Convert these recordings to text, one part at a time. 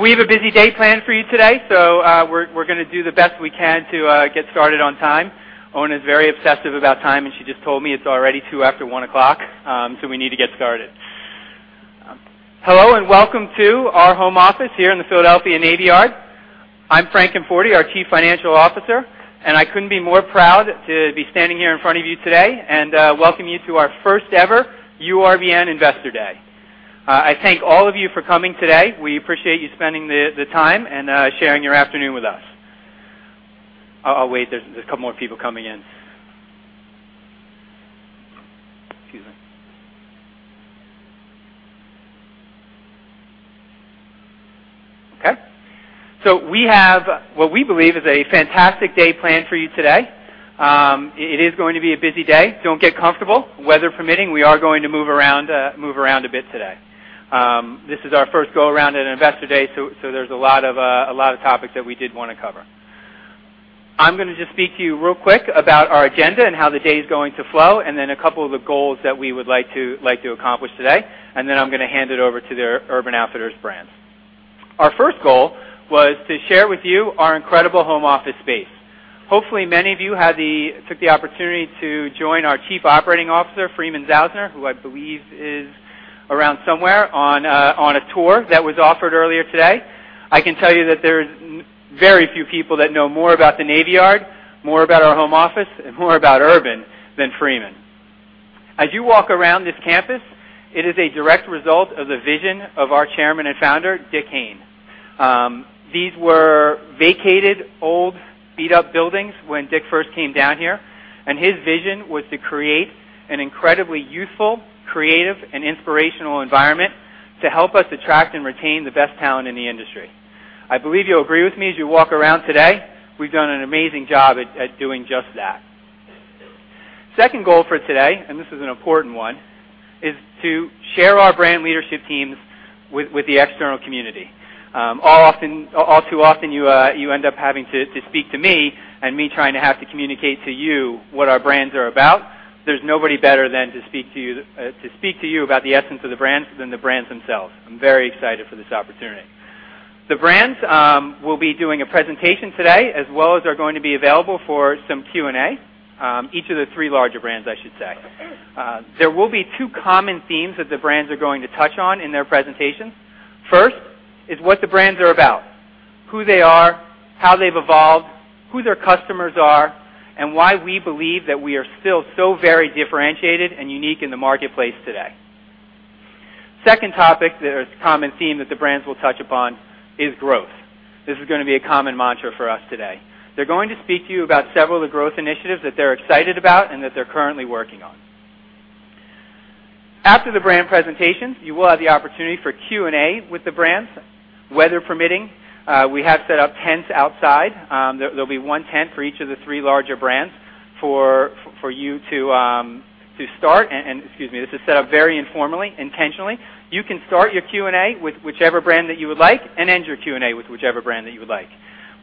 We have a busy day planned for you today. We're going to do the best we can to get started on time. Oona is very obsessive about time, and she just told me it's already two after 1:00. We need to get started. Hello, welcome to our home office here in the Philadelphia Navy Yard. I'm Frank Conforti, our Chief Financial Officer, and I couldn't be more proud to be standing here in front of you today and welcome you to our first ever URBN Investor Day. I thank all of you for coming today. We appreciate you spending the time and sharing your afternoon with us. I'll wait. There's a couple more people coming in. Excuse me. We have what we believe is a fantastic day planned for you today. It is going to be a busy day. Don't get comfortable. Weather permitting, we are going to move around a bit today. This is our first go-around at Investor Day. There's a lot of topics that we did want to cover. I'm going to just speak to you real quick about our agenda and how the day is going to flow, and then a couple of the goals that we would like to accomplish today, and then I'm going to hand it over to the Urban Outfitters brands. Our first goal was to share with you our incredible home office space. Hopefully, many of you took the opportunity to join our Chief Operating Officer, Freeman Zausner, who I believe is around somewhere, on a tour that was offered earlier today. I can tell you that there's very few people that know more about the Navy Yard, more about our home office, and more about Urban than Freeman. As you walk around this campus, it is a direct result of the vision of our Chairman and Founder, Dick Hayne. These were vacated, old, beat-up buildings when Dick first came down here. His vision was to create an incredibly useful, creative, and inspirational environment to help us attract and retain the best talent in the industry. I believe you'll agree with me as you walk around today. We've done an amazing job at doing just that. Second goal for today, and this is an important one, is to share our brand leadership teams with the external community. All too often, you end up having to speak to me and me trying to have to communicate to you what our brands are about. There's nobody better than to speak to you about the essence of the brands than the brands themselves. I'm very excited for this opportunity. The brands will be doing a presentation today, as well as are going to be available for some Q&A, each of the three larger brands, I should say. There will be two common themes that the brands are going to touch on in their presentations. First is what the brands are about, who they are, how they've evolved, who their customers are, and why we believe that we are still so very differentiated and unique in the marketplace today. Second topic that is a common theme that the brands will touch upon is growth. This is going to be a common mantra for us today. They're going to speak to you about several of the growth initiatives that they're excited about and that they're currently working on. After the brand presentations, you will have the opportunity for Q&A with the brands, weather permitting. We have set up tents outside. There'll be one tent for each of the three larger brands for you to start. Excuse me, this is set up very informally, intentionally. You can start your Q&A with whichever brand that you would like and end your Q&A with whichever brand that you would like.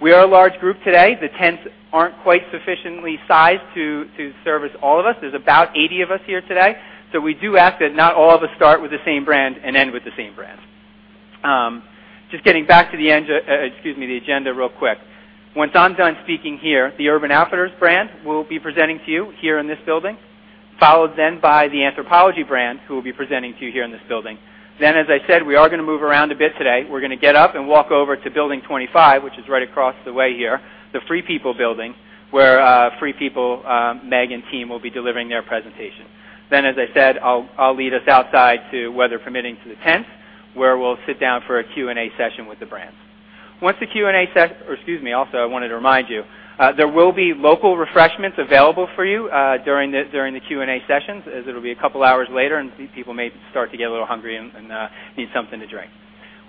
We are a large group today. The tents aren't quite sufficiently sized to service all of us. There's about 80 of us here today, we do ask that not all of us start with the same brand and end with the same brand. Just getting back to the agenda real quick. Once I'm done speaking here, the Urban Outfitters brand will be presenting to you here in this building, followed by the Anthropologie brand who will be presenting to you here in this building. As I said, we are going to move around a bit today. We're going to get up and walk over to Building 25, which is right across the way here, the Free People building, where Free People, Meg, and team will be delivering their presentation. As I said, I'll lead us outside to, weather permitting, to the tents, where we'll sit down for a Q&A session with the brands. Also, I wanted to remind you, there will be local refreshments available for you during the Q&A sessions as it'll be a couple of hours later and people may start to get a little hungry and need something to drink.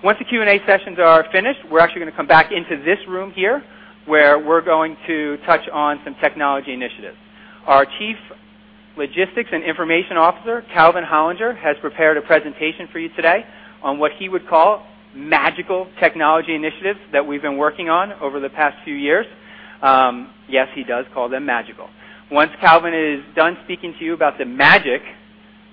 Once the Q&A sessions are finished, we're actually going to come back into this room here, where we're going to touch on some technology initiatives. Our Chief Information and Logistics Officer, Calvin Hollinger, has prepared a presentation for you today on what he would call magical technology initiatives that we've been working on over the past few years. Yes, he does call them magical. Once Calvin is done speaking to you about the magic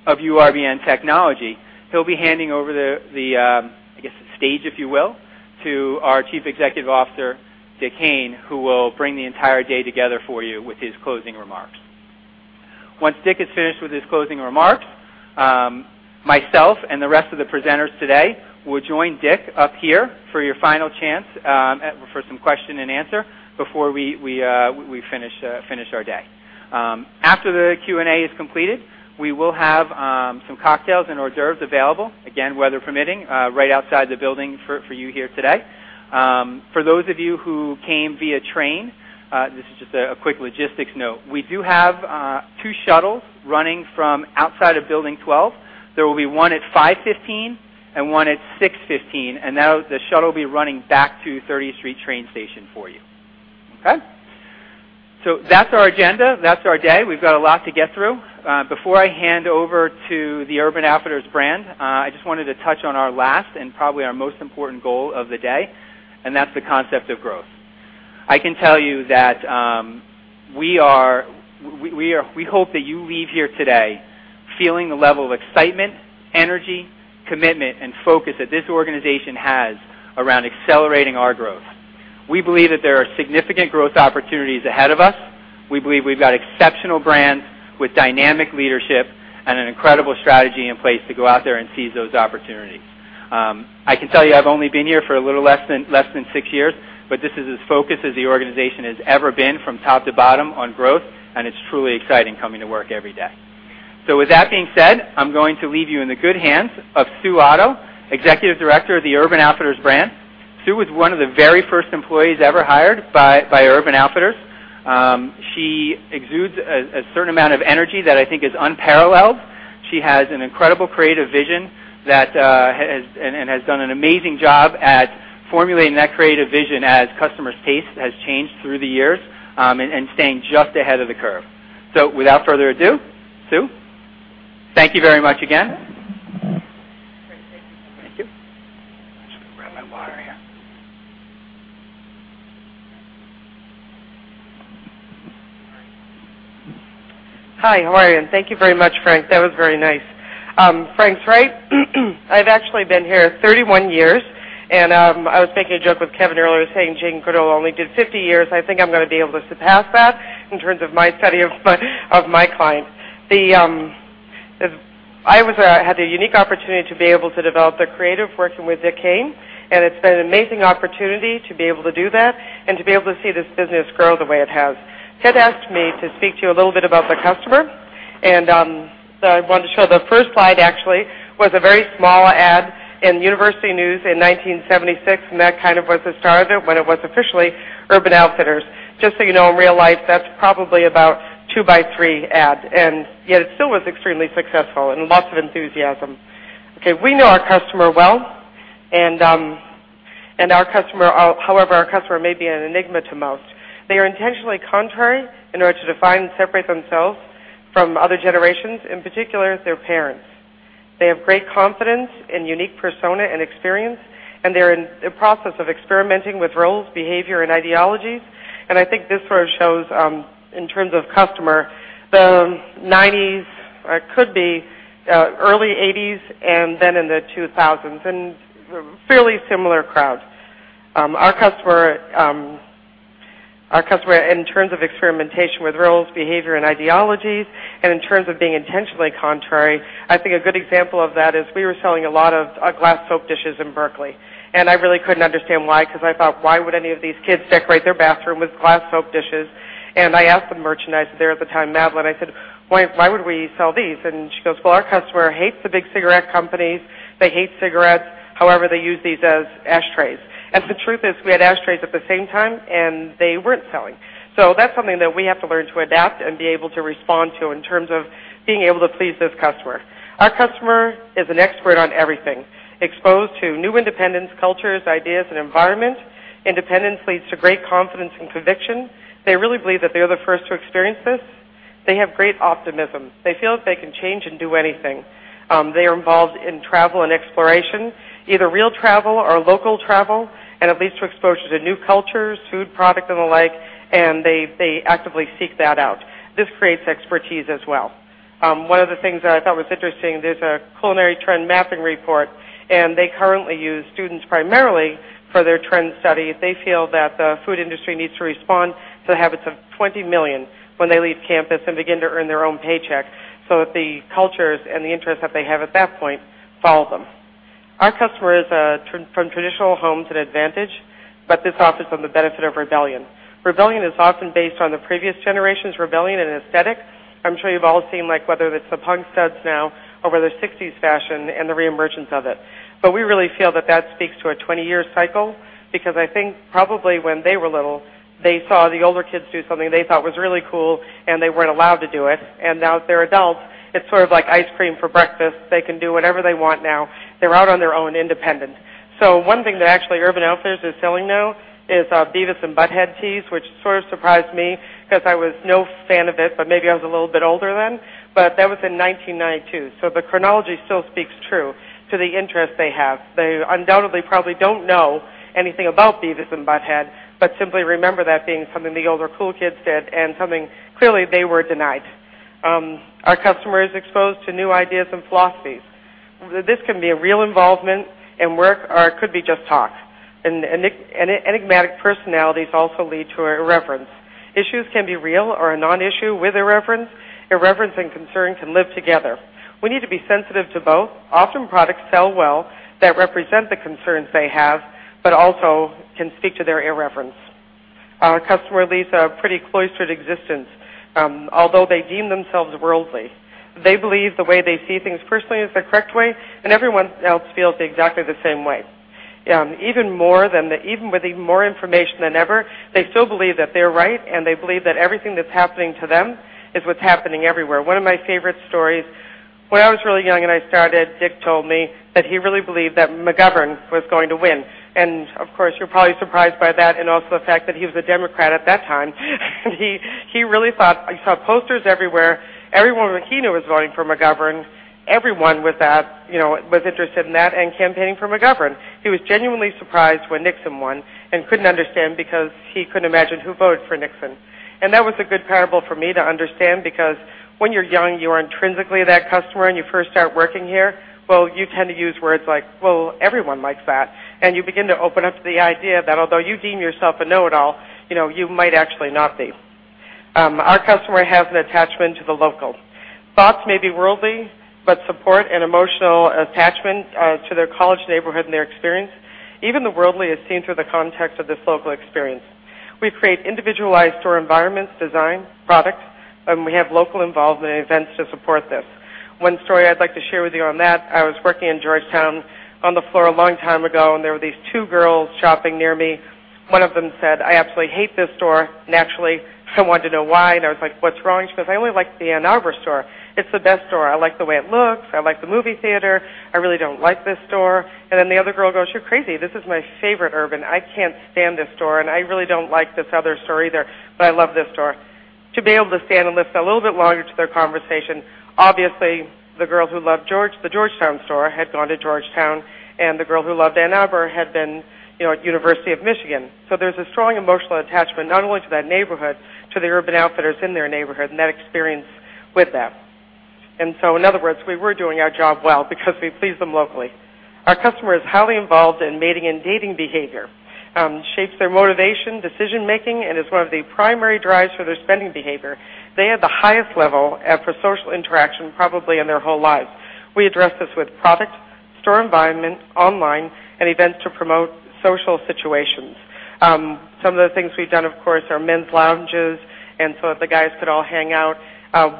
of URBN technology, he'll be handing over the, I guess the stage, if you will, to our Chief Executive Officer, Dick Hayne, who will bring the entire day together for you with his closing remarks. Once Dick is finished with his closing remarks, myself and the rest of the presenters today will join Dick up here for your final chance for some question and answer before we finish our day. After the Q&A is completed, we will have some cocktails and hors d'oeuvres available, again, weather permitting, right outside the building for you here today. For those of you who came via train, this is just a quick logistics note. We do have two shuttles running from outside of Building 12. There will be one at 5:15 P.M. and one at 6:15 P.M., the shuttle will be running back to 30th Street Station for you. Okay. That's our agenda. That's our day. We've got a lot to get through. Before I hand over to the Urban Outfitters brand, I just wanted to touch on our last and probably our most important goal of the day, that's the concept of growth. I can tell you that we hope that you leave here today feeling the level of excitement, energy, commitment, and focus that this organization has around accelerating our growth. We believe that there are significant growth opportunities ahead of us. We believe we've got exceptional brands with dynamic leadership and an incredible strategy in place to go out there and seize those opportunities. I can tell you I've only been here for a little less than six years, but this is as focused as the organization has ever been from top to bottom on growth, and it's truly exciting coming to work every day. With that being said, I'm going to leave you in the good hands of Sue Otto, Executive Director of the Urban Outfitters brand. Sue was one of the very first employees ever hired by Urban Outfitters. She exudes a certain amount of energy that I think is unparalleled. She has an incredible creative vision and has done an amazing job at formulating that creative vision as customers' taste has changed through the years, and staying just ahead of the curve. Without further ado, Sue. Thank you very much again. Great. Thank you so much. Thank you. I'll just grab my water here. Hi, how are you? Thank you very much, Frank. That was very nice. Frank's right. I've actually been here 31 years, and I was making a joke with Kevin earlier, saying Jane Goodall only did 50 years. I think I'm going to be able to surpass that in terms of my study of my clients. I had the unique opportunity to be able to develop the creative, working with Dick Hayne, and it's been an amazing opportunity to be able to do that and to be able to see this business grow the way it has. Ted asked me to speak to you a little bit about the customer. I wanted to show the first slide actually, was a very small ad in University News in 1976, and that kind of was the start of it when it was officially Urban Outfitters. Just so you know, in real life, that's probably about two by three ad. It still was extremely successful and lots of enthusiasm. We know our customer well, however our customer may be an enigma to most. They are intentionally contrary in order to define and separate themselves from other generations, in particular their parents. They have great confidence and unique persona and experience, and they're in the process of experimenting with roles, behavior, and ideologies. I think this sort of shows in terms of customer, the '90s or could be early '80s and then in the 2000s, fairly similar crowds. Our customer in terms of experimentation with roles, behavior, and ideologies in terms of being intentionally contrary, I think a good example of that is we were selling a lot of glass soap dishes in Berkeley. I really couldn't understand why because I thought, "Why would any of these kids decorate their bathroom with glass soap dishes?" I asked the merchandiser there at the time, Madeline, I said, "Why would we sell these?" She goes, "Our customer hates the big cigarette companies. They hate cigarettes. However, they use these as ashtrays." The truth is, we had ashtrays at the same time, and they weren't selling. That's something that we have to learn to adapt and be able to respond to in terms of being able to please this customer. Our customer is an expert on everything. Exposed to new independence, cultures, ideas, and environment. Independence leads to great confidence and conviction. They really believe that they are the first to experience this. They have great optimism. They feel that they can change and do anything. They are involved in travel and exploration, either real travel or local travel. It leads to exposure to new cultures, food product and the like. They actively seek that out. This creates expertise as well. One of the things that I thought was interesting, there's a culinary trend mapping report. They currently use students primarily for their trend study. They feel that the food industry needs to respond to the habits of 20 million when they leave campus and begin to earn their own paycheck, so that the cultures and the interests that they have at that point follow them. Our customer is from traditional homes at advantage, this offers them the benefit of rebellion. Rebellion is often based on the previous generation's rebellion and aesthetic. I'm sure you've all seen like whether it's the punk studs now or whether '60s fashion and the reemergence of it. We really feel that that speaks to a 20-year cycle because I think probably when they were little, they saw the older kids do something they thought was really cool and they weren't allowed to do it. Now they're adults, it's sort of like ice cream for breakfast. They can do whatever they want now. They're out on their own, independent. One thing that actually Urban Outfitters is selling now is Beavis and Butt-Head tees, which sort of surprised me because I was no fan of it, but maybe I was a little bit older then. That was in 1992. The chronology still speaks true to the interest they have. They undoubtedly probably don't know anything about Beavis and Butt-Head, but simply remember that being something the older cool kids did and something clearly they were denied. Our customer is exposed to new ideas and philosophies. This can be a real involvement and work or it could be just talk. Enigmatic personalities also lead to irreverence. Issues can be real or a non-issue with irreverence. Irreverence and concern can live together. We need to be sensitive to both. Often products sell well that represent the concerns they have but also can speak to their irreverence. Our customer leads a pretty cloistered existence, although they deem themselves worldly. They believe the way they see things personally is the correct way, and everyone else feels exactly the same way. Even with more information than ever, they still believe that they're right, and they believe that everything that's happening to them is what's happening everywhere. One of my favorite stories, when I was really young and I started, Dick told me that he really believed that McGovern was going to win. Of course, you're probably surprised by that and also the fact that he was a Democrat at that time. He really thought. He saw posters everywhere. Everyone that he knew was voting for McGovern. Everyone was interested in that and campaigning for McGovern. He was genuinely surprised when Nixon won and couldn't understand because he couldn't imagine who voted for Nixon. That was a good parable for me to understand because when you're young, you are intrinsically that customer and you first start working here, well, you tend to use words like, "Well, everyone likes that." You begin to open up to the idea that although you deem yourself a know-it-all, you might actually not be. Our customer has an attachment to the local. Thoughts may be worldly, but support and emotional attachment to their college neighborhood and their experience, even the worldly is seen through the context of this local experience. We create individualized store environments, design, product, and we have local involvement and events to support this. One story I'd like to share with you on that, I was working in Georgetown on the floor a long time ago, there were these two girls shopping near me. One of them said, "I absolutely hate this store." Naturally, I wanted to know why, I was like, "What's wrong?" She goes, "I only like the Ann Arbor store. It's the best store. I like the way it looks. I like the movie theater. I really don't like this store." Then the other girl goes, "You're crazy. This is my favorite Urban. I can't stand this store, I really don't like this other store either, but I love this store." To be able to stand and listen a little bit longer to their conversation, obviously, the girl who loved the Georgetown store had gone to Georgetown, and the girl who loved Ann Arbor had been at University of Michigan. There's a strong emotional attachment, not only to that neighborhood, to the Urban Outfitters in their neighborhood and that experience with that. In other words, we were doing our job well because we pleased them locally. Our customer is highly involved in mating and dating behavior. Shapes their motivation, decision-making, and is one of the primary drives for their spending behavior. They have the highest level for social interaction probably in their whole lives. We address this with product, store environment, online, and events to promote social situations. Some of the things we've done, of course, are men's lounges so that the guys could all hang out.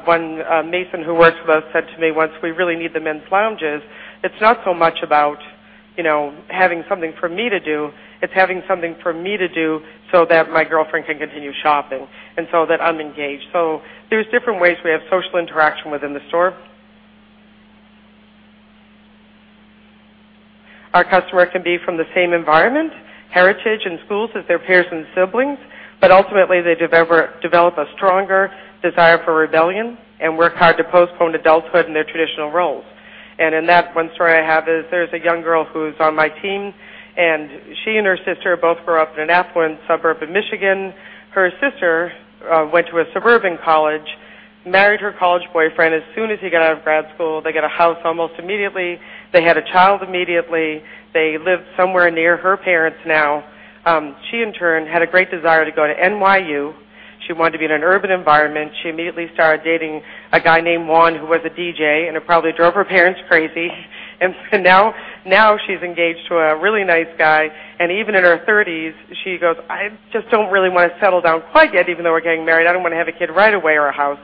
One Mason who works with us said to me once, "We really need the men's lounges. It's not so much about having something for me to do. It's having something for me to do so that my girlfriend can continue shopping and so that I'm engaged." There's different ways we have social interaction within the store. Our customer can be from the same environment, heritage, and schools as their peers and siblings, but ultimately, they develop a stronger desire for rebellion and work hard to postpone adulthood in their traditional roles. In that one story I have is there's a young girl who's on my team, and she and her sister both grew up in an affluent suburb in Michigan. Her sister went to a suburban college, married her college boyfriend as soon as he got out of grad school. They got a house almost immediately. They had a child immediately. They live somewhere near her parents now. She, in turn, had a great desire to go to NYU. She wanted to be in an urban environment. She immediately started dating a guy named Juan, who was a DJ, and it probably drove her parents crazy. Now she's engaged to a really nice guy, and even in her 30s, she goes, "I just don't really want to settle down quite yet, even though we're getting married. I don't want to have a kid right away or a house."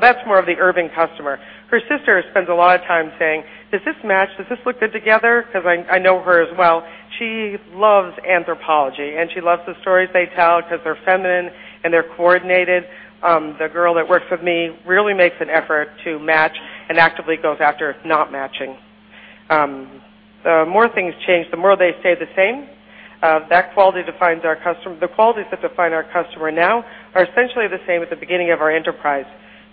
That's more of the urban customer. Her sister spends a lot of time saying, "Does this match? Does this look good together?" Because I know her as well. She loves Anthropologie, and she loves the stories they tell because they're feminine and they're coordinated. The girl that works with me really makes an effort to match and actively goes after not matching. The more things change, the more they stay the same. The qualities that define our customer now are essentially the same at the beginning of our enterprise.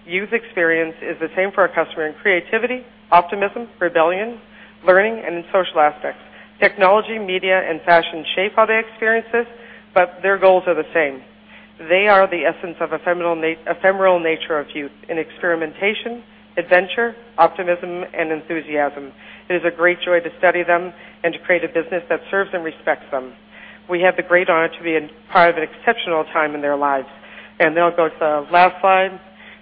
Youth experience is the same for our customer in creativity, optimism, rebellion, learning, and in social aspects. Technology, media, and fashion shape how they experience this, but their goals are the same. They are the essence of ephemeral nature of youth in experimentation, adventure, optimism, and enthusiasm. It is a great joy to study them and to create a business that serves and respects them. We have the great honor to be a part of an exceptional time in their lives. I will go to the last slide,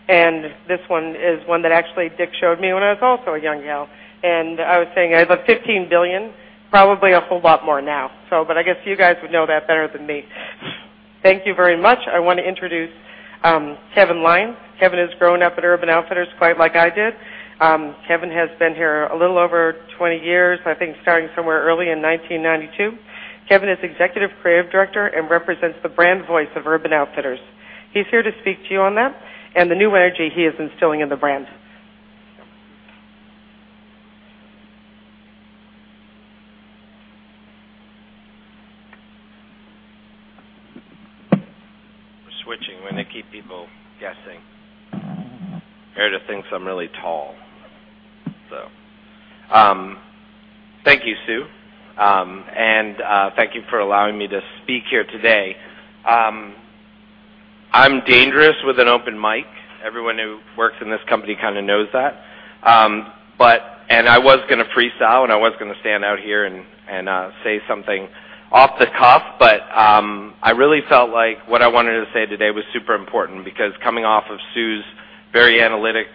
and this one is one that actually Dick showed me when I was also a young gal. I was saying I love $15 billion, probably a whole lot more now. I guess you guys would know that better than me. Thank you very much. I want to introduce Kevin Lyons. Kevin has grown up at Urban Outfitters quite like I did. Kevin has been here a little over 20 years, I think starting somewhere early in 1992. Kevin is Executive Creative Director and represents the brand voice of Urban Outfitters. He is here to speak to you on that and the new energy he is instilling in the brand. Switching. We are going to keep people guessing. Erica thinks I am really tall. Thank you, Sue. Thank you for allowing me to speak here today. I am dangerous with an open mic. Everyone who works in this company kind of knows that. I was going to freestyle, I was going to stand out here and say something off the cuff, but I really felt like what I wanted to say today was super important because coming off of Sue's very analytic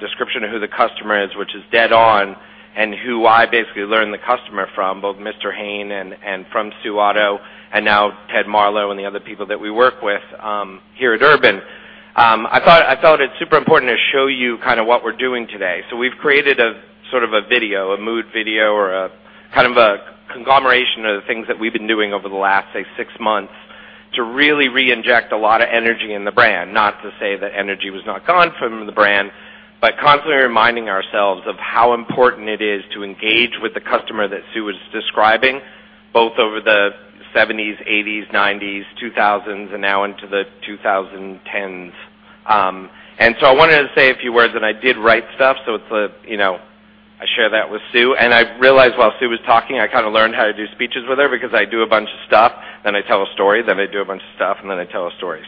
description of who the customer is, which is dead on, and who I basically learned the customer from, both Mr. Hayne and from Sue Otto, and now Ted Marlow and the other people that we work with here at Urban. I thought it super important to show you what we are doing today. We have created a sort of a video, a mood video, or a kind of a conglomeration of the things that we have been doing over the last, say, six months to really reinject a lot of energy in the brand. Not to say that energy was not gone from the brand, but constantly reminding ourselves of how important it is to engage with the customer that Sue was describing Both over the '70s, '80s, '90s, 2000s, and now into the 2010s. I wanted to say a few words, I did write stuff, I share that with Sue. I realized while Sue was talking, I learned how to do speeches with her because I do a bunch of stuff, I tell a story, I do a bunch of stuff, I tell a story.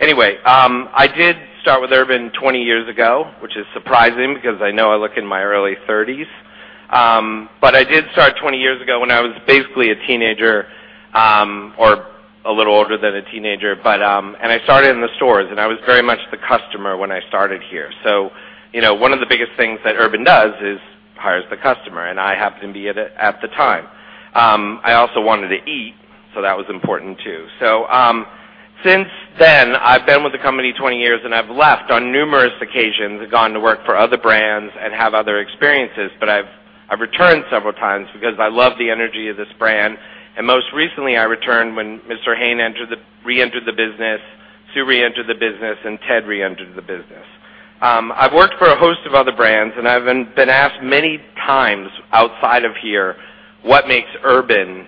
Anyway, I did start with Urban 20 years ago, which is surprising because I know I look in my early 30s. I did start 20 years ago when I was basically a teenager, or a little older than a teenager. I started in the stores, and I was very much the customer when I started here. One of the biggest things that Urban does is hires the customer, and I happened to be it at the time. I also wanted to eat, so that was important too. Since then, I've been with the company 20 years, and I've left on numerous occasions, gone to work for other brands and have other experiences. I've returned several times because I love the energy of this brand. Most recently, I returned when Mr. Hayne reentered the business, Sue reentered the business, and Ted reentered the business. I've worked for a host of other brands, I've been asked many times outside of here, what makes Urban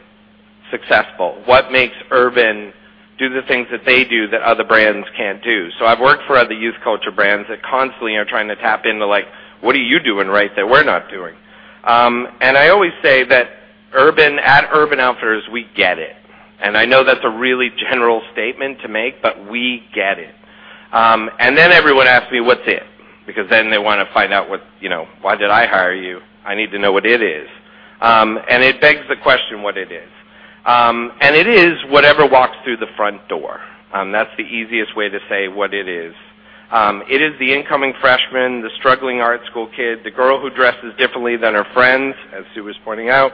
successful? What makes Urban do the things that they do that other brands can't do? I've worked for other youth culture brands that constantly are trying to tap into, like, "What are you doing right that we're not doing?" I always say that at Urban Outfitters, we get it. I know that's a really general statement to make, but we get it. Everyone asks me, "What's it?" Because then they want to find out, "Why did I hire you? I need to know what it is." It begs the question what it is. It is whatever walks through the front door. That's the easiest way to say what it is. It is the incoming freshman, the struggling art school kid, the girl who dresses differently than her friends, as Sue was pointing out.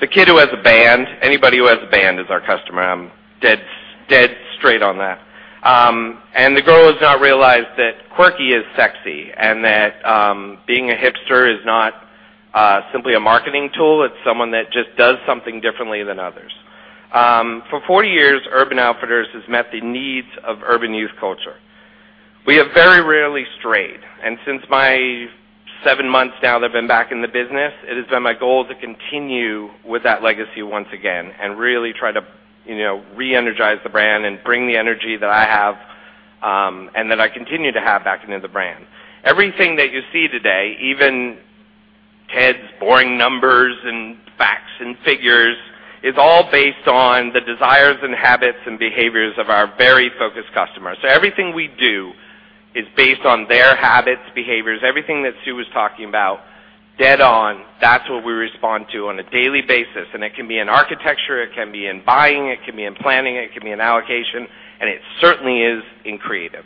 The kid who has a band. Anybody who has a band is our customer. I'm dead straight on that. The girl who's now realized that quirky is sexy, and that being a hipster is not simply a marketing tool. It's someone that just does something differently than others. For 40 years, Urban Outfitters has met the needs of urban youth culture. We have very rarely strayed, since my seven months now that I've been back in the business, it has been my goal to continue with that legacy once again and really try to re-energize the brand and bring the energy that I have and that I continue to have back into the brand. Everything that you see today, even Ted's boring numbers and facts and figures, is all based on the desires and habits and behaviors of our very focused customers. Everything we do is based on their habits, behaviors, everything that Sue was talking about, dead on, that's what we respond to on a daily basis. It can be in architecture, it can be in buying, it can be in planning, it can be in allocation, and it certainly is in creative.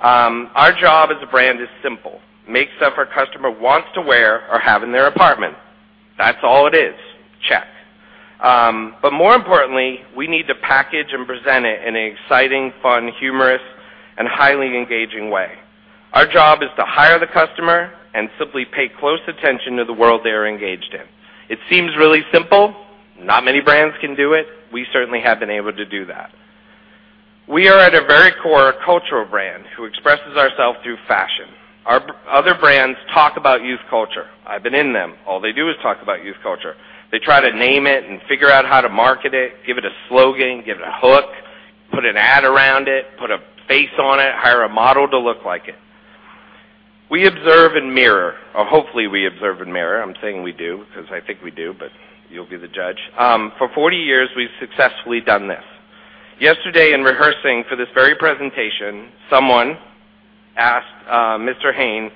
Our job as a brand is simple: make stuff our customer wants to wear or have in their apartment. That's all it is. Check. More importantly, we need to package and present it in an exciting, fun, humorous, and highly engaging way. Our job is to hire the customer and simply pay close attention to the world they are engaged in. It seems really simple. Not many brands can do it. We certainly have been able to do that. We are, at our very core, a cultural brand who expresses ourselves through fashion. Other brands talk about youth culture. I've been in them. All they do is talk about youth culture. They try to name it and figure out how to market it, give it a slogan, give it a hook, put an ad around it, put a face on it, hire a model to look like it. We observe and mirror, or hopefully we observe and mirror. I'm saying we do because I think we do, but you'll be the judge. For 40 years, we've successfully done this. Yesterday in rehearsing for this very presentation, someone asked Mr. Hayne,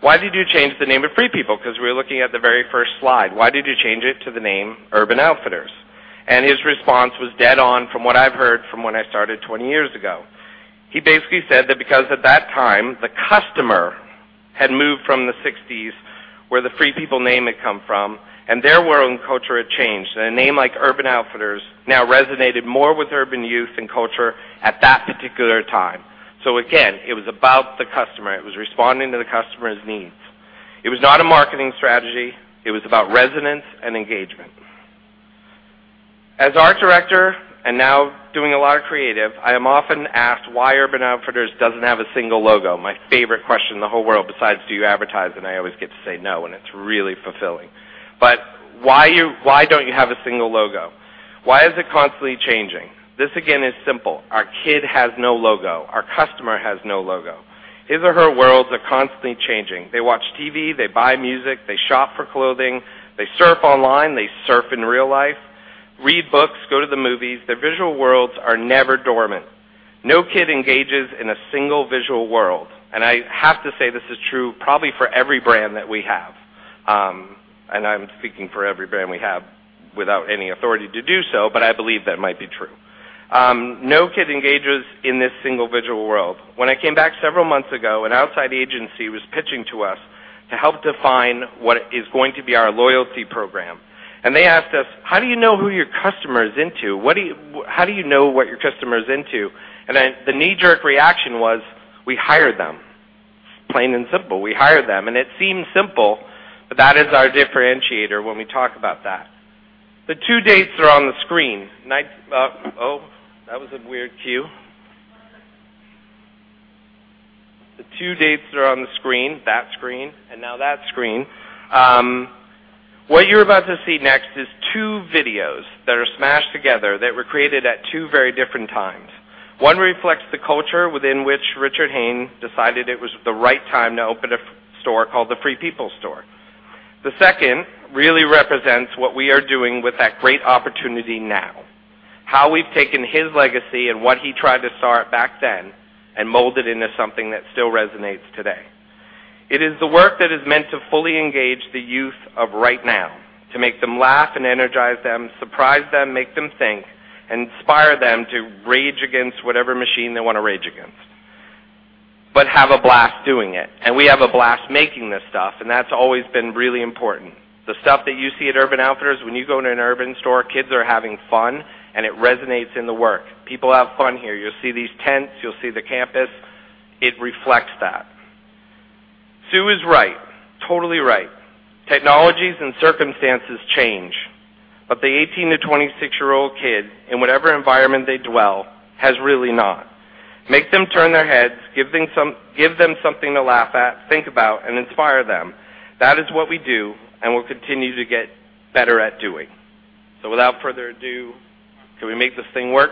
"Why did you change the name of Free People?" Because we were looking at the very first slide. Why did you change it to the name Urban Outfitters? His response was dead on from what I've heard from when I started 20 years ago. He basically said that because at that time, the customer had moved from the '60s, where the Free People name had come from, and their world and culture had changed. A name like Urban Outfitters now resonated more with urban youth and culture at that particular time. Again, it was about the customer. It was responding to the customer's needs. It was not a marketing strategy. It was about resonance and engagement. As art director and now doing a lot of creative, I am often asked why Urban Outfitters doesn't have a single logo. My favorite question in the whole world besides, "Do you advertise?" I always get to say no, and it's really fulfilling. Why don't you have a single logo? Why is it constantly changing? This again is simple. Our kid has no logo. Our customer has no logo. His or her worlds are constantly changing. They watch TV, they buy music, they shop for clothing, they surf online, they surf in real life, read books, go to the movies. Their visual worlds are never dormant. No kid engages in a single visual world. I have to say this is true probably for every brand that we have. I'm speaking for every brand we have without any authority to do so, but I believe that might be true. No kid engages in this single visual world. When I came back several months ago, an outside agency was pitching to us to help define what is going to be our loyalty program. They asked us, "How do you know who your customer is into? How do you know what your customer is into?" The knee-jerk reaction was, we hire them. Plain and simple. We hire them. It seems simple, but that is our differentiator when we talk about that. The two dates are on the screen. Oh, that was a weird cue. Two dates are on the screen, that screen, and now that screen. What you're about to see next is two videos that are smashed together that were created at two very different times. One reflects the culture within which Richard Hayne decided it was the right time to open a store called the Free People store. The second really represents what we are doing with that great opportunity now, how we've taken his legacy and what he tried to start back then and mold it into something that still resonates today. It is the work that is meant to fully engage the youth of right now, to make them laugh and energize them, surprise them, make them think, inspire them to rage against whatever machine they want to rage against, but have a blast doing it. We have a blast making this stuff, and that's always been really important. The stuff that you see at Urban Outfitters, when you go into an Urban store, kids are having fun, and it resonates in the work. People have fun here. You'll see these tents. You'll see the campus. It reflects that. Sue is right, totally right. Technologies and circumstances change, the 18 to 26-year-old kid, in whatever environment they dwell, has really not. Make them turn their heads, give them something to laugh at, think about, and inspire them. That is what we do and will continue to get better at doing. Without further ado, can we make this thing work?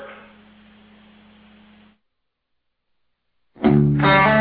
Tin soldiers and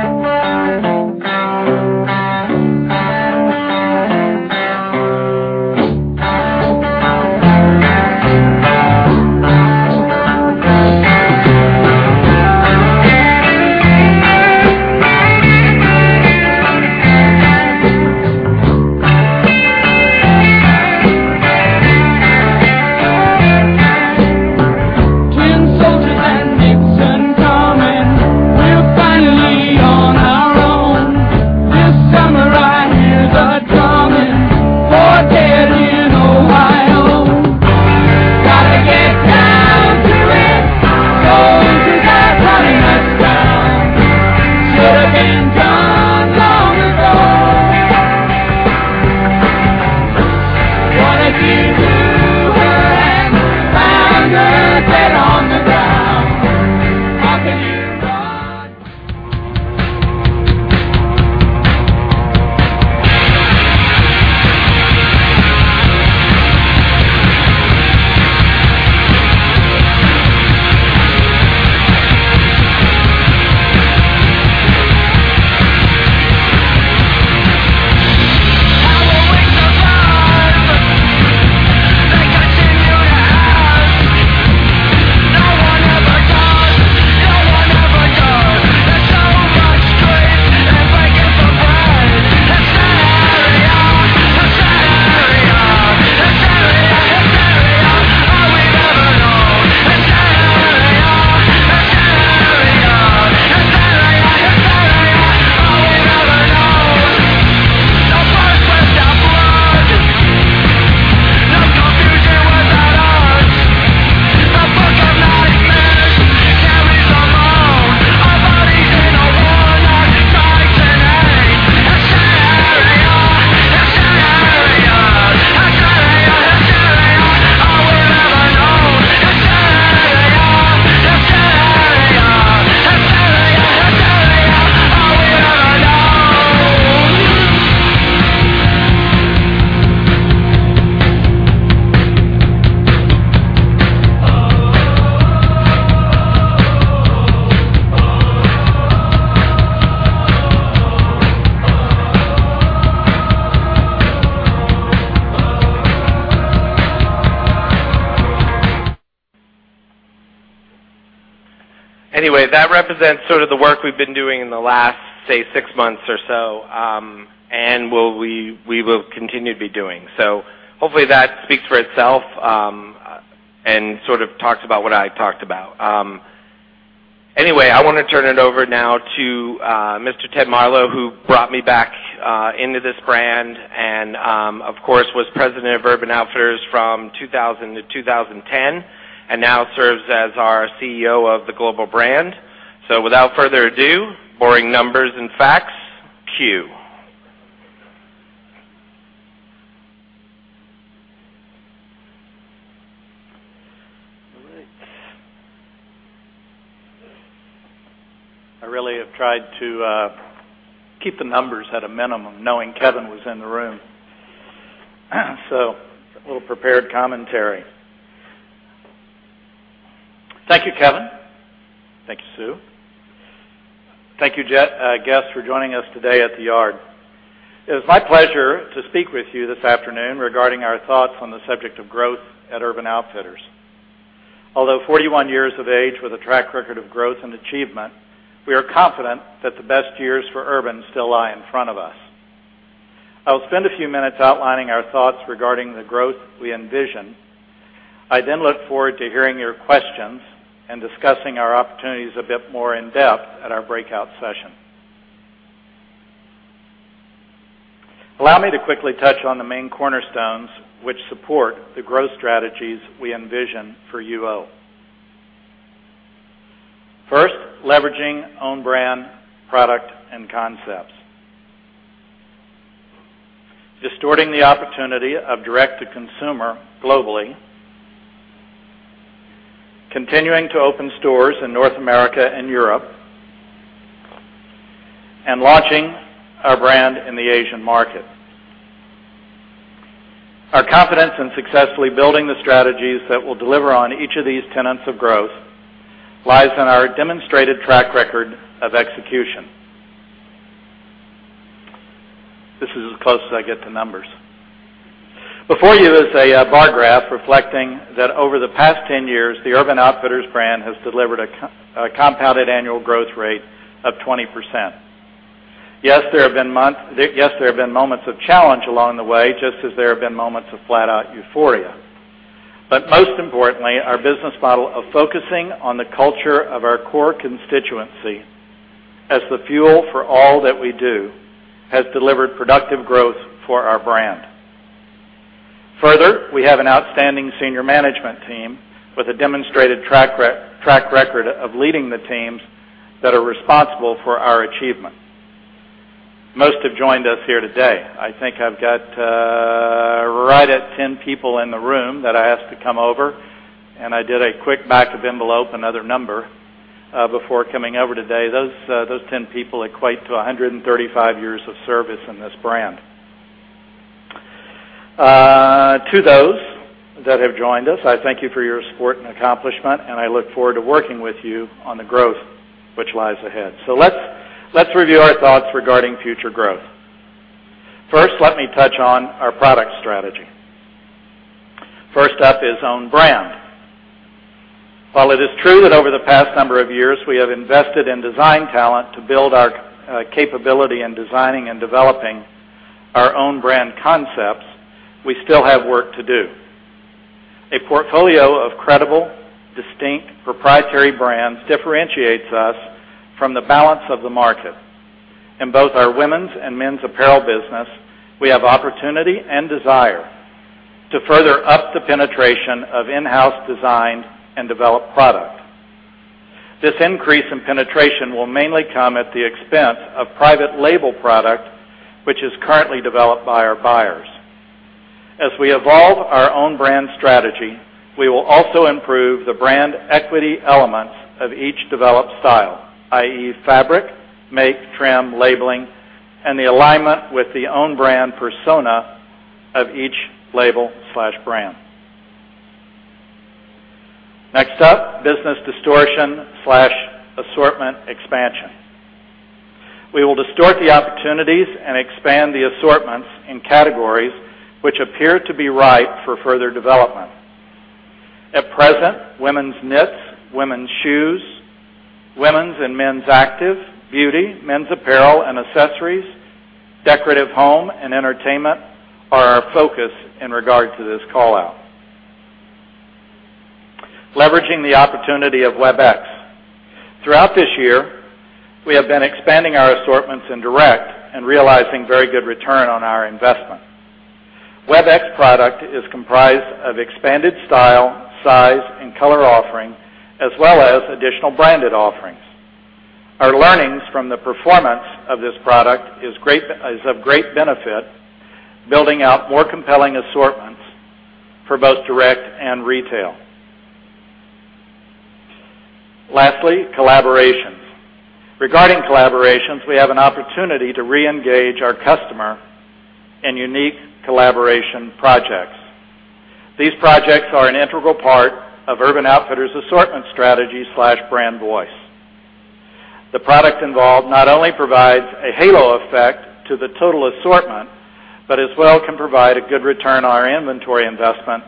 Without further ado, boring numbers and facts, cue. A little prepared commentary. Thank you, Kevin. Thank you, Sue. Thank you, guests, for joining us today at the Yard. It is my pleasure to speak with you this afternoon regarding our thoughts on the subject of growth at Urban Outfitters. Although 41 years of age with a track record of growth and achievement, we are confident that the best years for Urban still lie in front of us. I will spend a few minutes outlining our thoughts regarding the growth we envision. I then look forward to hearing your questions and discussing our opportunities a bit more in-depth at our breakout session. Allow me to quickly touch on the main cornerstones which support the growth strategies we envision for UO. First, leveraging own brand, product, and concepts. Distorting the opportunity of direct-to-consumer globally, continuing to open stores in North America and Europe, and launching our brand in the Asian market. Our confidence in successfully building the strategies that will deliver on each of these tenets of growth lies in our demonstrated track record of execution. This is as close as I get to numbers. Before you is a bar graph reflecting that over the past 10 years, the Urban Outfitters brand has delivered a compounded annual growth rate of 20%. Yes, there have been moments of challenge along the way, just as there have been moments of flat-out euphoria. Most importantly, our business model of focusing on the culture of our core constituency as the fuel for all that we do has delivered productive growth for our brand. Further, we have an outstanding senior management team with a demonstrated track record of leading the teams that are responsible for our achievement. Most have joined us here today. I think I've got right at 10 people in the room that I asked to come over, and I did a quick back of envelope, another number before coming over today. Those 10 people equate to 135 years of service in this brand. To those that have joined us, I thank you for your support and accomplishment, and I look forward to working with you on the growth which lies ahead. Let's review our thoughts regarding future growth. First, let me touch on our product strategy. First up is own brand. While it is true that over the past number of years, we have invested in design talent to build our capability in designing and developing our own brand concepts, we still have work to do. A portfolio of credible, distinct proprietary brands differentiates us from the balance of the market. In both our women's and men's apparel business, we have opportunity and desire to further up the penetration of in-house designed and developed product. This increase in penetration will mainly come at the expense of private label product, which is currently developed by our buyers. As we evolve our own brand strategy, we will also improve the brand equity elements of each developed style, i.e., fabric, make, trim, labeling, and the alignment with the own brand persona of each label/brand. Next up, business distortion/assortment expansion. We will distort the opportunities and expand the assortments in categories which appear to be ripe for further development. At present, women's knits, women's shoes, women's and men's active, beauty, men's apparel and accessories, decorative home, and entertainment are our focus in regard to this call-out. Leveraging the opportunity of WebX. Throughout this year, we have been expanding our assortments in direct and realizing very good return on our investment. WebX product is comprised of expanded style, size, and color offering, as well as additional branded offerings. Our learnings from the performance of this product is of great benefit, building out more compelling assortments for both direct and retail. Lastly, collaborations. Regarding collaborations, we have an opportunity to reengage our customer in unique collaboration projects. These projects are an integral part of Urban Outfitters assortment strategy/brand voice. The product involved not only provides a halo effect to the total assortment, but as well can provide a good return on our inventory investment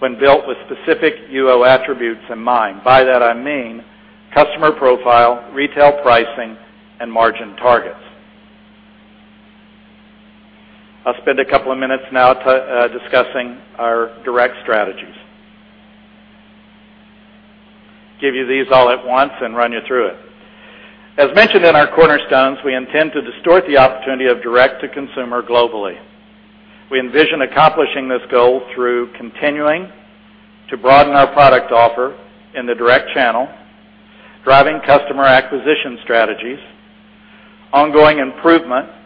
when built with specific UO attributes in mind. By that, I mean customer profile, retail pricing, and margin targets. I'll spend a couple of minutes now discussing our direct strategies. Give you these all at once and run you through it. As mentioned in our cornerstones, we intend to distort the opportunity of direct-to-consumer globally. We envision accomplishing this goal through continuing to broaden our product offer in the direct channel, driving customer acquisition strategies, ongoing improvement in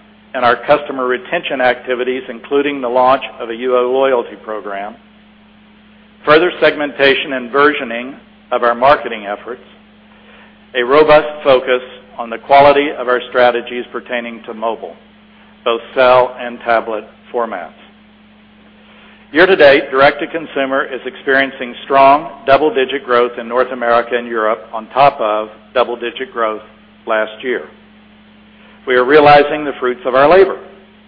our customer retention activities, including the launch of a UO loyalty program, further segmentation and versioning of our marketing efforts, a robust focus on the quality of our strategies pertaining to mobile, both cell and tablet formats. Year-to-date, direct-to-consumer is experiencing strong double-digit growth in North America and Europe on top of double-digit growth last year. We are realizing the fruits of our labor.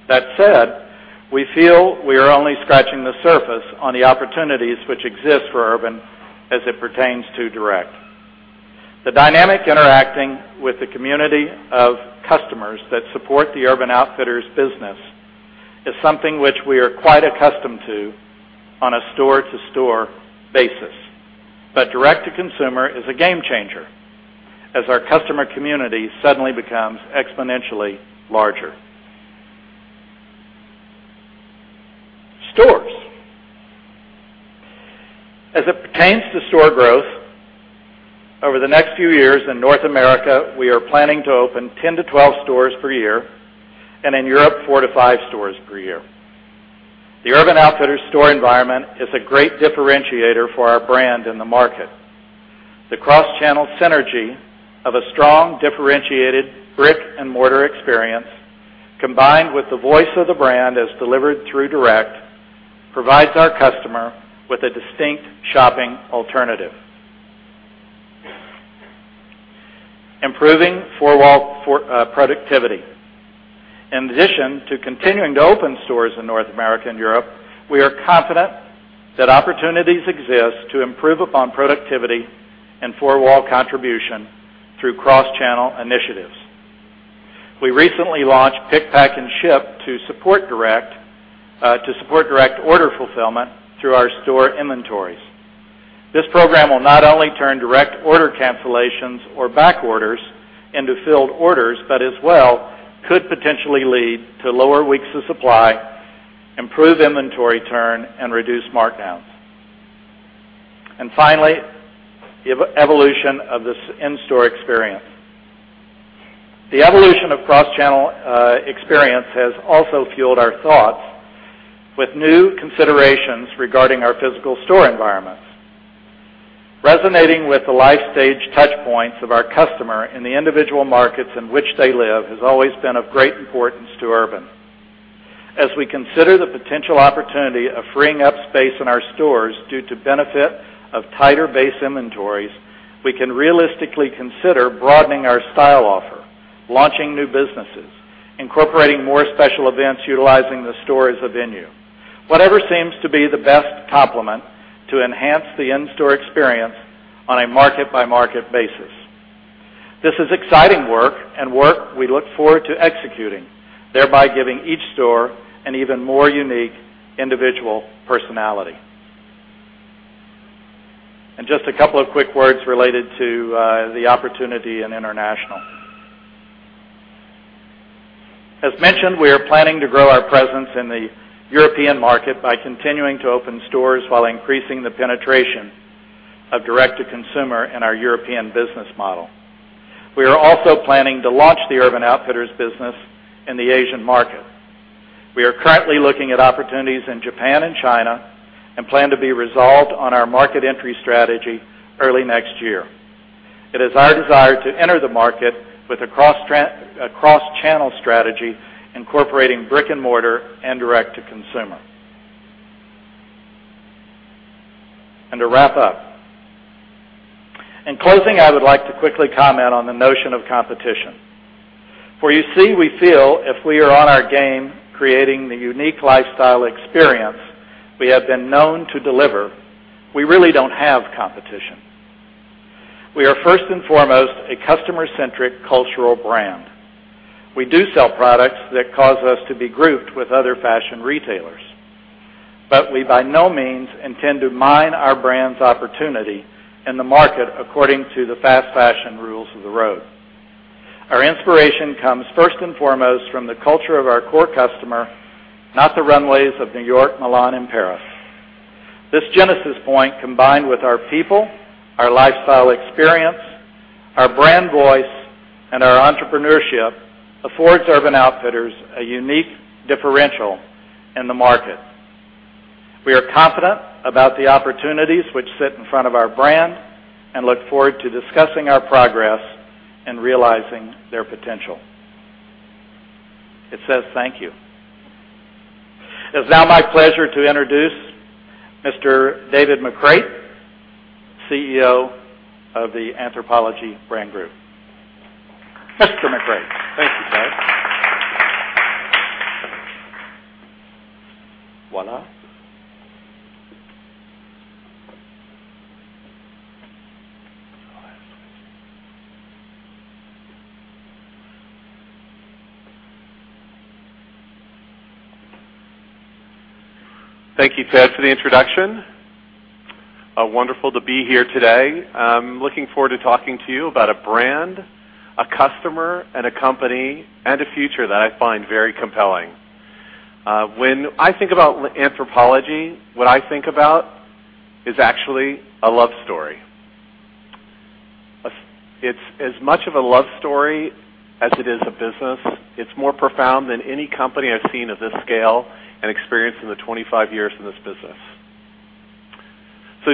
That said, we feel we are only scratching the surface on the opportunities which exist for Urban as it pertains to direct. The dynamic interacting with the community of customers that support the Urban Outfitters business is something which we are quite accustomed to on a store-to-store basis. But direct-to-consumer is a game changer as our customer community suddenly becomes exponentially larger. Stores As it pertains to store growth, over the next few years in North America, we are planning to open 10 to 12 stores per year, and in Europe, four to five stores per year. The Urban Outfitters store environment is a great differentiator for our brand in the market. The cross-channel synergy of a strong differentiated brick-and-mortar experience, combined with the voice of the brand as delivered through direct, provides our customer with a distinct shopping alternative. Improving four-wall productivity. In addition to continuing to open stores in North America and Europe, we are confident that opportunities exist to improve upon productivity and four-wall contribution through cross-channel initiatives. We recently launched Pick, Pack, and Ship to support direct order fulfillment through our store inventories. This program will not only turn direct order cancellations or back orders into filled orders, but as well could potentially lead to lower weeks of supply, improve inventory turn, and reduce markdowns. And finally, the evolution of this in-store experience. The evolution of cross-channel experience has also fueled our thoughts with new considerations regarding our physical store environments. Resonating with the life stage touchpoints of our customer in the individual markets in which they live has always been of great importance to Urban. As we consider the potential opportunity of freeing up space in our stores due to benefit of tighter base inventories, we can realistically consider broadening our style offer, launching new businesses, incorporating more special events utilizing the store as a venue. Whatever seems to be the best complement to enhance the in-store experience on a market-by-market basis. This is exciting work and work we look forward to executing, thereby giving each store an even more unique individual personality. Just a couple of quick words related to the opportunity in international. As mentioned, we are planning to grow our presence in the European market by continuing to open stores while increasing the penetration of direct-to-consumer in our European business model. We are also planning to launch the Urban Outfitters business in the Asian market. We are currently looking at opportunities in Japan and China and plan to be resolved on our market entry strategy early next year. It is our desire to enter the market with a cross-channel strategy incorporating brick-and-mortar and direct-to-consumer. To wrap up. In closing, I would like to quickly comment on the notion of competition. For you see, we feel if we are on our game creating the unique lifestyle experience we have been known to deliver, we really don't have competition. We are first and foremost a customer-centric cultural brand. We do sell products that cause us to be grouped with other fashion retailers, but we by no means intend to mine our brand's opportunity in the market according to the fast fashion rules of the road. Our inspiration comes first and foremost from the culture of our core customer, not the runways of New York, Milan, and Paris. This genesis point, combined with our people, our lifestyle experience, our brand voice, and our entrepreneurship, affords Urban Outfitters a unique differential in the market. We are confident about the opportunities which sit in front of our brand and look forward to discussing our progress in realizing their potential. It says thank you. It is now my pleasure to introduce Mr. David McCreight, CEO of the Anthropologie Group. Mr. McCreight. Thank you, Ted. Voila. Thank you, Ted, for the introduction. Wonderful to be here today. I'm looking forward to talking to you about a brand, a customer, and a company, and a future that I find very compelling. When I think about Anthropologie, what I think about is actually a love story. It's as much of a love story as it is a business. It's more profound than any company I've seen of this scale and experience in the 25 years in this business.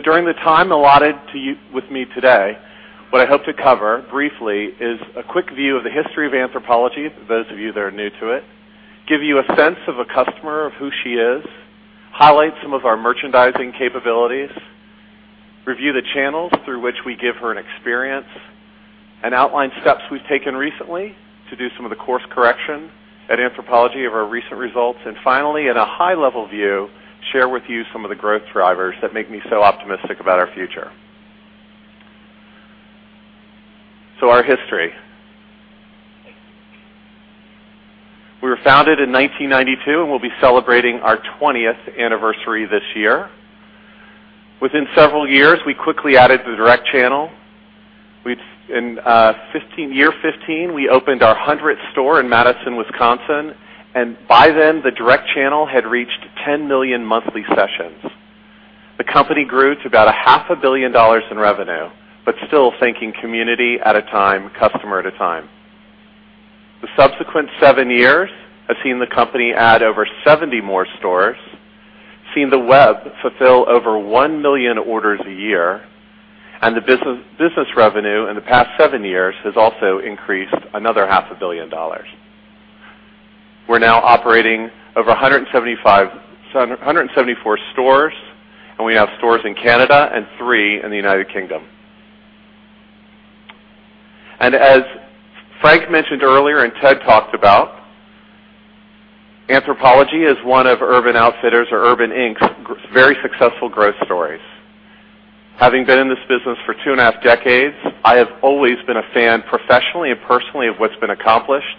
During the time allotted with me today, what I hope to cover briefly is a quick view of the history of Anthropologie, for those of you that are new to it. Give you a sense of a customer, of who she is. Highlight some of our merchandising capabilities. Review the channels through which we give her an experience and outline steps we've taken recently to do some of the course correction at Anthropologie of our recent results. Finally, in a high-level view, share with you some of the growth drivers that make me so optimistic about our future. Our history. We were founded in 1992, and we'll be celebrating our 20th anniversary this year. Within several years, we quickly added the direct channel. In year 15, we opened our 100th store in Madison, Wisconsin, and by then the direct channel had reached 10 million monthly sessions. The company grew to about a half a billion dollars in revenue, but still thinking community at a time, customer at a time. The subsequent seven years have seen the company add over 70 more stores, seen the web fulfill over 1 million orders a year, and the business revenue in the past seven years has also increased another half a billion dollars. We're now operating over 174 stores, and we have stores in Canada and three in the U.K. As Frank mentioned earlier and Ted talked about, Anthropologie is one of Urban Outfitters or URBN Inc.'s very successful growth stories. Having been in this business for two and a half decades, I have always been a fan, professionally and personally, of what's been accomplished.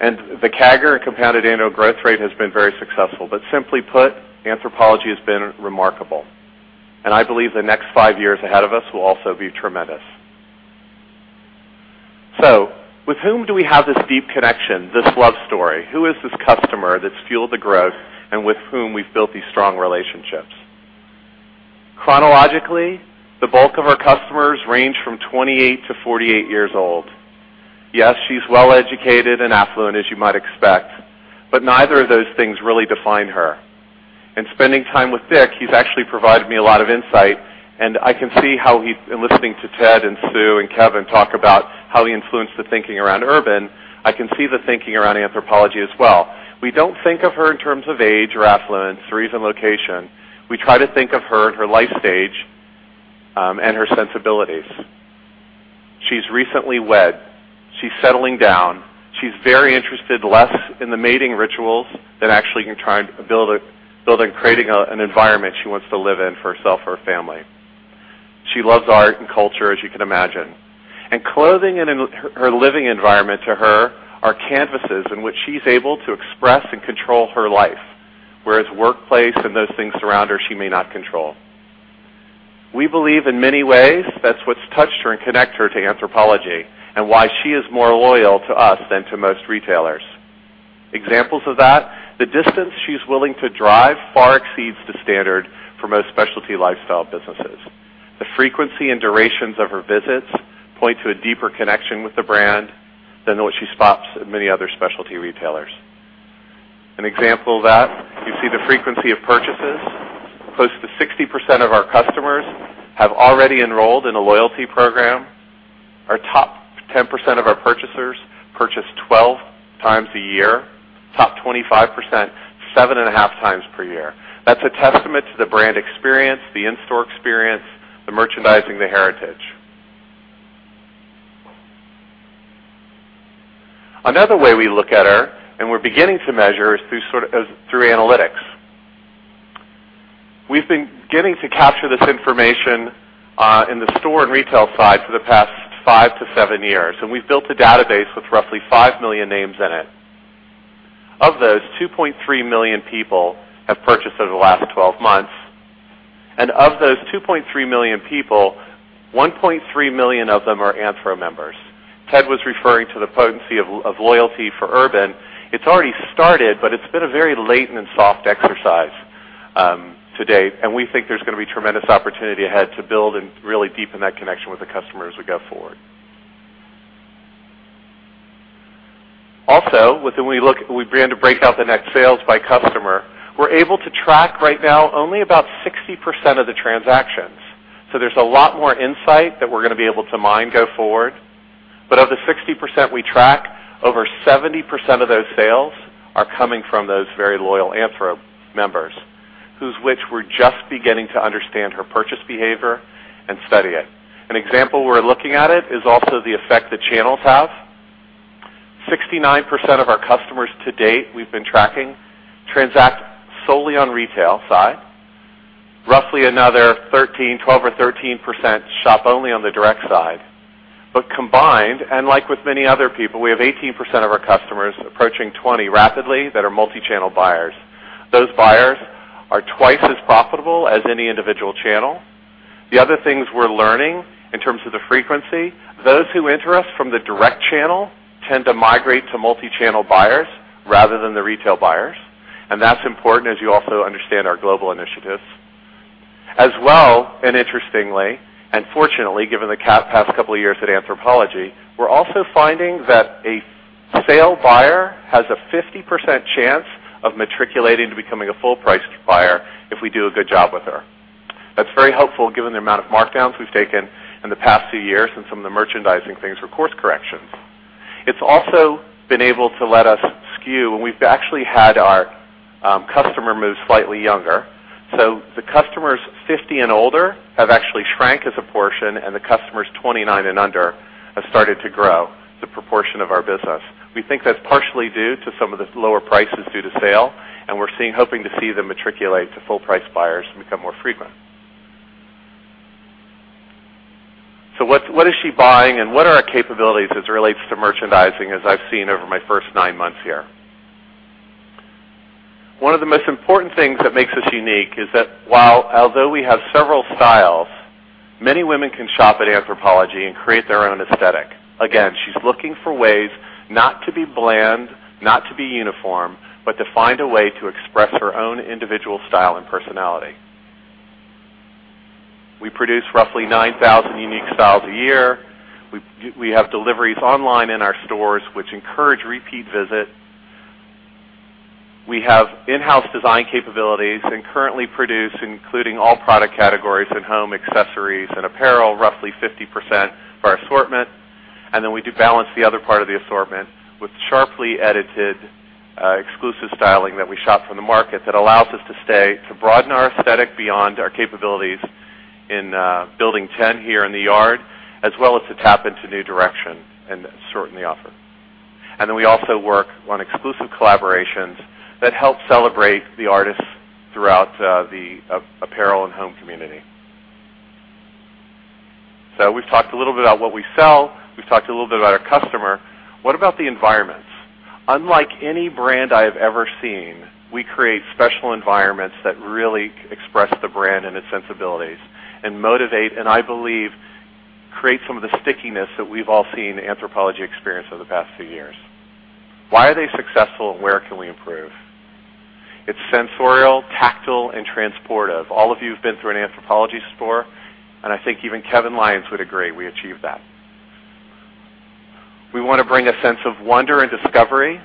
The CAGR, compounded annual growth rate, has been very successful. Simply put, Anthropologie has been remarkable, and I believe the next five years ahead of us will also be tremendous. With whom do we have this deep connection, this love story? Who is this customer that's fueled the growth and with whom we've built these strong relationships? Chronologically, the bulk of our customers range from 28 to 48 years old. Yes, she's well-educated and affluent, as you might expect, but neither of those things really define her. In spending time with Dick, he's actually provided me a lot of insight, and in listening to Ted and Sue and Kevin talk about how he influenced the thinking around Urban, I can see the thinking around Anthropologie as well. We don't think of her in terms of age or affluence or even location. We try to think of her in her life stage and her sensibilities. She's recently wed. She's settling down. She's very interested, less in the mating rituals than actually in trying to build and creating an environment she wants to live in for herself or her family. She loves art and culture, as you can imagine. Clothing and her living environment to her are canvases in which she's able to express and control her life, whereas workplace and those things around her, she may not control. We believe in many ways that's what's touched her and connect her to Anthropologie, and why she is more loyal to us than to most retailers. Examples of that, the distance she's willing to drive far exceeds the standard for most specialty lifestyle businesses. The frequency and durations of her visits point to a deeper connection with the brand than what she spots at many other specialty retailers. An example of that, you see the frequency of purchases. Close to 60% of our customers have already enrolled in a loyalty program. Our top 10% of our purchasers purchase 12 times a year, top 25%, seven and a half times per year. That's a testament to the brand experience, the in-store experience, the merchandising, the heritage. Another way we look at her, and we're beginning to measure, is through analytics. We've been getting to capture this information in the store and retail side for the past 5 to 7 years, and we've built a database with roughly 5 million names in it. Of those, 2.3 million people have purchased over the last 12 months. Of those 2.3 million people, 1.3 million of them are Anthro members. Ted was referring to the potency of loyalty for Urban. It's already started, it's been a very latent and soft exercise to date, and we think there's going to be tremendous opportunity ahead to build and really deepen that connection with the customer as we go forward. Also, when we begin to break out the net sales by customer, we're able to track right now only about 60% of the transactions. There's a lot more insight that we're going to be able to mine go forward. Of the 60% we track, over 70% of those sales are coming from those very loyal Anthro members, whose which we're just beginning to understand her purchase behavior and study it. An example we're looking at it is also the effect the channels have. 69% of our customers to date we've been tracking transact solely on retail side. Roughly another 12 or 13% shop only on the direct side. Combined, like with many other people, we have 18% of our customers approaching 20% rapidly that are multi-channel buyers. Those buyers are twice as profitable as any individual channel. The other things we're learning in terms of the frequency, those who enter us from the direct channel tend to migrate to multi-channel buyers rather than the retail buyers, that's important as you also understand our global initiatives. As well, interestingly, fortunately, given the past couple of years at Anthropologie, we're also finding that a sale buyer has a 50% chance of matriculating to becoming a full-price buyer if we do a good job with her. That's very helpful given the amount of markdowns we've taken in the past few years and some of the merchandising things for course corrections. It's also been able to let us skew, we've actually had our customer move slightly younger. The customers 50 and older have actually shrank as a portion, the customers 29 and under have started to grow the proportion of our business. We think that's partially due to some of the lower prices due to sale, we're hoping to see them matriculate to full-price buyers and become more frequent. What is she buying, what are our capabilities as it relates to merchandising, as I've seen over my first nine months here? One of the most important things that makes us unique is that although we have several styles, many women can shop at Anthropologie and create their own aesthetic. Again, she's looking for ways not to be bland, not to be uniform, but to find a way to express her own individual style and personality. We produce roughly 9,000 unique styles a year. We have deliveries online in our stores, which encourage repeat visits. We have in-house design capabilities and currently produce, including all product categories in home accessories and apparel, roughly 50% of our assortment. We balance the other part of the assortment with sharply edited, exclusive styling that we shop from the market that allows us to broaden our aesthetic beyond our capabilities in Building 10 here in the yard, as well as to tap into new direction and certainly offer. We also work on exclusive collaborations that help celebrate the artists throughout the apparel and home community. We've talked a little bit about what we sell. We've talked a little bit about our customer. What about the environments? Unlike any brand I have ever seen, we create special environments that really express the brand and its sensibilities and motivate, and I believe, create some of the stickiness that we've all seen Anthropologie experience over the past few years. Why are they successful and where can we improve? It's sensorial, tactile, and transportive. All of you have been to an Anthropologie store, and I think even Kevin Lyons would agree we achieve that. We want to bring a sense of wonder and discovery,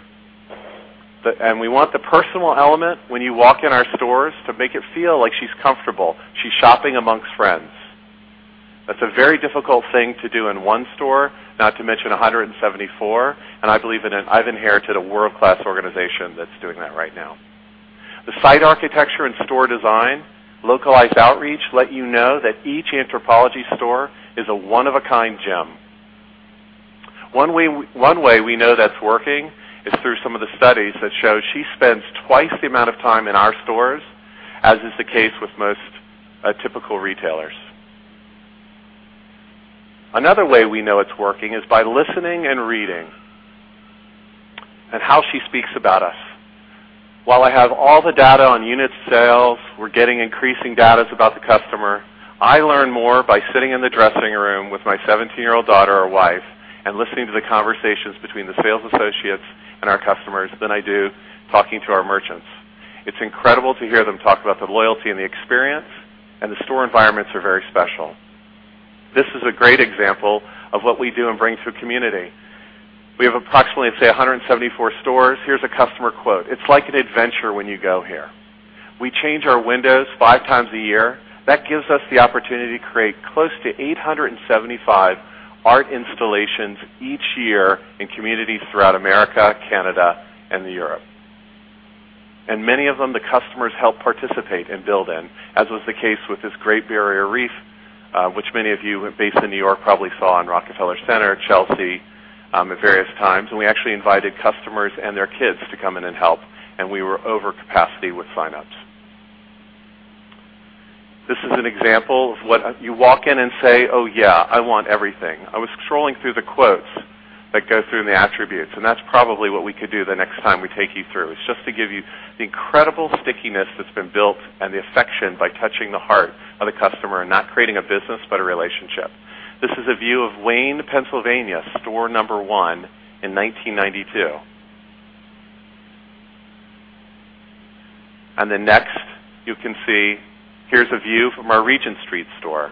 and we want the personal element when you walk in our stores to make it feel like she's comfortable. She's shopping amongst friends. That's a very difficult thing to do in one store, not to mention 174. I believe I've inherited a world-class organization that's doing that right now. The site architecture and store design, localized outreach let you know that each Anthropologie store is a one-of-a-kind gem. One way we know that's working is through some of the studies that show she spends twice the amount of time in our stores, as is the case with most typical retailers. Another way we know it's working is by listening and reading and how she speaks about us. While I have all the data on unit sales, we're getting increasing data about the customer. I learn more by sitting in the dressing room with my 17-year-old daughter or wife and listening to the conversations between the sales associates and our customers than I do talking to our merchants. It's incredible to hear them talk about the loyalty and the experience, the store environments are very special. This is a great example of what we do and bring to a community. We have approximately, say, 174 stores. Here's a customer quote: "It's like an adventure when you go here." We change our windows five times a year. That gives us the opportunity to create close to 875 art installations each year in communities throughout America, Canada, and Europe. Many of them, the customers help participate and build in, as was the case with this Great Barrier Reef, which many of you based in N.Y. probably saw in Rockefeller Center, Chelsea at various times. We actually invited customers and their kids to come in and help. We were over capacity with sign-ups. This is an example of what you walk in and say, "Oh, yeah, I want everything." I was scrolling through the quotes that go through in the attributes, and that's probably what we could do the next time we take you through. It's just to give you the incredible stickiness that's been built and the affection by touching the heart of the customer and not creating a business, but a relationship. This is a view of Wayne, Pennsylvania, store number 1 in 1992. Next, you can see here's a view from our Regent Street store.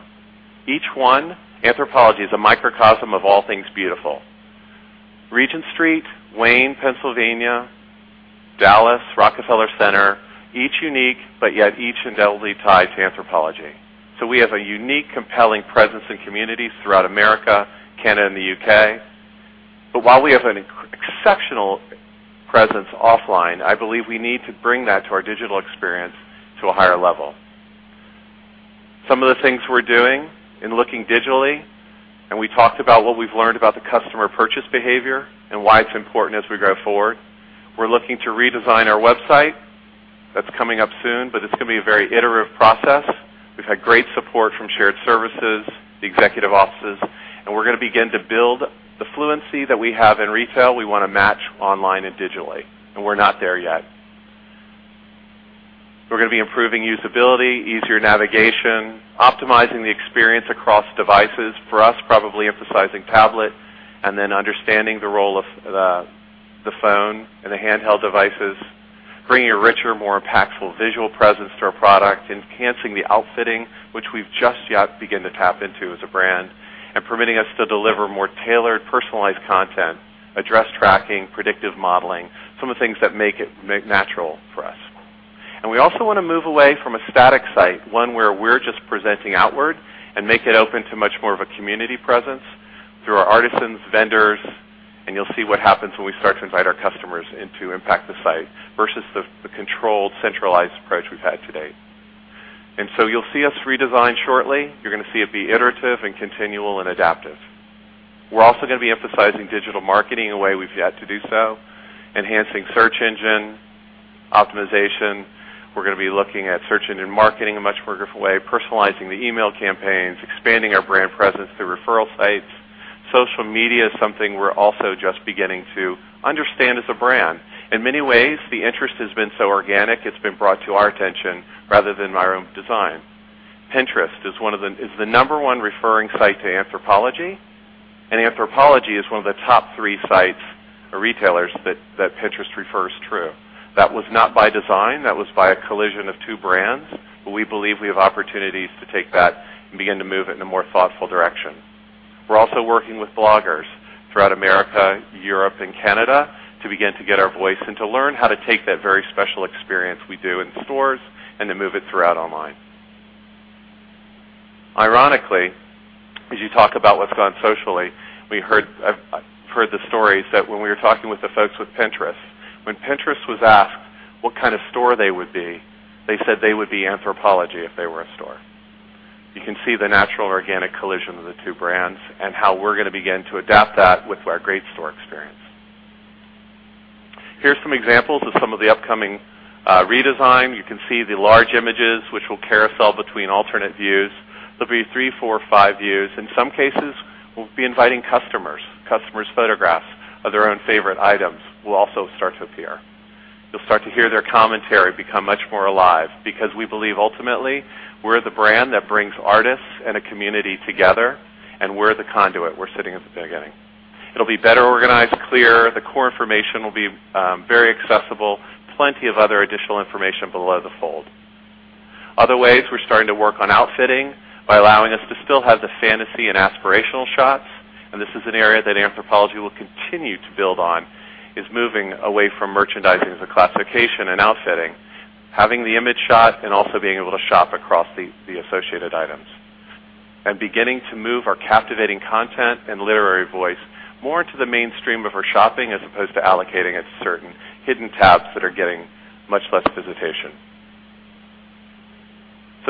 Each one, Anthropologie is a microcosm of all things beautiful. Regent Street, Wayne, Pennsylvania, Dallas, Rockefeller Center, each unique, but yet each indelibly tied to Anthropologie. We have a unique, compelling presence in communities throughout America, Canada, and the U.K. While we have an exceptional presence offline, I believe we need to bring that to our digital experience to a higher level. Some of the things we're doing in looking digitally, we talked about what we've learned about the customer purchase behavior and why it's important as we go forward. We're looking to redesign our website. That's coming up soon, it's going to be a very iterative process. We've had great support from shared services, the executive offices, we're going to begin to build the fluency that we have in retail. We want to match online and digitally, we're not there yet. We're going to be improving usability, easier navigation, optimizing the experience across devices. For us, probably emphasizing tablet understanding the role of the phone and the handheld devices, bringing a richer, more impactful visual presence to our product, enhancing the outfitting, which we've just yet begin to tap into as a brand, permitting us to deliver more tailored, personalized content, address tracking, predictive modeling, some of the things that make it natural for us. We also want to move away from a static site, one where we're just presenting outward and make it open to much more of a community presence through our artisans, vendors, you'll see what happens when we start to invite our customers in to impact the site versus the controlled, centralized approach we've had to date. You'll see us redesign shortly. You're going to see it be iterative and continual and adaptive. We're also going to be emphasizing digital marketing in a way we've yet to do so, enhancing search engine optimization. We're going to be looking at search engine marketing in a much more different way, personalizing the email campaigns, expanding our brand presence through referral sites. Social media is something we're also just beginning to understand as a brand. In many ways, the interest has been so organic, it's been brought to our attention rather than my own design. Pinterest is the number 1 referring site to Anthropologie, and Anthropologie is one of the top three sites or retailers that Pinterest refers through. That was not by design. That was by a collision of two brands. We believe we have opportunities to take that and begin to move it in a more thoughtful direction. We're also working with bloggers throughout America, Europe, and Canada to begin to get our voice and to learn how to take that very special experience we do in stores and to move it throughout online. Ironically, as you talk about what's gone socially, I've heard the stories that when we were talking with the folks with Pinterest, when Pinterest was asked what kind of store they would be, they said they would be Anthropologie if they were a store. You can see the natural, organic collision of the two brands and how we're going to begin to adapt that with our great store experience. Here's some examples of some of the upcoming redesign. You can see the large images, which will carousel between alternate views. There'll be three, four, five views. In some cases, we'll be inviting customers. Customers' photographs of their own favorite items will also start to appear. You'll start to hear their commentary become much more alive because we believe ultimately, we're the brand that brings artists and a community together, and we're the conduit. We're sitting at the beginning. It'll be better organized, clearer. The core information will be very accessible. Plenty of other additional information below the fold. Other ways, we're starting to work on outfitting by allowing us to still have the fantasy and aspirational shots, and this is an area that Anthropologie will continue to build on, is moving away from merchandising as a classification and outfitting, having the image shot, and also being able to shop across the associated items. Beginning to move our captivating content and literary voice more into the mainstream of our shopping as opposed to allocating it to certain hidden tabs that are getting much less visitation.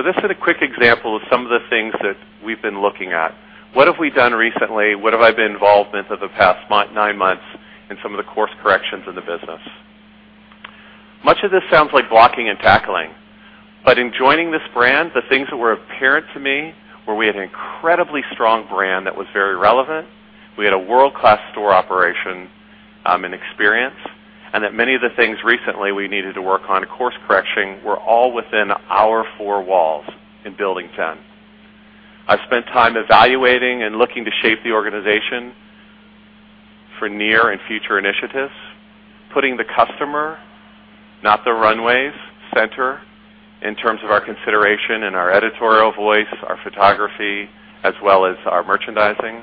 This is a quick example of some of the things that we've been looking at. What have we done recently? What have I been involved in for the past nine months in some of the course corrections in the business? Much of this sounds like blocking and tackling. In joining this brand, the things that were apparent to me were we had an incredibly strong brand that was very relevant, we had a world-class store operation and experience, and that many of the things recently we needed to work on course correcting were all within our four walls in building 10. I've spent time evaluating and looking to shape the organization for near and future initiatives, putting the customer, not the runways, center in terms of our consideration and our editorial voice, our photography, as well as our merchandising.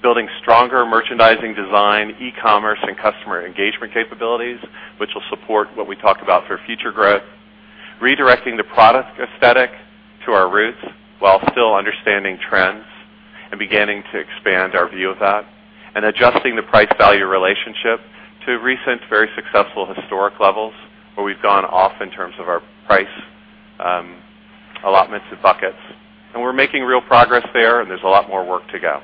Building stronger merchandising design, e-commerce, and customer engagement capabilities, which will support what we talk about for future growth. Redirecting the product aesthetic to our roots while still understanding trends and beginning to expand our view of that. Adjusting the price-value relationship to recent, very successful historic levels where we've gone off in terms of our price allotments and buckets. We're making real progress there, and there's a lot more work to go.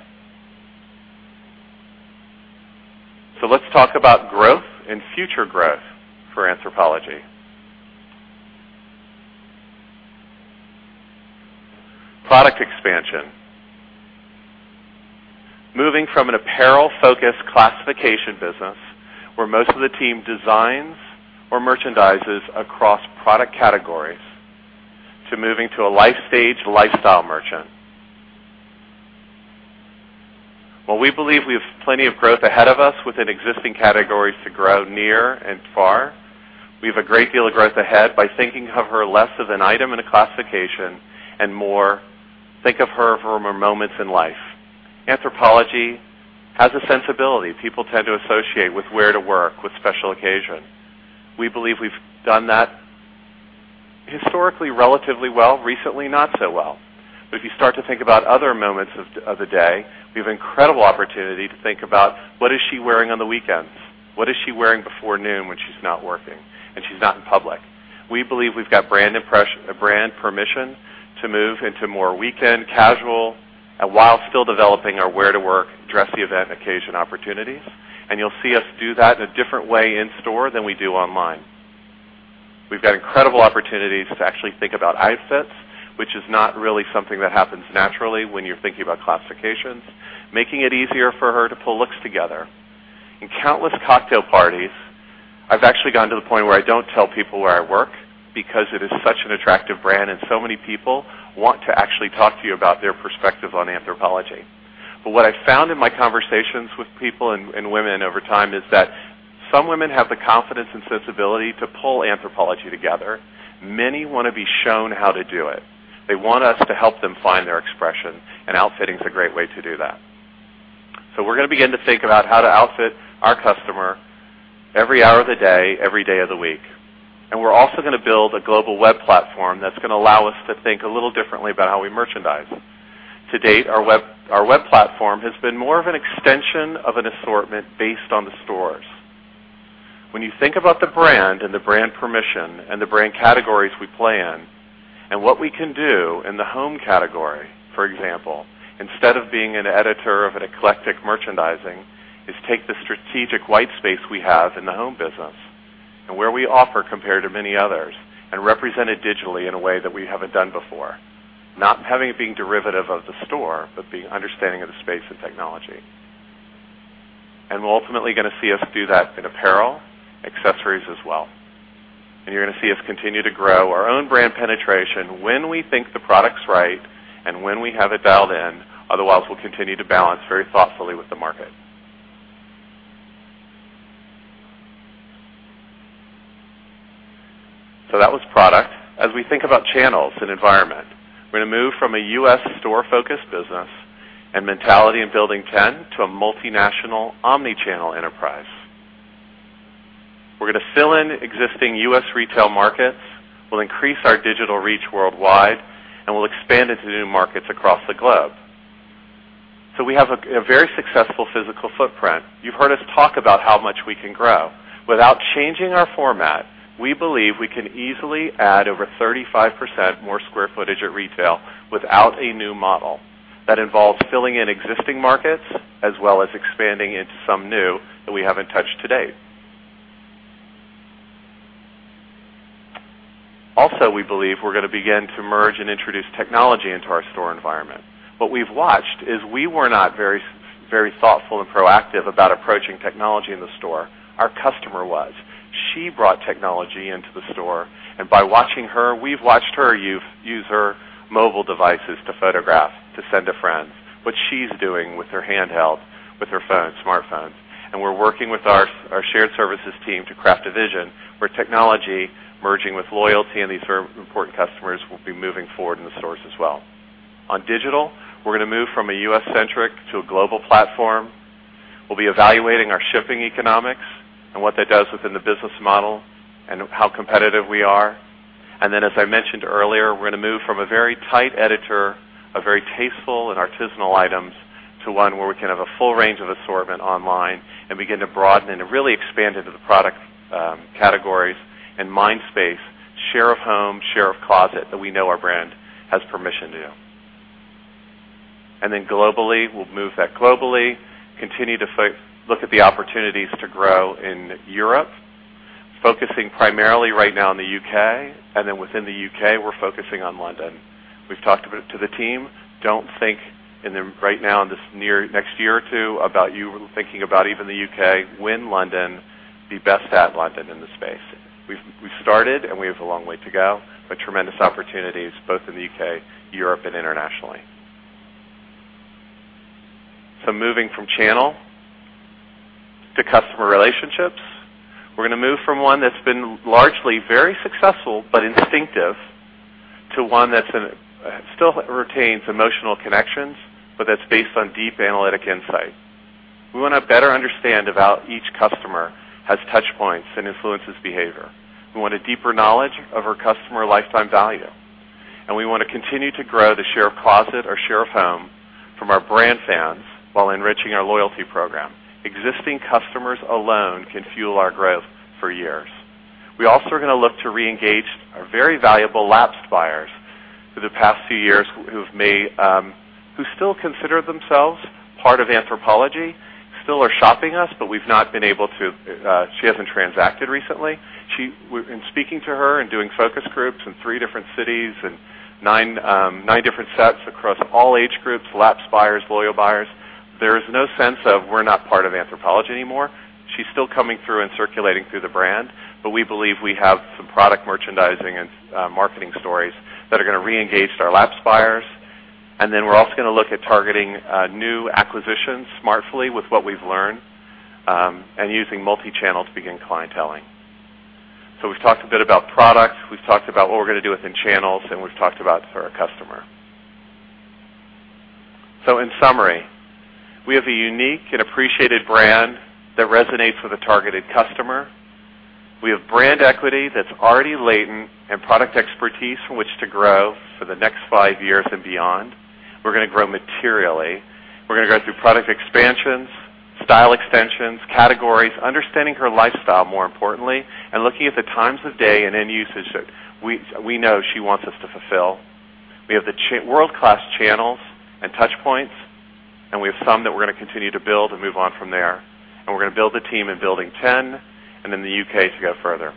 Let's talk about growth and future growth for Anthropologie. Product expansion. Moving from an apparel-focused classification business where most of the team designs or merchandises across product categories to moving to a life stage, lifestyle merchant. While we believe we have plenty of growth ahead of us within existing categories to grow near and far, we have a great deal of growth ahead by thinking of her less of an item and a classification and more think of her for her moments in life. Anthropologie has a sensibility. People tend to associate with wear to work, with special occasion. We believe we've done that historically relatively well, recently not so well. If you start to think about other moments of the day, we have incredible opportunity to think about what is she wearing on the weekends? What is she wearing before noon when she's not working and she's not in public? We believe we've got brand permission to move into more weekend casual and while still developing our wear to work, dressy event, occasion opportunities. You'll see us do that in a different way in store than we do online. We've got incredible opportunities to actually think about outfits, which is not really something that happens naturally when you're thinking about classifications, making it easier for her to pull looks together. In countless cocktail parties, I've actually gotten to the point where I don't tell people where I work because it is such an attractive brand and so many people want to actually talk to you about their perspective on Anthropologie. What I found in my conversations with people and women over time is that some women have the confidence and sensibility to pull Anthropologie together. Many want to be shown how to do it. They want us to help them find their expression, and outfitting is a great way to do that. We're going to begin to think about how to outfit our customer every hour of the day, every day of the week. We're also going to build a global web platform that's going to allow us to think a little differently about how we merchandise. To date, our web platform has been more of an extension of an assortment based on the stores. When you think about the brand and the brand permission and the brand categories we play in and what we can do in the home category, for example, instead of being an editor of an eclectic merchandising, is take the strategic white space we have in the home business and where we offer compared to many others and represent it digitally in a way that we haven't done before. Not having it being derivative of the store, but the understanding of the space and technology. We're ultimately going to see us do that in apparel, accessories as well. You're going to see us continue to grow our own brand penetration when we think the product's right and when we have it dialed in. Otherwise, we'll continue to balance very thoughtfully with the market. That was product. As we think about channels and environment, we're going to move from a U.S. store-focused business and mentality in Building 10 to a multinational omnichannel enterprise. We're going to fill in existing U.S. retail markets, we'll increase our digital reach worldwide, and we'll expand into new markets across the globe. We have a very successful physical footprint. You've heard us talk about how much we can grow. Without changing our format, we believe we can easily add over 35% more square footage at retail without a new model. That involves filling in existing markets as well as expanding into some new that we haven't touched to date. We believe we're going to begin to merge and introduce technology into our store environment. What we've watched is we were not very thoughtful and proactive about approaching technology in the store. Our customer was. She brought technology into the store, and by watching her, we've watched her use her mobile devices to photograph, to send to friends, what she's doing with her handheld, with her smartphones. We're working with our shared services team to craft a vision where technology merging with loyalty and these important customers will be moving forward in the stores as well. On digital, we're going to move from a U.S.-centric to a global platform. We'll be evaluating our shipping economics and what that does within the business model and how competitive we are. As I mentioned earlier, we're going to move from a very tight editor of very tasteful and artisanal items to one where we can have a full range of assortment online and begin to broaden and really expand into the product categories and mind space, share of home, share of closet that we know our brand has permission to do. Globally, we'll move that globally, continue to look at the opportunities to grow in Europe, focusing primarily right now on the U.K., and then within the U.K., we're focusing on London. We've talked to the team. Don't think right now in this next year or two about you thinking about even the U.K. Win London, be best at London in the space. We've started, and we have a long way to go, but tremendous opportunities both in the U.K., Europe, and internationally. Moving from channel to customer relationships, we're going to move from one that's been largely very successful but instinctive to one that still retains emotional connections, but that's based on deep analytic insight. We want to better understand about each customer has touch points and influences behavior. We want a deeper knowledge of our customer lifetime value, and we want to continue to grow the share of closet or share of home from our brand fans while enriching our loyalty program. Existing customers alone can fuel our growth for years. We also are going to look to reengage our very valuable lapsed buyers for the past few years who still consider themselves part of Anthropologie, still are shopping us, but she hasn't transacted recently. In speaking to her and doing focus groups in three different cities and nine different sets across all age groups, lapsed buyers, loyal buyers, there is no sense of we're not part of Anthropologie anymore. She's still coming through and circulating through the brand, but we believe we have some product merchandising and marketing stories that are going to reengage our lapsed buyers. We're also going to look at targeting new acquisitions smartly with what we've learned and using multi-channel to begin clienteling. We've talked a bit about products, we've talked about what we're going to do within channels, and we've talked about for our customer. In summary, we have a unique and appreciated brand that resonates with a targeted customer. We have brand equity that's already latent and product expertise from which to grow for the next five years and beyond. We're going to grow materially. We're going to go through product expansions, style extensions, categories, understanding her lifestyle, more importantly, and looking at the times of day and end usage that we know she wants us to fulfill. We have the world-class channels and touch points, and we have some that we're going to continue to build and move on from there. We're going to build the team in Building 10 and in the U.K. to go further.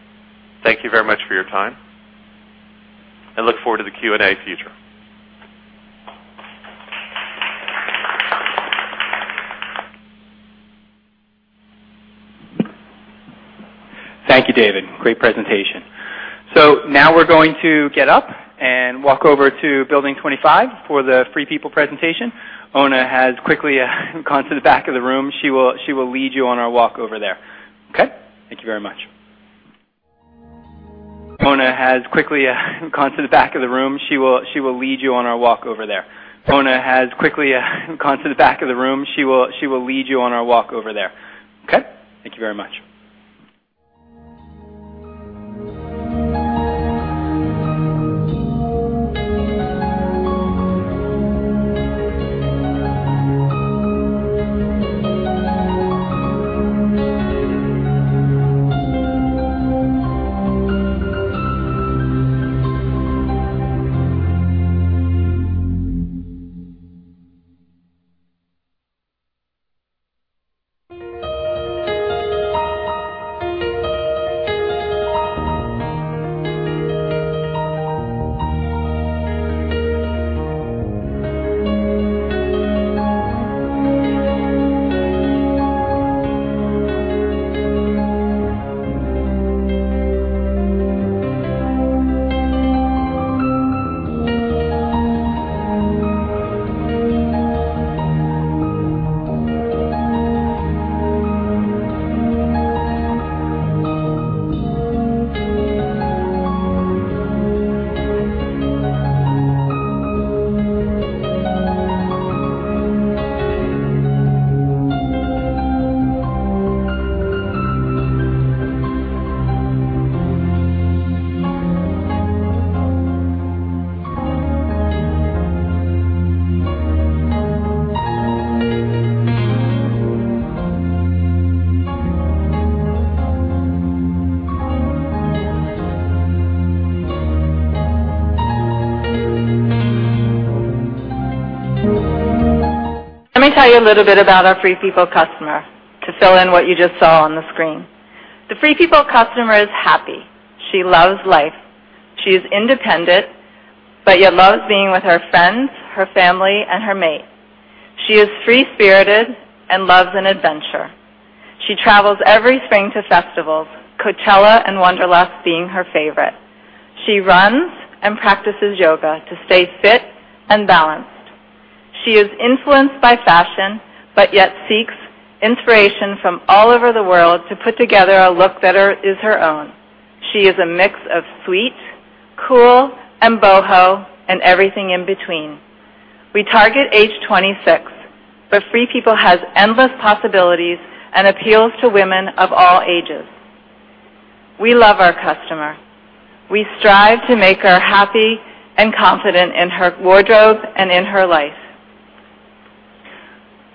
Thank you very much for your time. I look forward to the Q&A future. Thank you, David. Great presentation. Now we're going to get up and walk over to Building 25 for the Free People presentation. Oona has quickly gone to the back of the room. She will lead you on our walk over there. Okay? Thank you very much. Oona has quickly gone to the back of the room. She will lead you on our walk over there. Oona has quickly gone to the back of the room. She will lead you on our walk over there. Okay? Thank you very much. Let me tell you a little bit about our Free People customer to fill in what you just saw on the screen. The Free People customer is happy. She loves life. She is independent, but yet loves being with her friends, her family, and her mate. She is free-spirited and loves an adventure. She travels every spring to festivals, Coachella and Wanderlust being her favorite. She runs and practices yoga to stay fit and balanced. She is influenced by fashion, but yet seeks inspiration from all over the world to put together a look that is her own. She is a mix of sweet, cool, and boho, and everything in between. We target age 26, but Free People has endless possibilities and appeals to women of all ages. We love our customer. We strive to make her happy and confident in her wardrobe and in her life.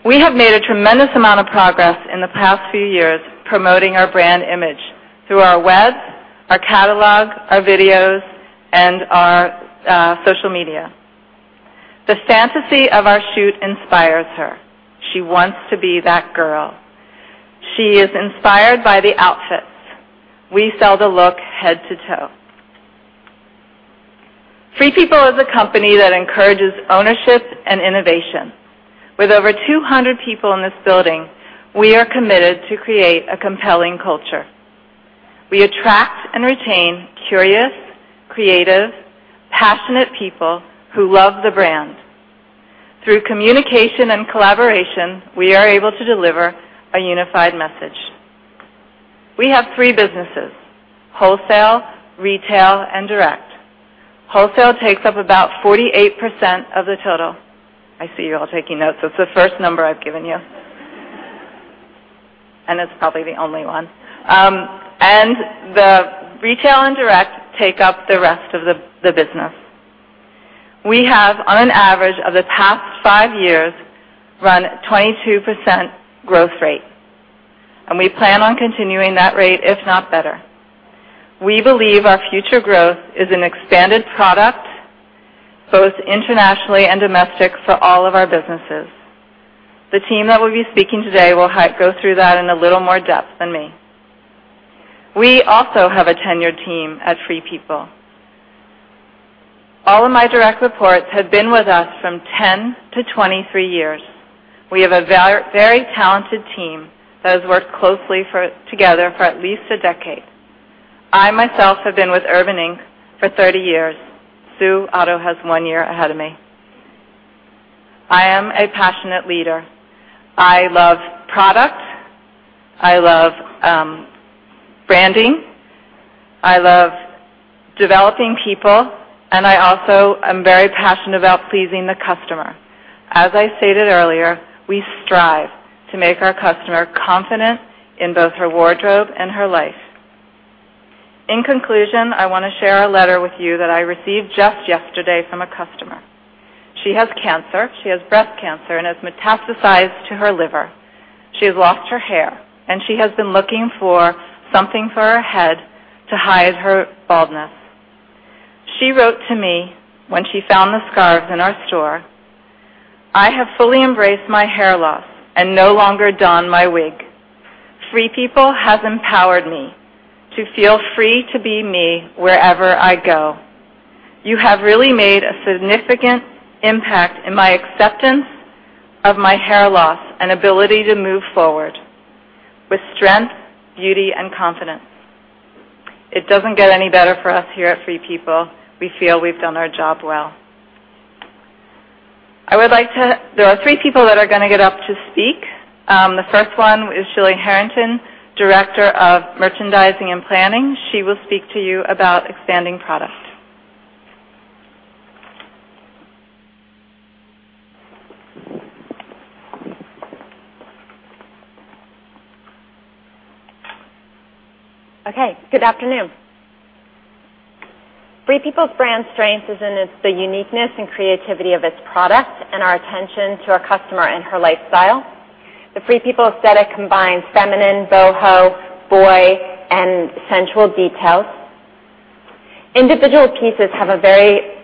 We have made a tremendous amount of progress in the past few years promoting our brand image through our web, our catalog, our videos, and our social media. The fantasy of our shoot inspires her. She wants to be that girl. She is inspired by the outfits. We sell the look head to toe. Free People is a company that encourages ownership and innovation. With over 200 people in this building, we are committed to create a compelling culture. We attract and retain curious, creative, passionate people who love the brand. Through communication and collaboration, we are able to deliver a unified message. We have three businesses, wholesale, retail, and direct. Wholesale takes up about 48% of the total. I see you all taking notes. That's the first number I've given you. It's probably the only one. The retail and direct take up the rest of the business. We have, on an average of the past five years, run a 22% growth rate, and we plan on continuing that rate, if not better. We believe our future growth is an expanded product, both internationally and domestic, for all of our businesses. The team that will be speaking today will go through that in a little more depth than me. We also have a tenured team at Free People. All of my direct reports have been with us from 10 to 23 years. We have a very talented team that has worked closely together for at least a decade. I myself have been with Urban Outfitters, Inc. for 30 years. Sue Otto has one year ahead of me. I am a passionate leader. I love product, I love branding, I love developing people, and I also am very passionate about pleasing the customer. As I stated earlier, we strive to make our customer confident in both her wardrobe and her life. In conclusion, I want to share a letter with you that I received just yesterday from a customer. She has cancer. She has breast cancer and it's metastasized to her liver. She has lost her hair, and she has been looking for something for her head to hide her baldness. She wrote to me when she found the scarves in our store: "I have fully embraced my hair loss and no longer don my wig. Free People has empowered me to feel free to be me wherever I go. You have really made a significant impact in my acceptance of my hair loss and ability to move forward with strength, beauty, and confidence." It doesn't get any better for us here at Free People. We feel we've done our job well. There are three people that are going to get up to speak. The first one is Sheila Harrington, Director of Merchandising and Planning. She will speak to you about expanding product. Okay. Good afternoon. Free People's brand strength is in the uniqueness and creativity of its product and our attention to our customer and her lifestyle. The Free People aesthetic combines feminine, boho, boy, and sensual details. Individual pieces have a very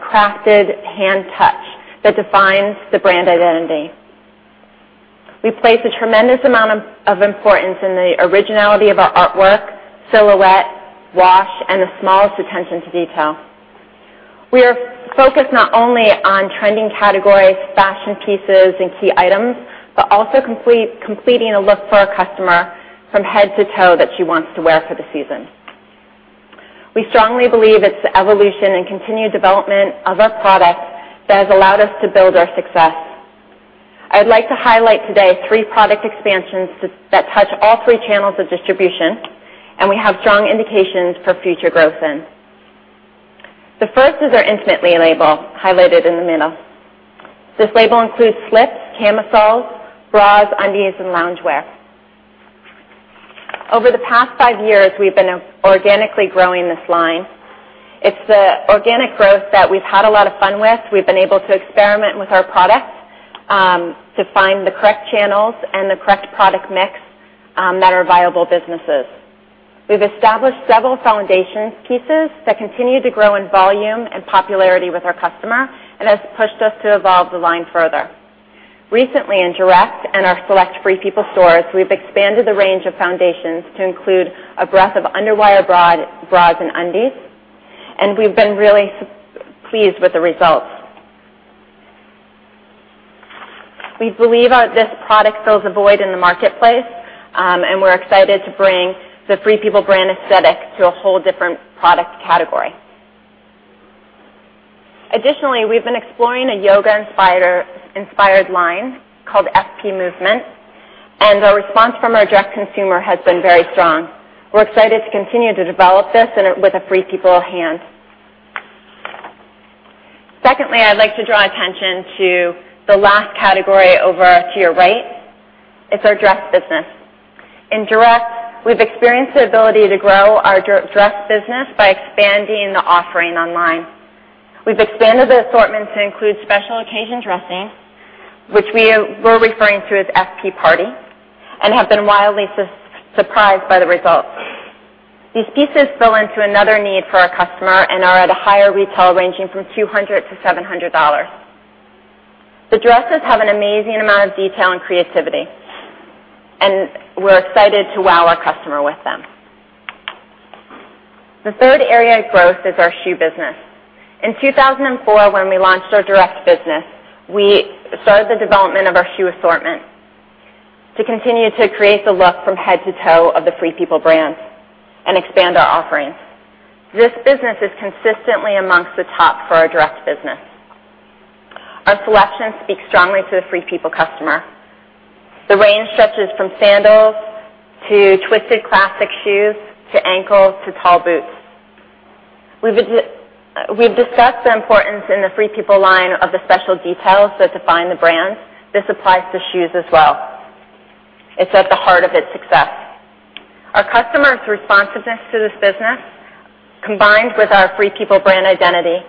crafted hand touch that defines the brand identity. We place a tremendous amount of importance on the originality of our artwork, silhouette, wash, and the smallest attention to detail. We are focused not only on trending categories, fashion pieces, and key items, but also completing a look for our customer from head to toe that she wants to wear for the season. We strongly believe it's the evolution and continued development of our products that has allowed us to build our success. I'd like to highlight today three product expansions that touch all three channels of distribution, and we have strong indications for future growth in. The first is our Intimately label, highlighted in the middle. This label includes slips, camisoles, bras, undies, and loungewear. Over the past five years, we've been organically growing this line. It's the organic growth that we've had a lot of fun with. We've been able to experiment with our products to find the correct channels and the correct product mix that are viable businesses. We've established several foundation pieces that continue to grow in volume and popularity with our customer, and have pushed us to evolve the line further. Recently, in direct and our select Free People stores, we've expanded the range of foundations to include a breadth of underwire bras and undies, and we've been really pleased with the results. We believe this product fills a void in the marketplace, and we're excited to bring the Free People brand aesthetic to a whole different product category. Additionally, we've been exploring a yoga-inspired line called FP Movement, and the response from our direct consumer has been very strong. We're excited to continue to develop this with the Free People hand. Secondly, I'd like to draw attention to the last category over to your right. It's our dress business. In direct, we've experienced the ability to grow our dress business by expanding the offering online. We've expanded the assortment to include special occasion dressing, which we're referring to as FP Party, and have been wildly surprised by the results. These pieces fill into another need for our customer and are at a higher retail, ranging from $200-$700. The dresses have an amazing amount of detail and creativity, and we're excited to wow our customer with them. The third area of growth is our shoe business. In 2004, when we launched our direct business, we started the development of our shoe assortment to continue to create the look from head to toe of the Free People brand and expand our offerings. This business is consistently amongst the top for our direct business. Our selection speaks strongly to the Free People customer. The range stretches from sandals to twisted classic shoes, to ankles, to tall boots. We've discussed the importance in the Free People line of the special details that define the brand. This applies to shoes as well. It's at the heart of its success. Our customers' responsiveness to this business, combined with our Free People brand identity,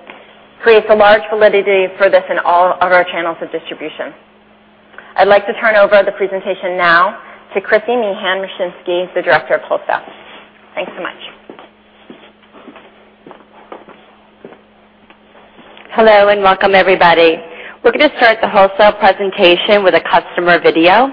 creates a large validity for this in all of our channels of distribution. I'd like to turn over the presentation now to Kristi Meehan-Mrosinski, the Director of Wholesale. Thanks so much. Hello, and welcome everybody. We're going to start the wholesale presentation with a customer video.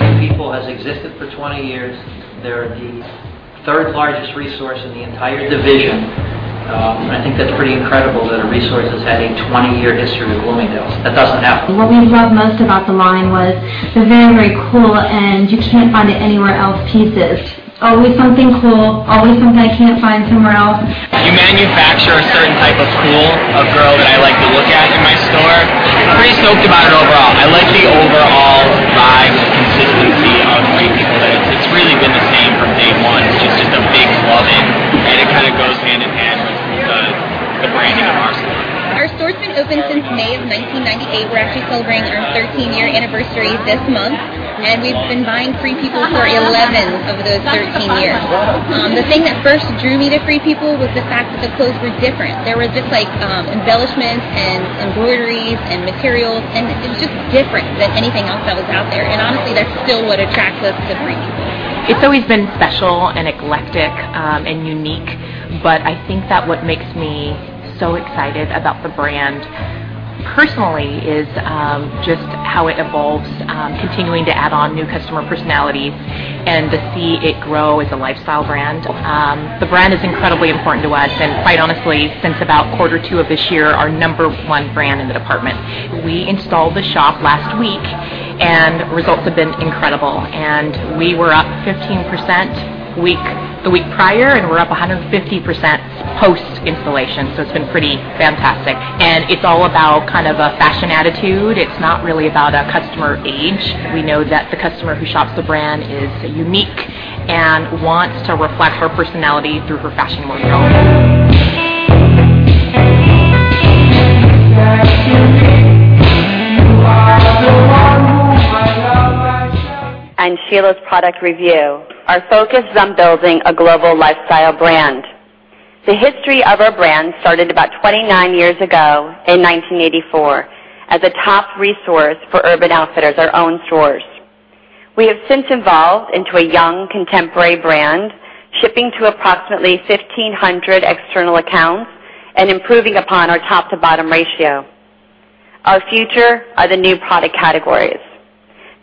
Free People has existed for 20 years. They're the third-largest resource in the entire division. I think that's pretty incredible that a resource has had a 20-year history with Bloomingdale's. That doesn't happen. What we love most about the line was the very cool, and you can't find it anywhere else pieces. Always something cool, always something I can't find somewhere else. You manufacture a certain type of cool, a girl that I like to look at in my store. I'm pretty stoked about it overall. I like the overall vibe, the consistency of Free People. It's really been the same from day one. It's just a big loving, and it kind of goes hand in hand with the branding of our store. Our store's been open since May of 1998. We're actually celebrating our 13-year anniversary this month, and we've been buying Free People for 11 of those 13 years. The thing that first drew me to Free People was the fact that the clothes were different. There was just embellishments and embroideries and materials, and it was just different than anything else that was out there. Honestly, that's still what attracts us to Free People. It's always been special and eclectic and unique. I think that what makes me so excited about the brand, personally, is just how it evolves, continuing to add on new customer personalities, and to see it grow as a lifestyle brand. The brand is incredibly important to us, and quite honestly, since about quarter two of this year, our number one brand in the department. We installed the shop last week, and results have been incredible. We were up 15% the week prior. We're up 150% post-installation, so it's been pretty fantastic. It's all about kind of a fashion attitude. It's not really about a customer age. We know that the customer who shops the brand is unique and wants to reflect her personality through her fashion wardrobe. Product review, our focus is on building a global lifestyle brand. The history of our brand started about 29 years ago in 1984 as a top resource for Urban Outfitters, our own stores. We have since evolved into a young, contemporary brand, shipping to approximately 1,500 external accounts and improving upon our top-to-bottom ratio. Our future are the new product categories.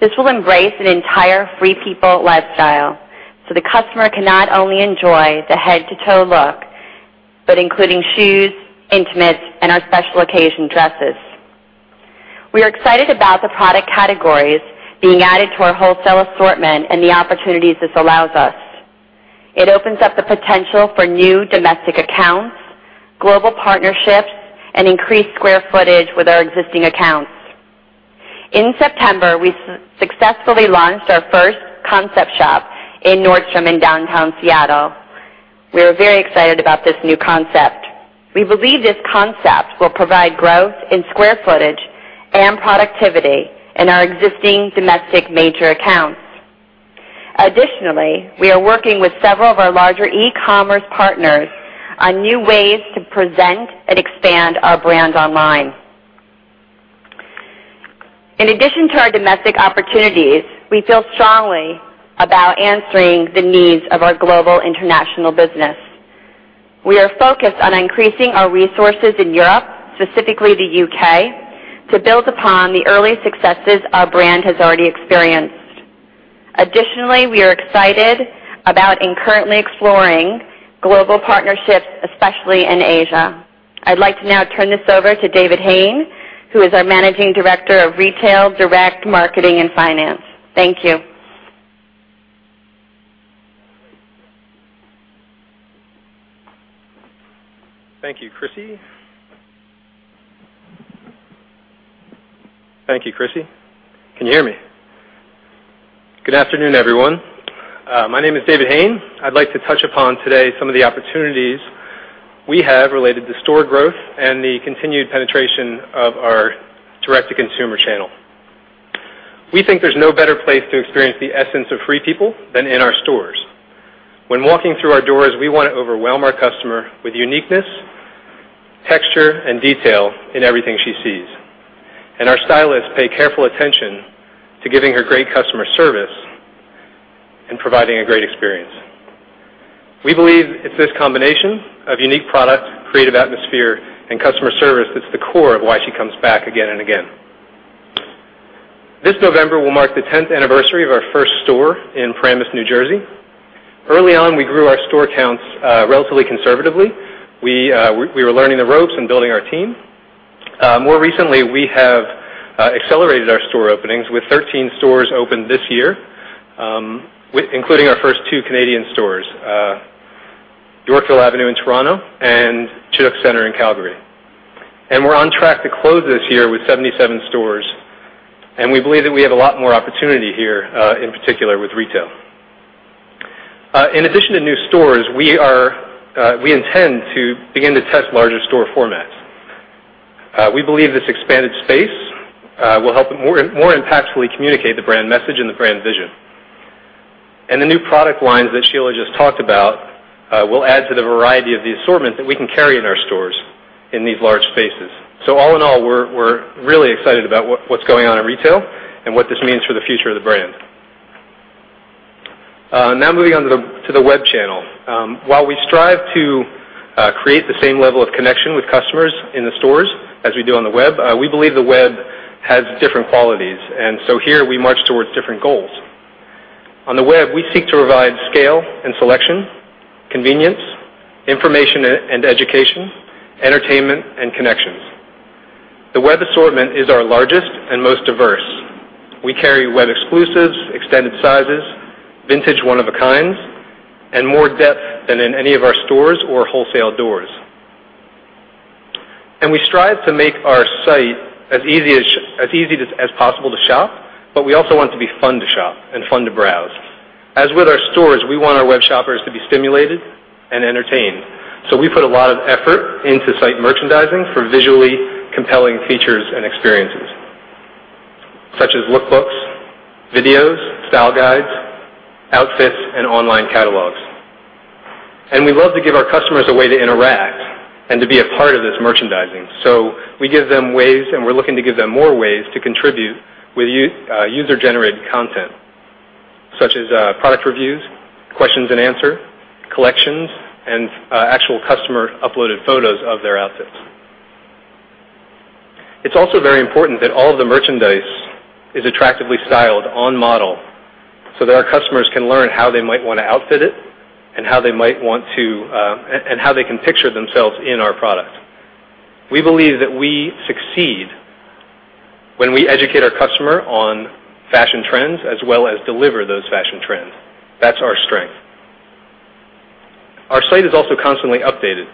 This will embrace an entire Free People lifestyle, so the customer can not only enjoy the head-to-toe look, but including shoes, intimates, and our special occasion dresses. We are excited about the product categories being added to our wholesale assortment and the opportunities this allows us. It opens up the potential for new domestic accounts, global partnerships, and increased square footage with our existing accounts. In September, we successfully launched our first concept shop in Nordstrom in downtown Seattle. We are very excited about this new concept. We believe this concept will provide growth in square footage and productivity in our existing domestic major accounts. Additionally, we are working with several of our larger e-commerce partners on new ways to present and expand our brand online. In addition to our domestic opportunities, we feel strongly about answering the needs of our global international business. We are focused on increasing our resources in Europe, specifically the U.K., to build upon the early successes our brand has already experienced. Additionally, we are excited about and currently exploring global partnerships, especially in Asia. I'd like to now turn this over to David Hayne, who is our Managing Director of Retail, Direct Marketing, and Finance. Thank you. Thank you, Chrissy. Can you hear me? Good afternoon, everyone. My name is David Hayne. I'd like to touch upon today some of the opportunities we have related to store growth and the continued penetration of our direct-to-consumer channel. We think there's no better place to experience the essence of Free People than in our stores. When walking through our doors, we want to overwhelm our customer with uniqueness, texture, and detail in everything she sees. Our stylists pay careful attention to giving her great customer service and providing a great experience. We believe it's this combination of unique product, creative atmosphere, and customer service that's the core of why she comes back again and again. This November will mark the 10th anniversary of our first store in Paramus, New Jersey. Early on, we grew our store counts relatively conservatively. We were learning the ropes and building our team. More recently, we have accelerated our store openings with 13 stores opened this year, including our first two Canadian stores, Yorkville Avenue in Toronto and Chinook Center in Calgary. We're on track to close this year with 77 stores, and we believe that we have a lot more opportunity here, in particular with retail. In addition to new stores, we intend to begin to test larger store formats. We believe this expanded space will help more impactfully communicate the brand message and the brand vision. The new product lines that Sheila just talked about will add to the variety of the assortment that we can carry in our stores in these large spaces. All in all, we're really excited about what's going on in retail and what this means for the future of the brand. Now moving on to the web channel. While we strive to create the same level of connection with customers in the stores as we do on the web, we believe the web has different qualities. Here we march towards different goals. On the web, we seek to provide scale and selection, convenience, information and education, entertainment, and connections. The web assortment is our largest and most diverse. We carry web exclusives, extended sizes, vintage one-of-a-kinds, and more depth than in any of our stores or wholesale doors. We strive to make our site as easy as possible to shop, but we also want it to be fun to shop and fun to browse. As with our stores, we want our web shoppers to be stimulated and entertained. We put a lot of effort into site merchandising for visually compelling features and experiences, such as look books, videos, style guides, outfits, and online catalogs. We love to give our customers a way to interact and to be a part of this merchandising. We give them ways, and we're looking to give them more ways, to contribute with user-generated content, such as product reviews, questions and answer, collections, and actual customer uploaded photos of their outfits. It's also very important that all of the merchandise is attractively styled on model so that our customers can learn how they might want to outfit it and how they can picture themselves in our product. We believe that we succeed when we educate our customer on fashion trends as well as deliver those fashion trends. That's our strength. Our site is also constantly updated.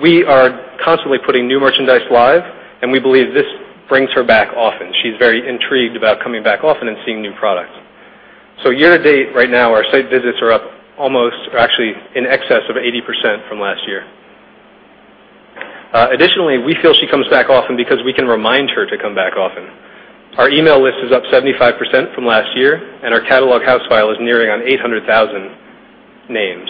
We are constantly putting new merchandise live, and we believe this brings her back often. She's very intrigued about coming back often and seeing new products. Year to date, right now, our site visits are up almost or actually in excess of 80% from last year. Additionally, we feel she comes back often because we can remind her to come back often. Our email list is up 75% from last year, and our catalog house file is nearing on 800,000 names.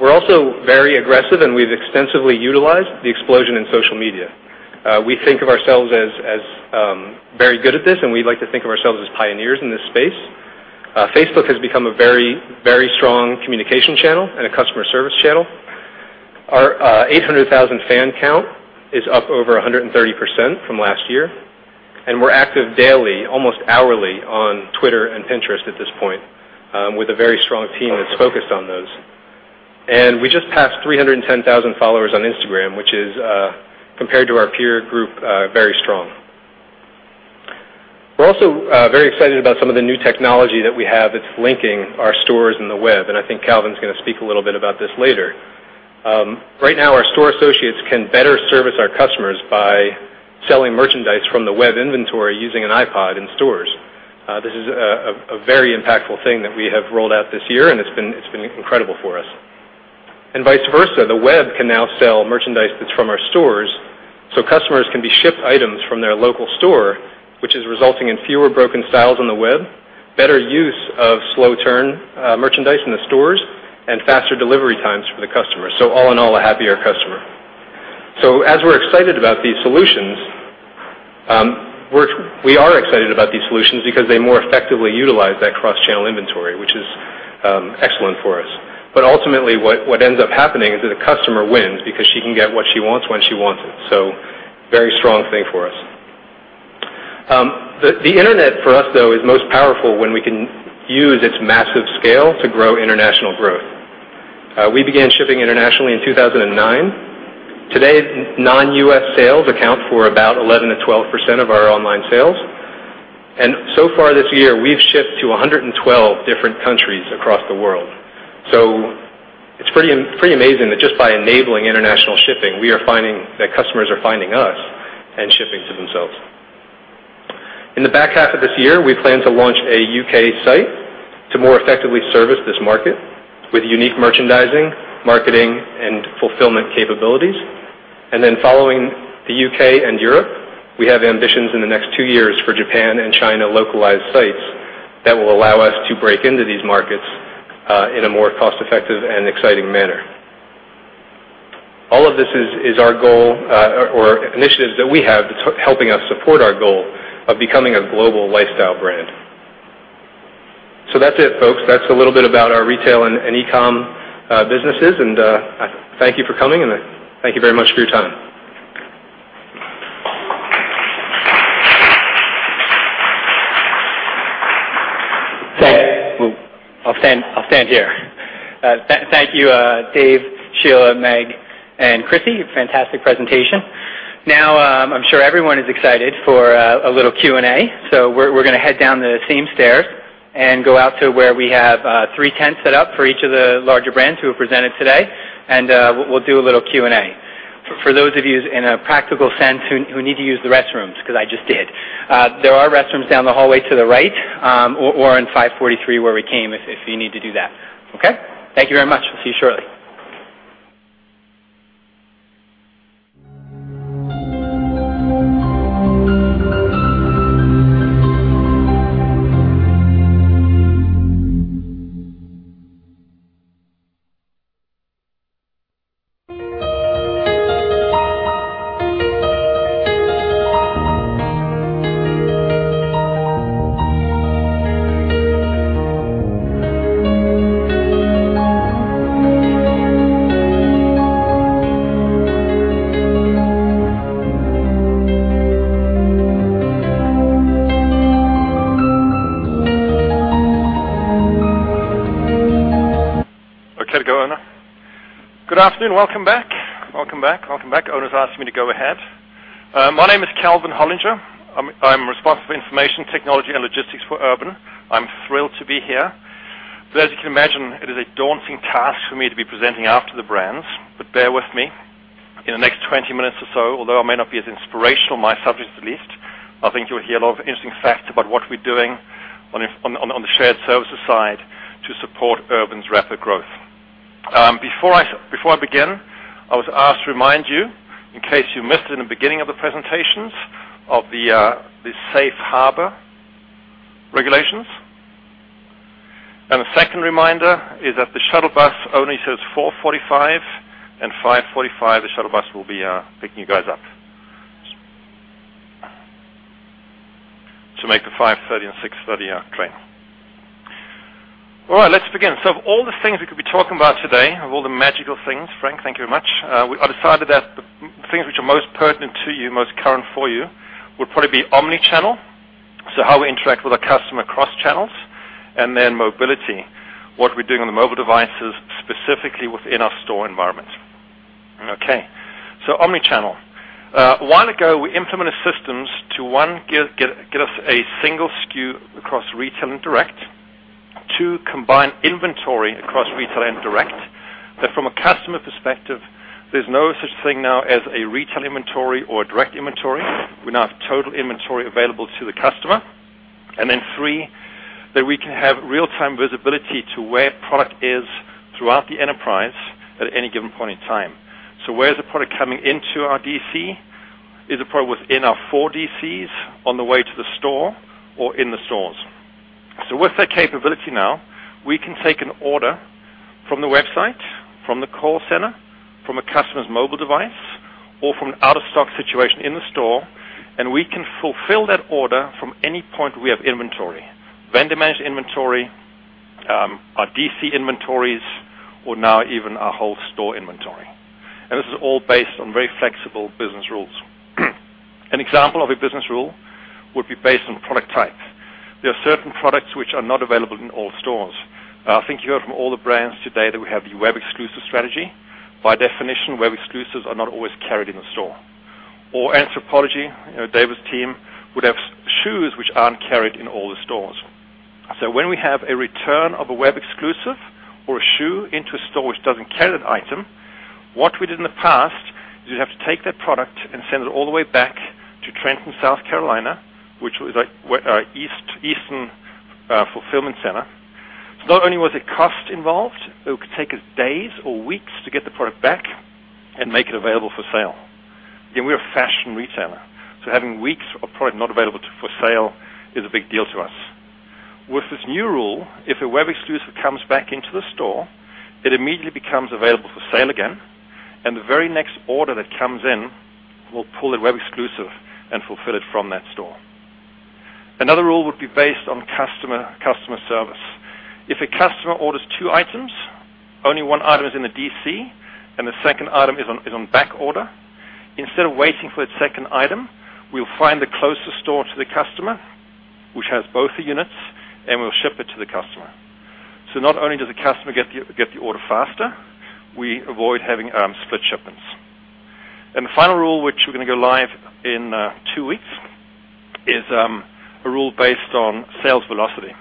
We're also very aggressive and we've extensively utilized the explosion in social media. We think of ourselves as very good at this, and we like to think of ourselves as pioneers in this space. Facebook has become a very strong communication channel and a customer service channel. Our 800,000 fan count is up over 130% from last year, and we're active daily, almost hourly, on Twitter and Pinterest at this point, with a very strong team that's focused on those. We just passed 310,000 followers on Instagram, which is, compared to our peer group, very strong. We're also very excited about some of the new technology that we have that's linking our stores and the web, I think Calvin's going to speak a little bit about this later. Right now, our store associates can better service our customers by selling merchandise from the web inventory using an iPod in stores. This is a very impactful thing that we have rolled out this year, and it's been incredible for us. Vice versa, the web can now sell merchandise that's from our stores, so customers can be shipped items from their local store, which is resulting in fewer broken sales on the web, better use of slow turn merchandise in the stores, and faster delivery times for the customer. All in all, a happier customer. As we're excited about these solutions, we are excited about these solutions because they more effectively utilize that cross-channel inventory, which is excellent for us. Ultimately, what ends up happening is that a customer wins because she can get what she wants when she wants it. Very strong thing for us. The internet for us, though, is most powerful when we can use its massive scale to grow international growth. We began shipping internationally in 2009. Today, non-U.S. sales account for about 11%-12% of our online sales. So far this year, we've shipped to 112 different countries across the world. It's pretty amazing that just by enabling international shipping, we are finding that customers are finding us and shipping to themselves. In the back half of this year, we plan to launch a U.K. site to more effectively service this market with unique merchandising, marketing, and fulfillment capabilities. Then following the U.K. and Europe, we have ambitions in the next two years for Japan and China localized sites that will allow us to break into these markets in a more cost-effective and exciting manner. All of this is our goal or initiatives that we have that's helping us support our goal of becoming a global lifestyle brand. That's it, folks. That's a little bit about our retail and e-com businesses. Thank you for coming, and thank you very much for your time. Thanks. I'll stand here. Thank you, Dave, Sheila, Meg, and Chrissy. Fantastic presentation. Now, I'm sure everyone is excited for a little Q&A. We're going to head down the same stairs and go out to where we have three tents set up for each of the larger brands who have presented today, and we'll do a little Q&A. For those of you in a practical sense who need to use the restrooms, because I just did, there are restrooms down the hallway to the right or in Building 543 where we came, if you need to do that. Okay? Thank you very much. We'll see you shortly. Okay to go, Oona. Good afternoon. Welcome back. Oona's asked me to go ahead. My name is Calvin Hollinger. I'm responsible for information technology and logistics for Urban. I'm thrilled to be here. As you can imagine, it is a daunting task for me to be presenting after the brands, but bear with me. In the next 20 minutes or so, although I may not be as inspirational, my subject at least, I think you'll hear a lot of interesting facts about what we're doing on the shared services side to support Urban's rapid growth. Before I begin, I was asked to remind you, in case you missed it in the beginning of the presentations, of the Safe Harbor regulations. A second reminder is that the shuttle bus only says 4:45 and 5:45. The shuttle bus will be picking you guys up to make the 5:30 and 6:30 train. All right, let's begin. Of all the things we could be talking about today, of all the magical things, Frank, thank you very much. I decided that the things which are most pertinent to you, most current for you, would probably be omnichannel. How we interact with our customer across channels, and then mobility, what we're doing on the mobile devices, specifically within our store environment. Okay. Omnichannel. A while ago, we implemented systems to, one, get us a single SKU across retail and direct. Two, combine inventory across retail and direct. That from a customer perspective, there's no such thing now as a retail inventory or a direct inventory. We now have total inventory available to the customer Three, that we can have real-time visibility to where product is throughout the enterprise at any given point in time. Where is the product coming into our DC? Is the product within our four DCs on the way to the store or in the stores? With that capability now, we can take an order from the website, from the call center, from a customer's mobile device, or from an out-of-stock situation in the store, and we can fulfill that order from any point we have inventory. Vendor managed inventory, our DC inventories, or now even our whole store inventory. This is all based on very flexible business rules. An example of a business rule would be based on product type. There are certain products which are not available in all stores. I think you heard from all the brands today that we have the Web Exclusive strategy. By definition, Web Exclusives are not always carried in the store. Anthropologie, David's team would have shoes which aren't carried in all the stores. When we have a return of a Web Exclusive or a shoe into a store which doesn't carry that item, what we did in the past is we'd have to take that product and send it all the way back to Trenton, South Carolina, which was our eastern fulfillment center. Not only was it cost involved, it could take us days or weeks to get the product back and make it available for sale. Again, we're a fashion retailer, so having weeks of product not available for sale is a big deal to us. With this new rule, if a Web Exclusive comes back into the store, it immediately becomes available for sale again, the very next order that comes in will pull a Web Exclusive and fulfill it from that store. Another rule would be based on customer service. If a customer orders two items, only one item is in the DC and the second item is on back order. Instead of waiting for that second item, we'll find the closest store to the customer, which has both the units, and we'll ship it to the customer. Not only does the customer get the order faster, we avoid having split shipments. The final rule, which we're going to go live in two weeks, is a rule based on sales velocity.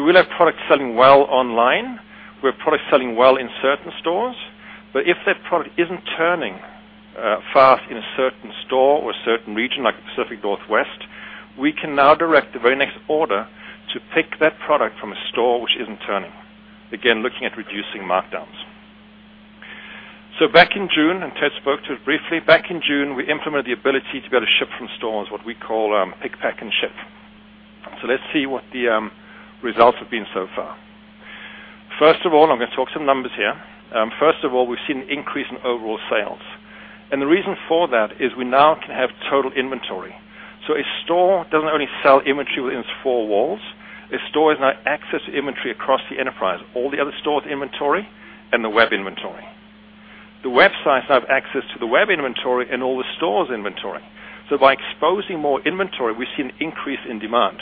We'll have products selling well online. We have products selling well in certain stores. If that product isn't turning fast in a certain store or a certain region, like the Pacific Northwest, we can now direct the very next order to Pick, Pack, and Ship that product from a store which isn't turning. Again, looking at reducing markdowns. Back in June, Ted spoke to it briefly. Back in June, we implemented the ability to be able to ship from stores, what we call Pick, Pack, and Ship. Let's see what the results have been so far. First of all, I'm going to talk some numbers here. First of all, we've seen an increase in overall sales. The reason for that is we now can have total inventory. A store doesn't only sell inventory within its four walls. A store is now access to inventory across the enterprise, all the other stores' inventory and the web inventory. The websites have access to the web inventory and all the stores' inventory. By exposing more inventory, we've seen an increase in demand.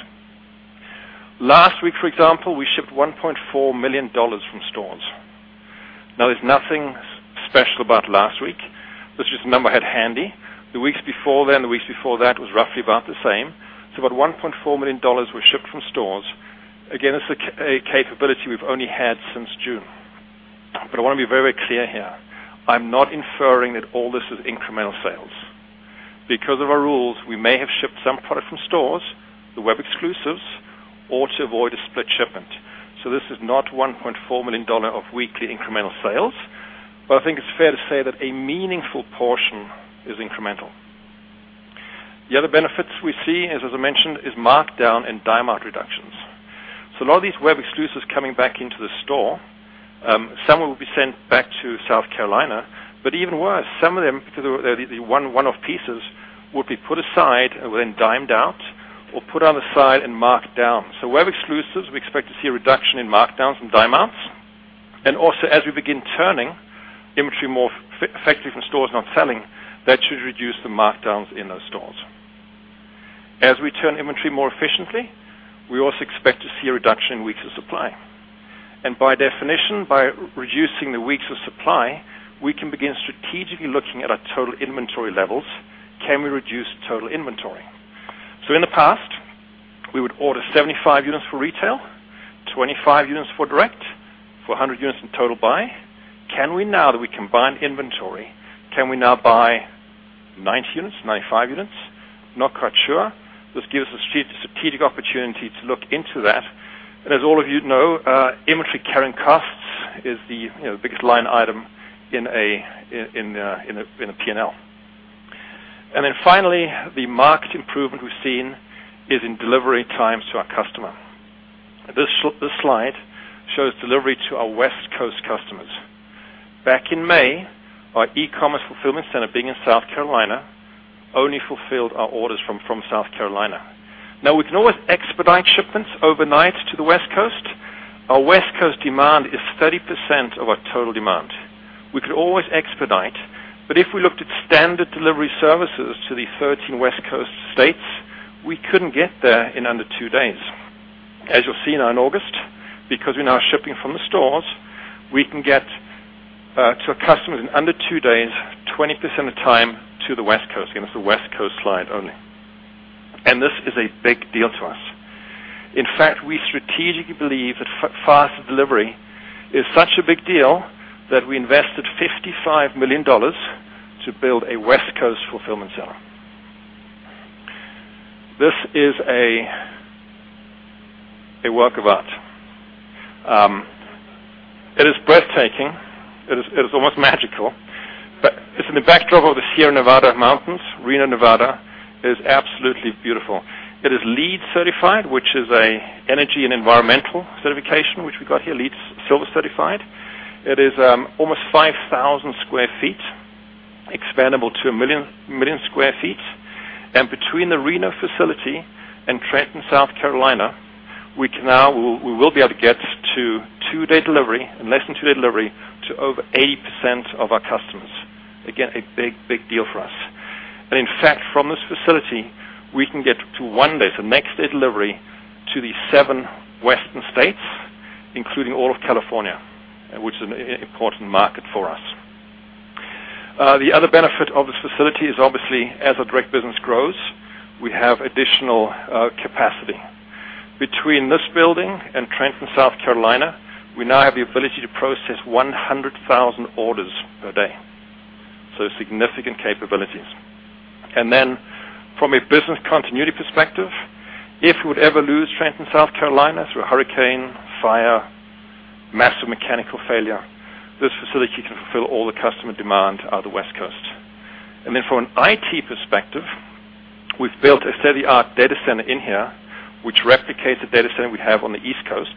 Last week, for example, we shipped $1.4 million from stores. There's nothing special about last week. That's just the number I had handy. The weeks before then, the weeks before that was roughly about the same. About $1.4 million were shipped from stores. Again, that's a capability we've only had since June. I want to be very clear here. I'm not inferring that all this is incremental sales. Because of our rules, we may have shipped some product from stores, the Web Exclusives or to avoid a split shipment. This is not $1.4 million of weekly incremental sales. I think it's fair to say that a meaningful portion is incremental. The other benefits we see, as I mentioned, is markdown and dimout reductions. A lot of these Web Exclusives coming back into the store, some will be sent back to South Carolina, but even worse, some of them, because they're the one-off pieces, would be put aside and then dimed out or put on the side and marked down. Web Exclusives, we expect to see a reduction in markdowns and dimouts. Also, as we begin turning inventory more effectively from stores not selling, that should reduce the markdowns in those stores. As we turn inventory more efficiently, we also expect to see a reduction in weeks of supply. By definition, by reducing the weeks of supply, we can begin strategically looking at our total inventory levels. Can we reduce total inventory? In the past, we would order 75 units for retail, 25 units for direct, for 100 units in total buy. Can we now that we combined inventory, can we now buy 90 units, 95 units? Not quite sure. This gives us a strategic opportunity to look into that. As all of you know, inventory carrying costs is the biggest line item in a P&L. Finally, the marked improvement we've seen is in delivery times to our customer. This slide shows delivery to our West Coast customers. Back in May, our e-commerce fulfillment center, being in South Carolina, only fulfilled our orders from South Carolina. Now, we can always expedite shipments overnight to the West Coast. Our West Coast demand is 30% of our total demand. We could always expedite, if we looked at standard delivery services to the 13 West Coast states, we couldn't get there in under two days. As you'll see now in August, because we're now shipping from the stores, we can get to a customer in under two days, 20% of the time to the West Coast. Again, this is the West Coast slide only. This is a big deal to us. In fact, we strategically believe that faster delivery is such a big deal that we invested $55 million to build a West Coast fulfillment center. This is a work of art. It is breathtaking. It is almost magical. It's in the backdrop of the Sierra Nevada mountains, Reno, Nevada. It is absolutely beautiful. It is LEED certified, which is an energy and environmental certification, which we got here, LEED Silver certified. It is almost 5,000 square feet, expandable to a million square feet. Between the Reno facility and Trenton, South Carolina, we will be able to get to two-day delivery and less than two-day delivery to over 80% of our customers. Again, a big, big deal for us. In fact, from this facility, we can get to one day, next day delivery to the seven western states, including all of California, which is an important market for us. The other benefit of this facility is obviously, as our direct business grows, we have additional capacity. Between this building and Trenton, South Carolina, we now have the ability to process 100,000 orders per day. Significant capabilities. From a business continuity perspective, if we would ever lose Trenton, South Carolina through a hurricane, fire, massive mechanical failure, this facility can fulfill all the customer demand out of the West Coast. From an IT perspective, we've built a state-of-the-art data center in here, which replicates the data center we have on the East Coast.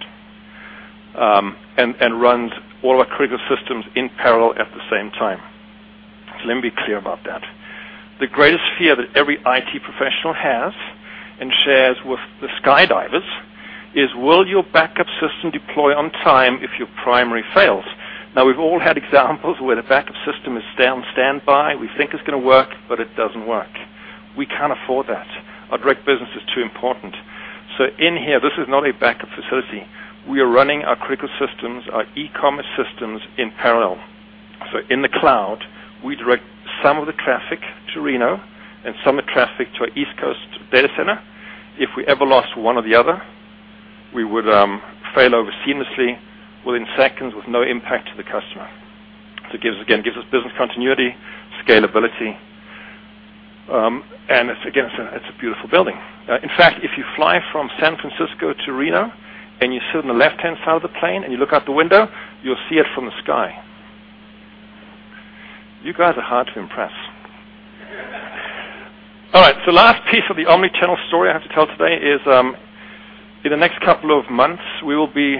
Runs all our critical systems in parallel at the same time. Let me be clear about that. The greatest fear that every IT professional has and shares with the skydivers is, will your backup system deploy on time if your primary fails? We've all had examples where the backup system is down standby. We think it's going to work, it doesn't work. We can't afford that. Our direct business is too important. In here, this is not a backup facility. We are running our critical systems, our e-commerce systems in parallel. In the cloud, we direct some of the traffic to Reno and some of the traffic to our East Coast data center. If we ever lost one or the other, we would fail over seamlessly within seconds with no impact to the customer. Again, it gives us business continuity, scalability, and again, it's a beautiful building. In fact, if you fly from San Francisco to Reno and you sit on the left-hand side of the plane and you look out the window, you'll see it from the sky. You guys are hard to impress. All right, last piece of the omnichannel story I have to tell today is, in the next couple of months, we will be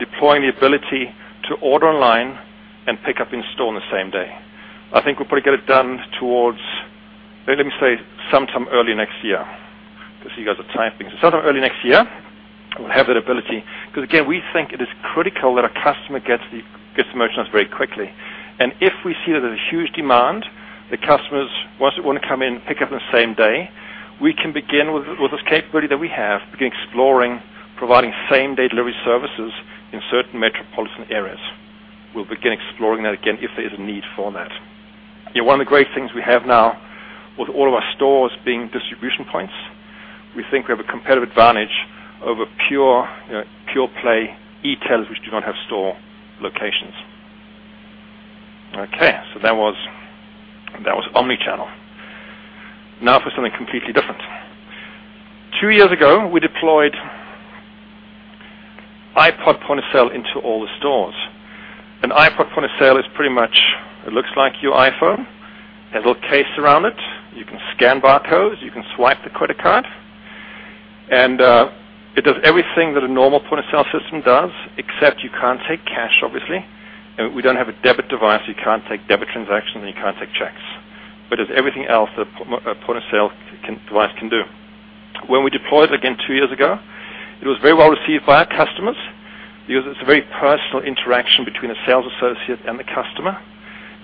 deploying the ability to order online and pick up in store on the same day. I think we'll probably get it done towards, let me say, sometime early next year. Sometime early next year, we'll have that ability. Again, we think it is critical that a customer gets the merchandise very quickly. If we see that there's a huge demand, the customers, once they want to come in, pick up in the same day, we can begin with this capability that we have, begin exploring providing same-day delivery services in certain metropolitan areas. We'll begin exploring that again if there is a need for that. One of the great things we have now with all of our stores being distribution points, we think we have a competitive advantage over pure play e-tailers, which do not have store locations. Okay, that was omnichannel. Now for something completely different. Two years ago, we deployed iPod point of sale into all the stores. An iPod point of sale is pretty much, it looks like your iPhone. Has a little case around it. You can scan barcodes, you can swipe the credit card, and it does everything that a normal point-of-sale system does, except you can't take cash, obviously. We don't have a debit device. You can't take debit transactions, and you can't take checks. It does everything else that a point-of-sale device can do. When we deployed, again, two years ago, it was very well received by our customers because it's a very personal interaction between a sales associate and the customer.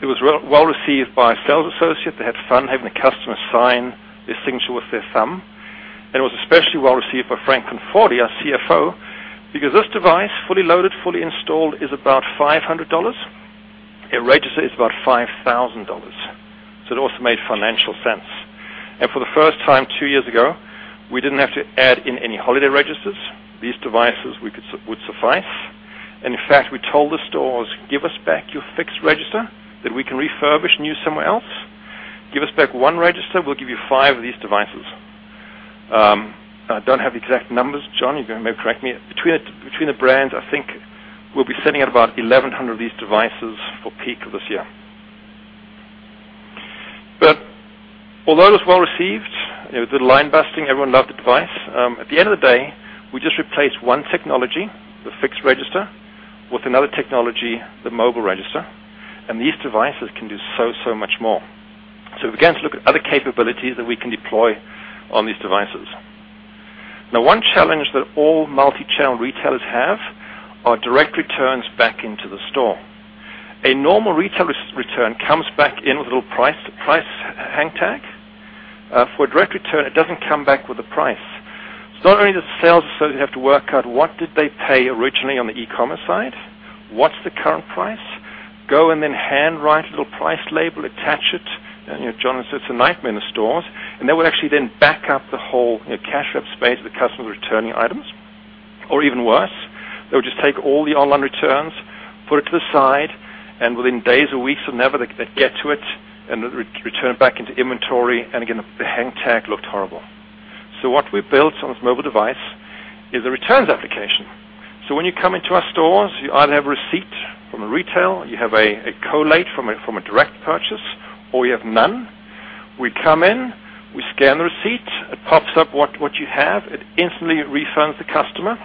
It was well-received by sales associates. They had fun having a customer sign their signature with their thumb. It was especially well-received by Frank Conforti, our CFO, because this device, fully loaded, fully installed, is about $500. A register is about $5,000. It also made financial sense. For the first time, two years ago, we didn't have to add in any holiday registers. These devices would suffice. In fact, we told the stores, "Give us back your fixed register that we can refurbish and use somewhere else. Give us back one register. We'll give you five of these devices." I don't have the exact numbers. John, you may correct me. Between the brands, I think we'll be sending out about 1,100 of these devices for peak of this year. Although it was well-received, it did line busting. Everyone loved the device. At the end of the day, we just replaced one technology, the fixed register, with another technology, the mobile register, and these devices can do so much more. We began to look at other capabilities that we can deploy on these devices. Now, one challenge that all multi-channel retailers have are direct returns back into the store. A normal retail return comes back in with a little price hang tag. For a direct return, it doesn't come back with a price. Not only does the sales associate have to work out what did they pay originally on the e-commerce side, what's the current price, go and then hand write a little price label, attach it. John says it's a nightmare in the stores. They would actually then back up the whole cash rep space with the customer returning items. Even worse, they'll just take all the online returns, put it to the side, and within days or weeks or never, they get to it and return it back into inventory, and again, the hang tag looked horrible. What we built on this mobile device is a returns application. When you come into our stores, you either have a receipt from a retail, you have a collate from a direct purchase, or you have none. We come in, we scan the receipt, it pops up what you have, it instantly refunds the customer.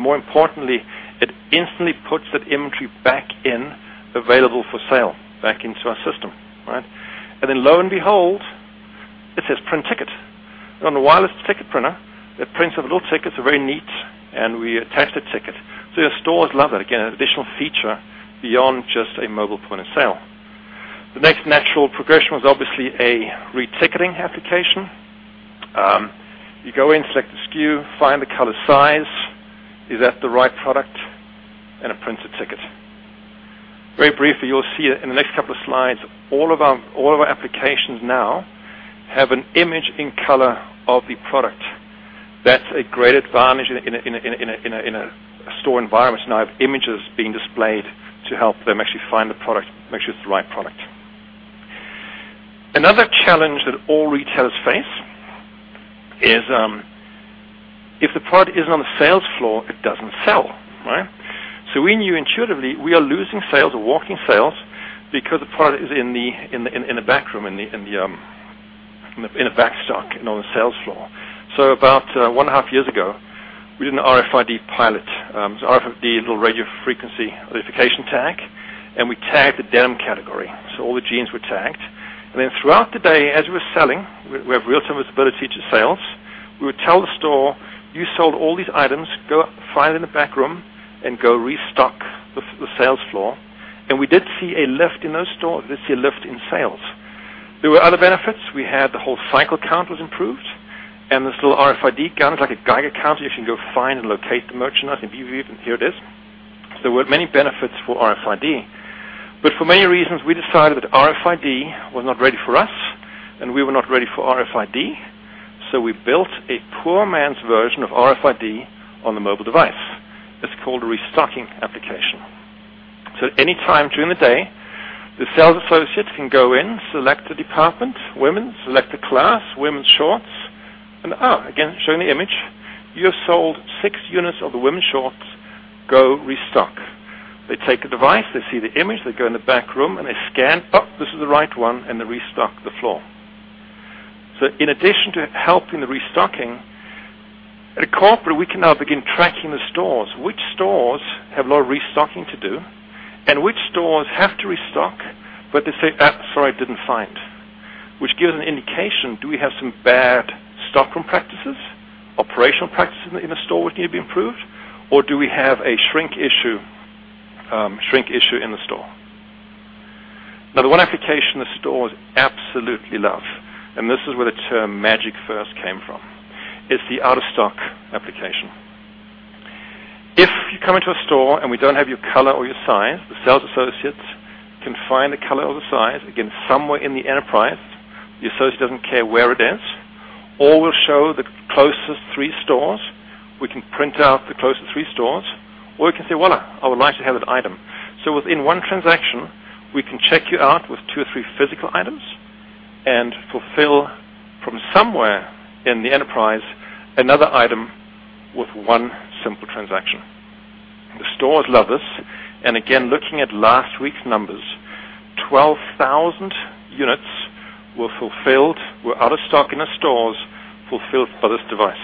More importantly, it instantly puts that inventory back in, available for sale, back into our system. Right? Then lo and behold, it says, "Print ticket." On the wireless ticket printer, it prints out a little ticket, it's very neat, and we attach the ticket. Your stores love it. Again, an additional feature beyond just a mobile point of sale. The next natural progression was obviously a reticketing application. You go in, select the SKU, find the color, size, is that the right product, and it prints a ticket. Very briefly, you'll see in the next couple of slides, all of our applications now have an image in color of the product. That's a great advantage in a store environment to now have images being displayed to help them actually find the product, make sure it's the right product. Another challenge that all retailers face is, if the product isn't on the sales floor, it doesn't sell. Right? We knew intuitively we are losing sales or walking sales because the product is in the backroom, in a back stock, and on the sales floor. About one and a half years ago, we did an RFID pilot. RFID, little radio frequency identification tag, and we tagged the denim category. All the jeans were tagged. Then throughout the day, as we were selling, we have real-time visibility to sales, we would tell the store, "You sold all these items. Go find them in the backroom and go restock the sales floor." We did see a lift in those stores. We did see a lift in sales. There were other benefits. We had the whole cycle count was improved, and this little RFID gun, it's like a Geiger counter, you can go find and locate the merchandise. Here it is. There were many benefits for RFID. For many reasons, we decided that RFID was not ready for us, and we were not ready for RFID. We built a poor man's version of RFID on the mobile device. It's called a restocking application. Any time during the day, the sales associate can go in, select a department, women's, select a class, women's shorts, and again, showing the image. "You have sold six units of the women's shorts. Go restock." They take the device, they see the image, they go in the backroom, and they scan, "Oh, this is the right one," and they restock the floor. In addition to helping the restocking, at a corporate, we can now begin tracking the stores. Which stores have a lot of restocking to do, and which stores have to restock, but they say, "Sorry, didn't find." Which gives an indication, do we have some bad stocking practices, operational practices in the store which need to be improved, or do we have a shrink issue in the store? The one application the stores absolutely love, and this is where the term "magic" first came from. It's the out-of-stock application. If you come into a store and we don't have your color or your size, the sales associates can find the color or the size, again, somewhere in the enterprise. The associate doesn't care where it is. Or we'll show the closest three stores. We can print out the closest three stores. Or you can say, "Well, I would like to have that item." Within one transaction, we can check you out with two or three physical items and fulfill from somewhere in the enterprise another item with one simple transaction. The stores love this. Again, looking at last week's numbers, 12,000 units were out of stock in the stores, fulfilled by this device.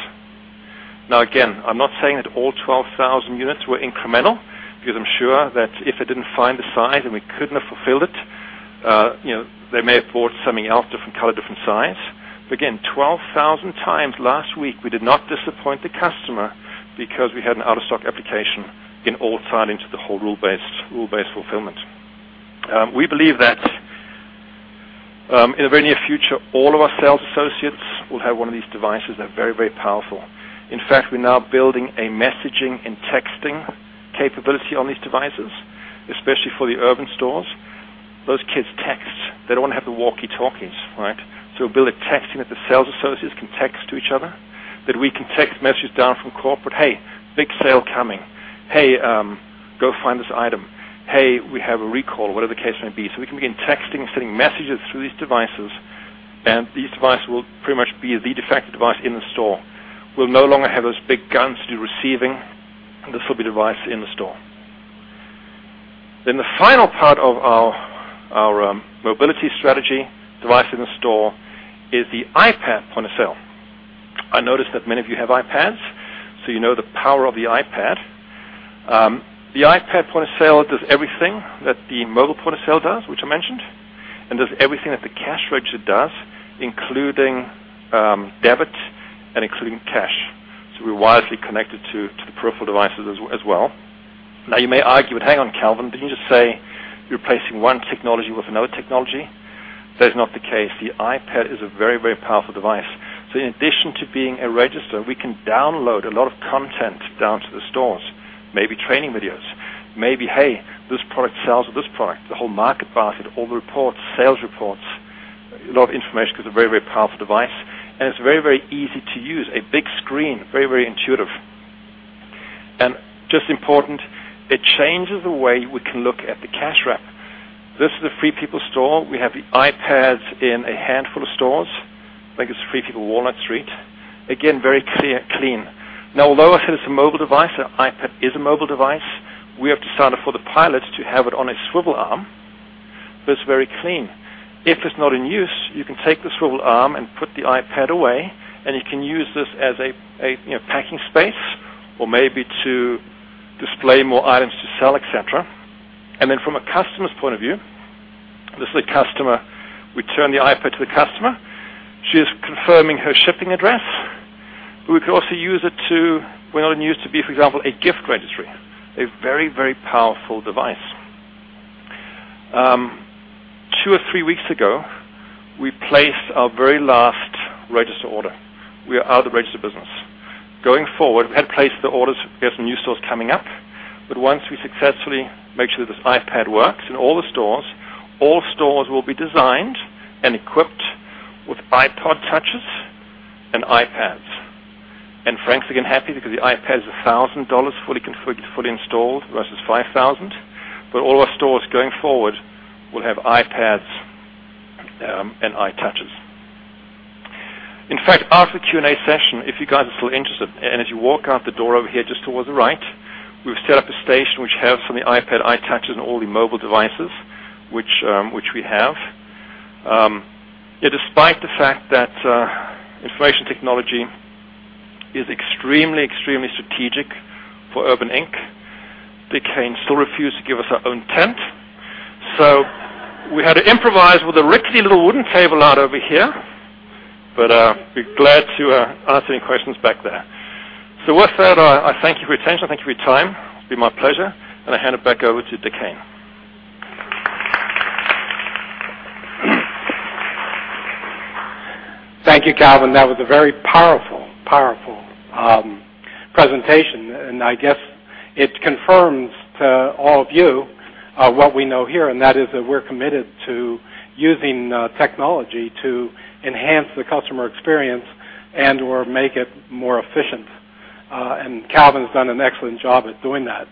Again, I'm not saying that all 12,000 units were incremental because I'm sure that if they didn't find the size and we couldn't have fulfilled it, they may have bought something else, different color, different size. Again, 12,000 times last week, we did not disappoint the customer because we had an out-of-stock application in all tied into the whole rule-based fulfillment. We believe that in the very near future, all of our sales associates will have one of these devices. They're very, very powerful. In fact, we're now building a messaging and texting capability on these devices, especially for the urban stores. Those kids text. They don't want to have the walkie-talkies, right? Build a text in that the sales associates can text to each other, that we can text messages down from corporate, "Hey, big sale coming." "Hey, go find this item." "Hey, we have a recall," whatever the case may be. We can begin texting and sending messages through these devices, and these devices will pretty much be the de facto device in the store. We'll no longer have those big guns to do receiving. This will be the device in the store. The final part of our mobility strategy device in the store is the iPad point of sale. I noticed that many of you have iPads, so you know the power of the iPad. The iPad point of sale does everything that the mobile point of sale does, which I mentioned, and does everything that the cash register does, including debit and including cash. We're wirelessly connected to the peripheral devices as well. You may argue, "Hang on, Calvin, didn't you just say you're replacing one technology with another technology?" That's not the case. The iPad is a very, very powerful device. In addition to being a register, we can download a lot of content down to the Maybe training videos. Maybe, "Hey, this product sells," or "this product." The whole market basket, all the reports, sales reports, a lot of information because it's a very powerful device, and it's very easy to use. A big screen, very intuitive. Just as important, it changes the way we can look at the cash wrap. This is a Free People store. We have the iPads in a handful of stores. I think it's Free People, Walnut Street. Again, very clean. Although I said it's a mobile device, an iPad is a mobile device, we have decided for the pilot to have it on a swivel arm that's very clean. If it's not in use, you can take the swivel arm and put the iPad away, and you can use this as a packing space or maybe to display more items to sell, et cetera. From a customer's point of view, this is the customer. We turn the iPad to the customer. She is confirming her shipping address. We could also use it to, when not in use, to be, for example, a gift registry. A very powerful device. Two or three weeks ago, we placed our very last register order. We are out of the register business. Going forward, we had to place the orders. We have some new stores coming up. Once we successfully make sure that this iPad works in all the stores, all stores will be designed and equipped with iPod Touches and iPads. Frankly, I'm happy because the iPad is $1,000 fully configured, fully installed, versus $5,000. All our stores going forward will have iPads and iTouches. In fact, after the Q&A session, if you guys are still interested, as you walk out the door over here, just towards the right, we've set up a station which has some of the iPad, iTouches, and all the mobile devices which we have. Yet despite the fact that information technology is extremely strategic for Urban, Inc., Dick Hayne still refused to give us our own tent. We had to improvise with a rickety little wooden table out over here, be glad to answer any questions back there. With that, I thank you for your attention. Thank you for your time. It's been my pleasure, and I hand it back over to Dick Hayne. Thank you, Calvin. That was a very powerful presentation. I guess it confirms to all of you what we know here. That is that we're committed to using technology to enhance the customer experience and/or make it more efficient. Calvin's done an excellent job at doing that.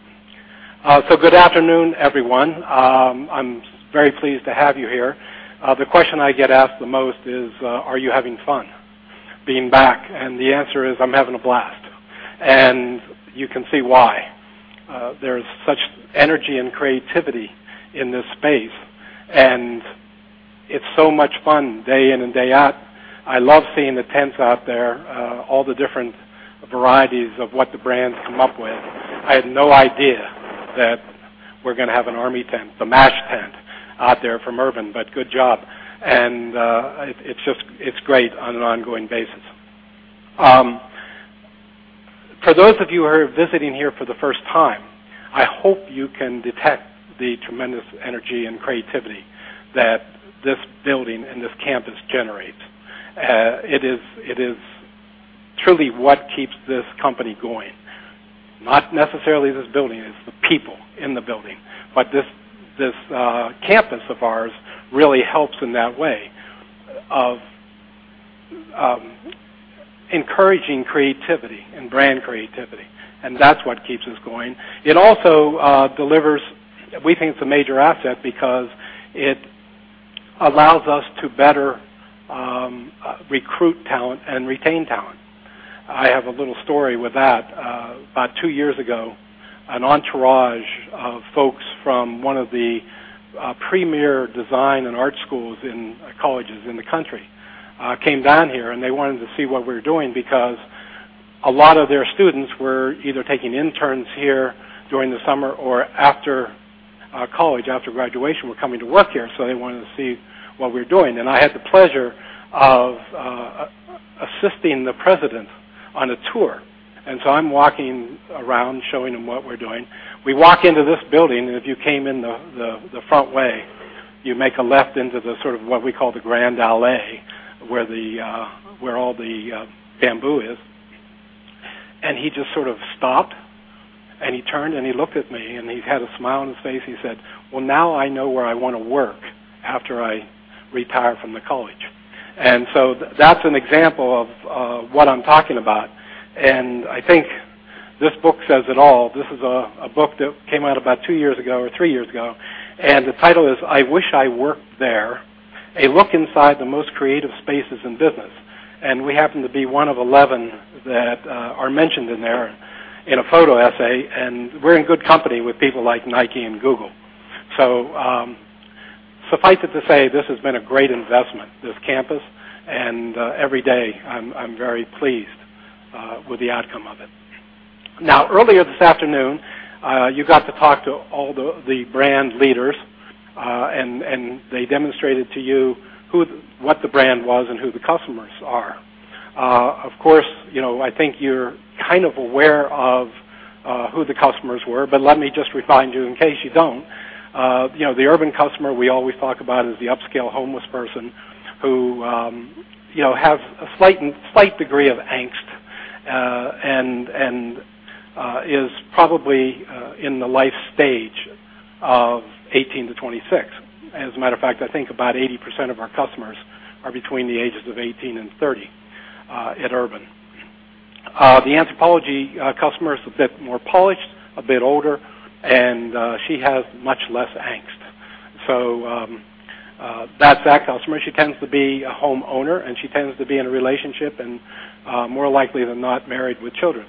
Good afternoon, everyone. I'm very pleased to have you here. The question I get asked the most is, "Are you having fun being back?" The answer is, I'm having a blast, and you can see why. There's such energy and creativity in this space, and it's so much fun day in and day out. I love seeing the tents out there, all the different varieties of what the brands come up with. I had no idea that we're going to have an army tent, the M*A*S*H tent out there from Urban, good job. It's great on an ongoing basis. For those of you who are visiting here for the first time, I hope you can detect the tremendous energy and creativity that this building and this campus generates. It is truly what keeps this company going. Not necessarily this building, it's the people in the building. This campus of ours really helps in that way of encouraging creativity and brand creativity. That's what keeps us going. It also delivers, we think, it's a major asset because it allows us to better recruit talent and retain talent. I have a little story with that. About two years ago, an entourage of folks from one of the premier design and art schools and colleges in the country came down here. They wanted to see what we were doing because a lot of their students were either taking interns here during the summer or after college, after graduation, were coming to work here. They wanted to see what we were doing. I had the pleasure of assisting the president on a tour. I'm walking around showing them what we're doing. We walk into this building. If you came in the front way, you make a left into the sort of what we call the Grand Allée, where all the bamboo is. He just sort of stopped. He turned. He looked at me. He had a smile on his face. He said, "Well, now I know where I want to work after I retire from the college." That's an example of what I'm talking about. I think this book says it all. This is a book that came out about two years ago or three years ago. The title is "I Wish I Worked There!: A Look Inside the Most Creative Spaces in Business." We happen to be one of 11 that are mentioned in there in a photo essay. We're in good company with people like Nike and Google. Suffice it to say, this has been a great investment, this campus. Every day, I'm very pleased with the outcome of it. Earlier this afternoon, you got to talk to all the brand leaders. They demonstrated to you what the brand was and who the customers are. Of course, I think you're kind of aware of who the customers were, but let me just remind you in case you don't. The Urban customer we always talk about is the upscale homeless person who has a slight degree of angst and is probably in the life stage of 18 to 26. As a matter of fact, I think about 80% of our customers are between the ages of 18 and 30 at Urban. The Anthropologie customer is a bit more polished, a bit older, and she has much less angst. That customer, she tends to be a homeowner, and she tends to be in a relationship and more likely than not, married with children.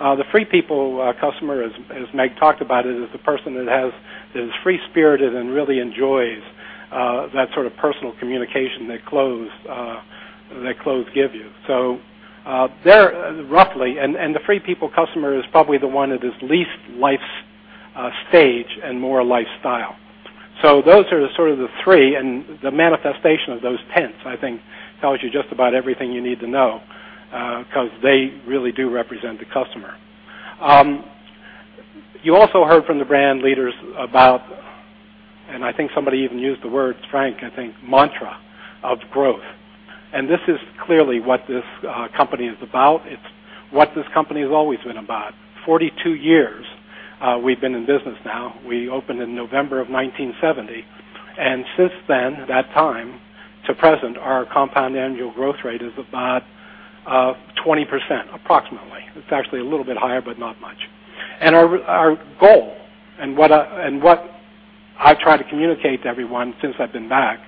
The Free People customer, as Meg talked about, is the person that is free-spirited and really enjoys that sort of personal communication that clothes give you. There, roughly, and the Free People customer is probably the one that is least life stage and more lifestyle. Those are the sort of the three, and the manifestation of those tents, I think, tells you just about everything you need to know, because they really do represent the customer. You also heard from the brand leaders about, and I think somebody even used the word, Frank, I think, mantra of growth. This is clearly what this company is about. It's what this company has always been about. 42 years we've been in business now. We opened in November of 1970, and since then, that time to present, our compound annual growth rate is about 20%, approximately. It's actually a little bit higher, but not much. Our goal and what I've tried to communicate to everyone since I've been back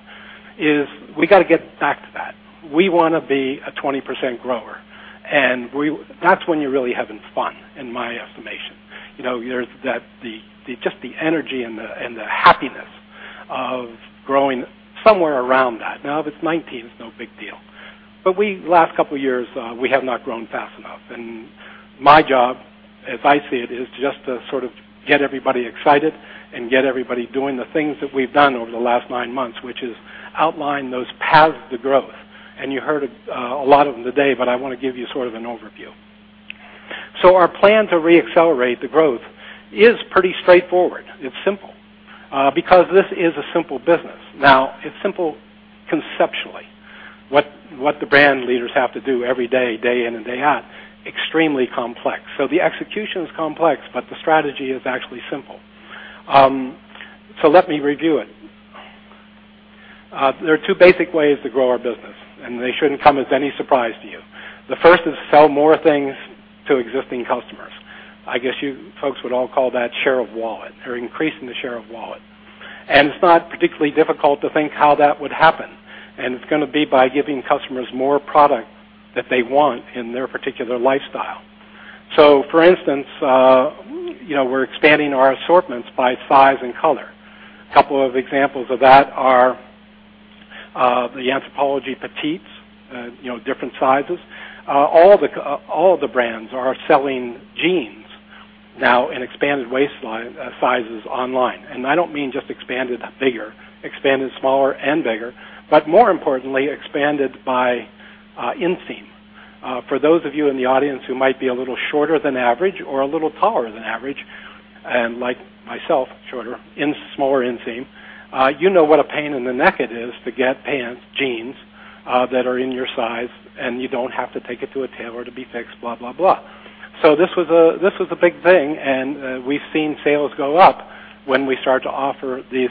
is we got to get back to that. We want to be a 20% grower, and that's when you're really having fun, in my estimation. Just the energy and the happiness of growing somewhere around that. Now, if it's 19, it's no big deal. We, last couple of years, we have not grown fast enough. My job, as I see it, is just to sort of get everybody excited and get everybody doing the things that we've done over the last nine months, which is outline those paths to growth. You heard a lot of them today, but I want to give you sort of an overview. Our plan to re-accelerate the growth is pretty straightforward. It's simple. Because this is a simple business. Now, it's simple conceptually. What the brand leaders have to do every day in and day out, extremely complex. The execution is complex, but the strategy is actually simple. Let me review it. There are two basic ways to grow our business, and they shouldn't come as any surprise to you. The first is sell more things to existing customers. I guess you folks would all call that share of wallet or increasing the share of wallet. It's not particularly difficult to think how that would happen, and it's going to be by giving customers more product that they want in their particular lifestyle. For instance, we're expanding our assortments by size and color. A couple of examples of that are the Anthropologie petites, different sizes. All of the brands are selling jeans now in expanded waist sizes online. I don't mean just expanded bigger, expanded smaller and bigger, but more importantly, expanded by inseam. For those of you in the audience who might be a little shorter than average or a little taller than average, and like myself, shorter, smaller inseam, you know what a pain in the neck it is to get pants, jeans that are in your size, and you don't have to take it to a tailor to be fixed blah, blah. This was a big thing, and we've seen sales go up when we start to offer these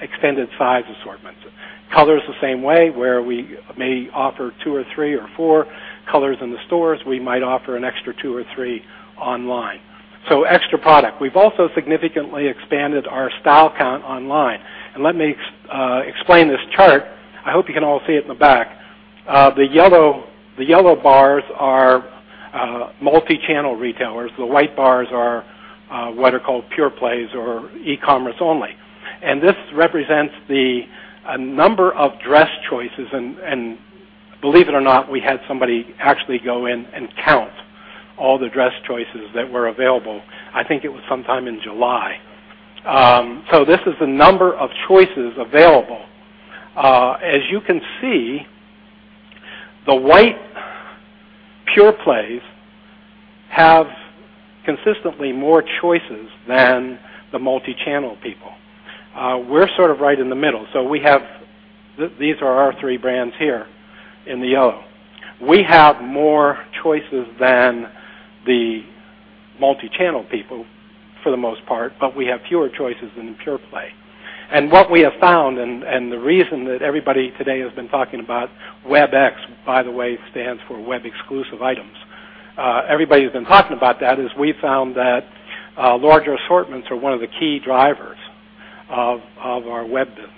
extended size assortments. Colors the same way, where we may offer two or three or four colors in the stores, we might offer an extra two or three online. Extra product. We've also significantly expanded our style count online. Let me explain this chart. I hope you can all see it in the back. The yellow bars are multi-channel retailers. The white bars are what are called pure plays or e-commerce only. This represents the number of dress choices, and believe it or not, we had somebody actually go in and count all the dress choices that were available. I think it was sometime in July. This is the number of choices available. As you can see, the white pure plays have consistently more choices than the multi-channel people. We're sort of right in the middle. These are our three brands here in the yellow. We have more choices than the multi-channel people for the most part, but we have fewer choices than the pure play. What we have found and the reason that everybody today has been talking about Webex, by the way, stands for web exclusive items. Everybody's been talking about that is we found that larger assortments are one of the key drivers of our web business.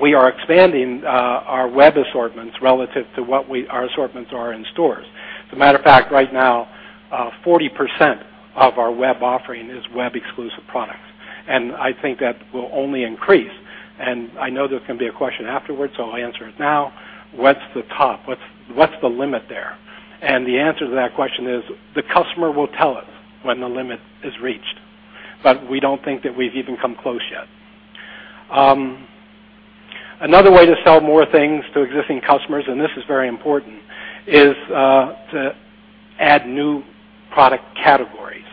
We are expanding our web assortments relative to what our assortments are in stores. As a matter of fact, right now, 40% of our web offering is web exclusive products, and I think that will only increase. I know there's going to be a question afterwards, so I'll answer it now. What's the top? What's the limit there? The answer to that question is the customer will tell us when the limit is reached, but we don't think that we've even come close yet. Another way to sell more things to existing customers, and this is very important, is to add new product categories.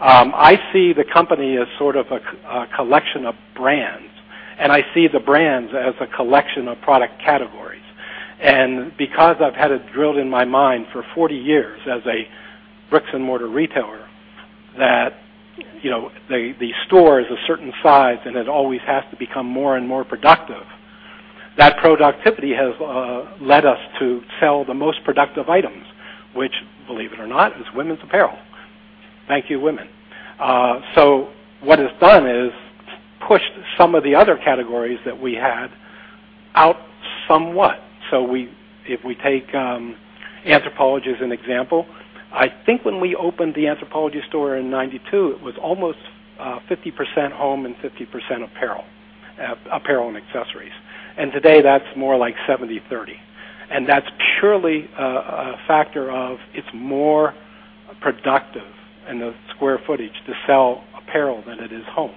I see the company as sort of a collection of brands, and I see the brands as a collection of product categories. Because I've had it drilled in my mind for 40 years as a bricks and mortar retailer that the store is a certain size and it always has to become more and more productive. That productivity has led us to sell the most productive items, which believe it or not, is women's apparel. Thank you, women. What it's done is pushed some of the other categories that we had out somewhat. If we take Anthropologie as an example, I think when we opened the Anthropologie store in 1992, it was almost 50% home and 50% apparel and accessories. Today, that's more like 70/30. That's purely a factor of it's more productive in the square footage to sell apparel than it is home.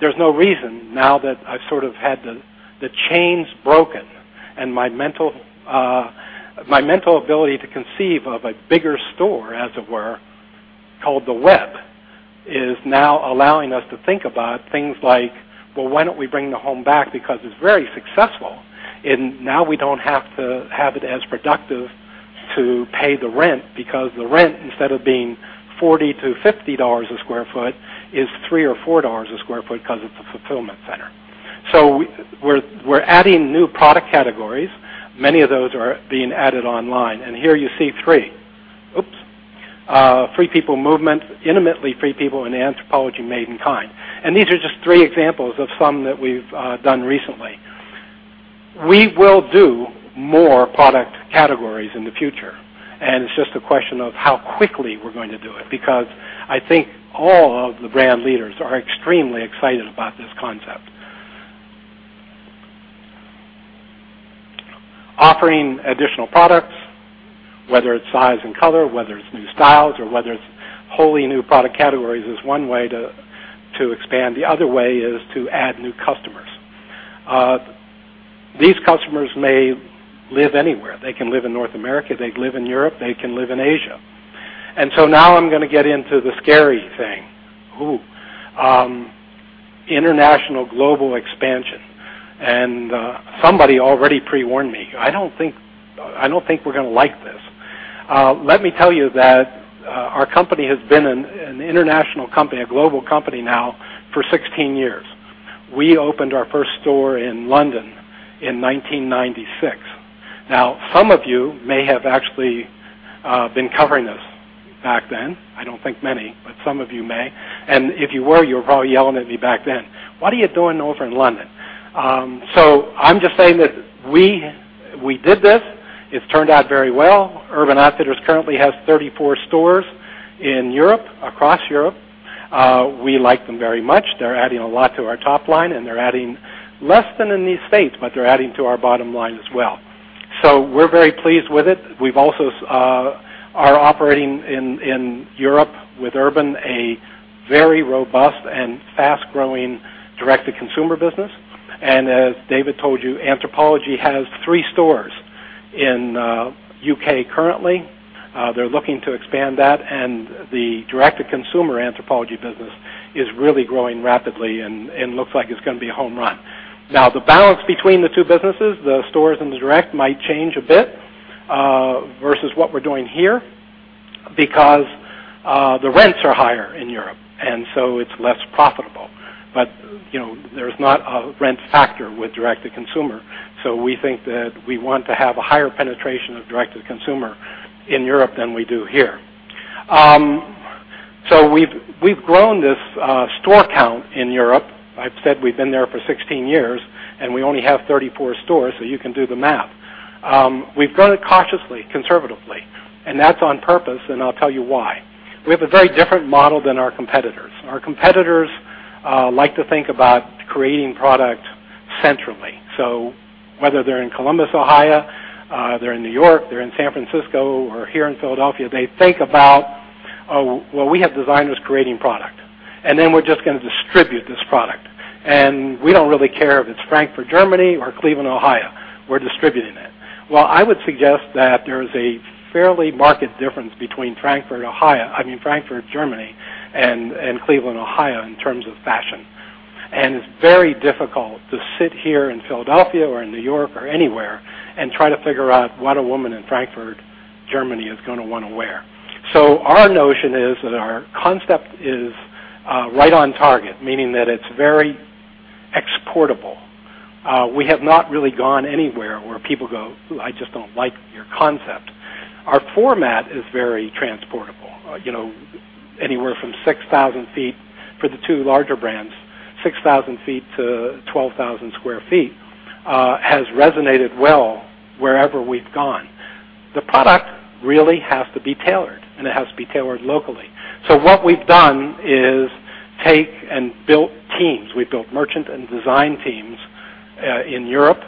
There's no reason now that I've sort of had the chains broken and my mental ability to conceive of a bigger store, as it were, called the web, is now allowing us to think about things like, well, why don't we bring the home back because it's very successful. Now we don't have to have it as productive to pay the rent because the rent, instead of being $40-$50 a square foot, is $3 or $4 a square foot because it's a fulfillment center. We're adding new product categories. Many of those are being added online, and here you see three. Oops. Free People Movement, Intimately Free People, and Anthropologie Made In Kind. These are just three examples of some that we've done recently. We will do more product categories in the future. It's just a question of how quickly we're going to do it, because I think all of the brand leaders are extremely excited about this concept. Offering additional products, whether it's size and color, whether it's new styles, or whether it's wholly new product categories, is one way to expand. The other way is to add new customers. These customers may live anywhere. They can live in North America, they can live in Europe, they can live in Asia. Now I'm going to get into the scary thing. Ooh. International global expansion. Somebody already pre-warned me. I don't think we're going to like this. Let me tell you that our company has been an international company, a global company now for 16 years. We opened our first store in London in 1996. Some of you may have actually been covering us back then. I don't think many, but some of you may. If you were, you were probably yelling at me back then, "What are you doing over in London?" I'm just saying that we did this. It's turned out very well. Urban Outfitters currently has 34 stores in Europe, across Europe. We like them very much. They're adding a lot to our top line, and they're adding less than in the States, but they're adding to our bottom line as well. We're very pleased with it. We also are operating in Europe with Urban, a very robust and fast-growing direct-to-consumer business. As David told you, Anthropologie has three stores in U.K. currently. They're looking to expand that. The direct-to-consumer Anthropologie business is really growing rapidly and looks like it's going to be a home run. The balance between the two businesses, the stores and the direct, might change a bit versus what we're doing here because the rents are higher in Europe. It's less profitable. There's not a rent factor with direct-to-consumer. We think that we want to have a higher penetration of direct-to-consumer in Europe than we do here. We've grown this store count in Europe. I've said we've been there for 16 years and we only have 34 stores, so you can do the math. We've grown it cautiously, conservatively. That's on purpose, and I'll tell you why. We have a very different model than our competitors. Our competitors like to think about creating product centrally. Whether they're in Columbus, Ohio, they're in New York, they're in San Francisco, or here in Philadelphia, they think about, "Oh, well, we have designers creating product, and then we're just going to distribute this product. We don't really care if it's Frankfurt, Germany, or Cleveland, Ohio. We're distributing it." I would suggest that there is a fairly marked difference between Frankfurt, Ohio-- I mean, Frankfurt, Germany, and Cleveland, Ohio, in terms of fashion. It's very difficult to sit here in Philadelphia or in New York or anywhere and try to figure out what a woman in Frankfurt, Germany, is going to want to wear. Our notion is that our concept is right on target, meaning that it's very exportable. We have not really gone anywhere where people go, "Ooh, I just don't like your concept." Our format is very transportable. Anywhere from 6,000 sq ft for the two larger brands, 6,000 sq ft to 12,000 sq ft has resonated well wherever we've gone. The product really has to be tailored, and it has to be tailored locally. What we've done is take and built teams. We've built merchant and design teams in Europe.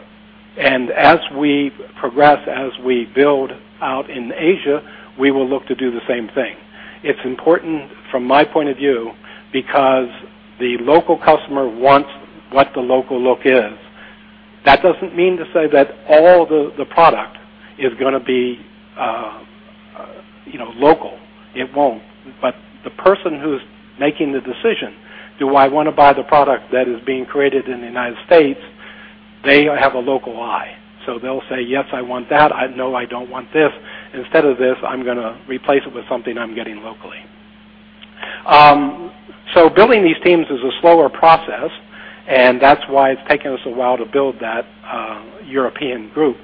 As we progress, as we build out in Asia, we will look to do the same thing. It's important from my point of view, because the local customer wants what the local look is. That doesn't mean to say that all the product is going to be local. It won't. The person who's making the decision, "Do I want to buy the product that is being created in the U.S.?" They have a local eye. They'll say, "Yes, I want that. No, I don't want this. Instead of this, I'm going to replace it with something I'm getting locally." Building these teams is a slower process, and that's why it's taken us a while to build that European group.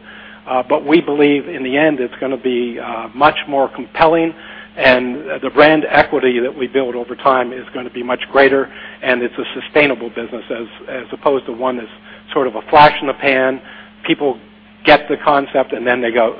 We believe in the end, it's going to be much more compelling and the brand equity that we build over time is going to be much greater, and it's a sustainable business as opposed to one that's sort of a flash in the pan. People get the concept and then they go,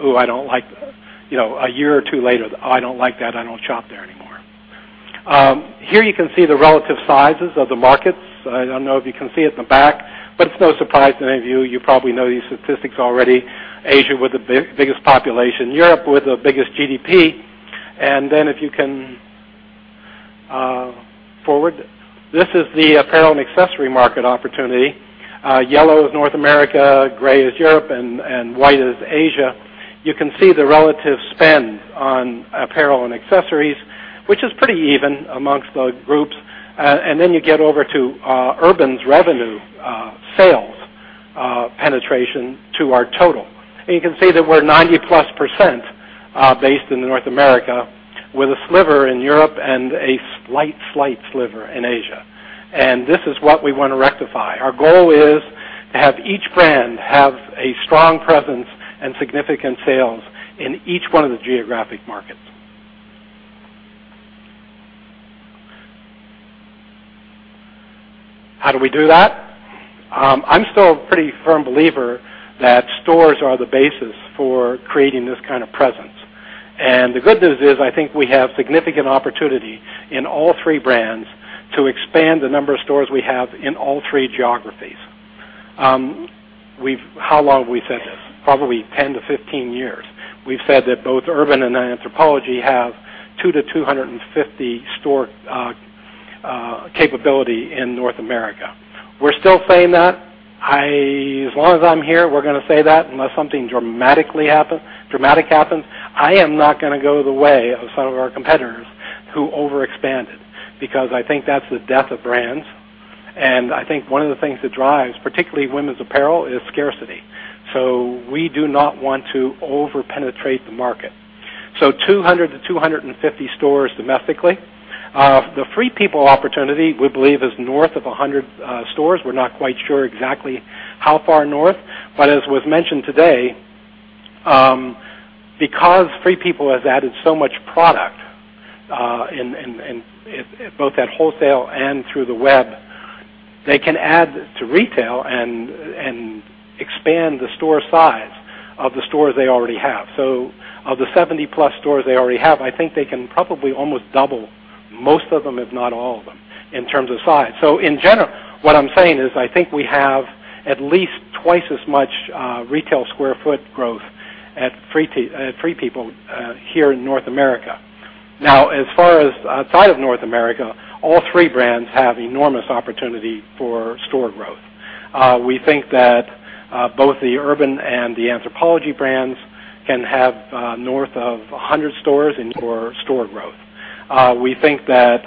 a year or two later, "Oh, I don't like that. I don't shop there anymore." Here you can see the relative sizes of the markets. I don't know if you can see at the back, but it's no surprise to any of you. You probably know these statistics already. Asia with the biggest population, Europe with the biggest GDP. If you can forward. This is the apparel and accessory market opportunity. Yellow is North America, gray is Europe, and white is Asia. You can see the relative spend on apparel and accessories, which is pretty even amongst the groups. You get over to Urban's revenue sales penetration to our total. You can see that we're 90+% based in North America with a sliver in Europe and a slight sliver in Asia. This is what we want to rectify. Our goal is to have each brand have a strong presence and significant sales in each one of the geographic markets. How do we do that? I'm still a pretty firm believer that stores are the basis for creating this kind of presence. The good news is, I think we have significant opportunity in all three brands to expand the number of stores we have in all three geographies. How long have we said this? Probably 10-15 years. We've said that both Urban and Anthropologie have 200-250 store capability in North America. We're still saying that. As long as I'm here, we're going to say that unless something dramatic happens. I am not going to go the way of some of our competitors who overexpanded, because I think that's the death of brands. I think one of the things that drives, particularly women's apparel, is scarcity. We do not want to over penetrate the market. So 200-250 stores domestically. The Free People opportunity, we believe is north of 100 stores. We're not quite sure exactly how far north. As was mentioned today, because Free People has added so much product both at wholesale and through the web, they can add to retail and expand the store size of the stores they already have. So of the 70+ stores they already have, I think they can probably almost double most of them, if not all of them, in terms of size. So in general, what I'm saying is, I think we have at least twice as much retail square foot growth at Free People here in North America. Now, as far as outside of North America, all three brands have enormous opportunity for store growth. We think that both the Urban and the Anthropologie brands can have north of 100 stores in Europe for store growth. We think that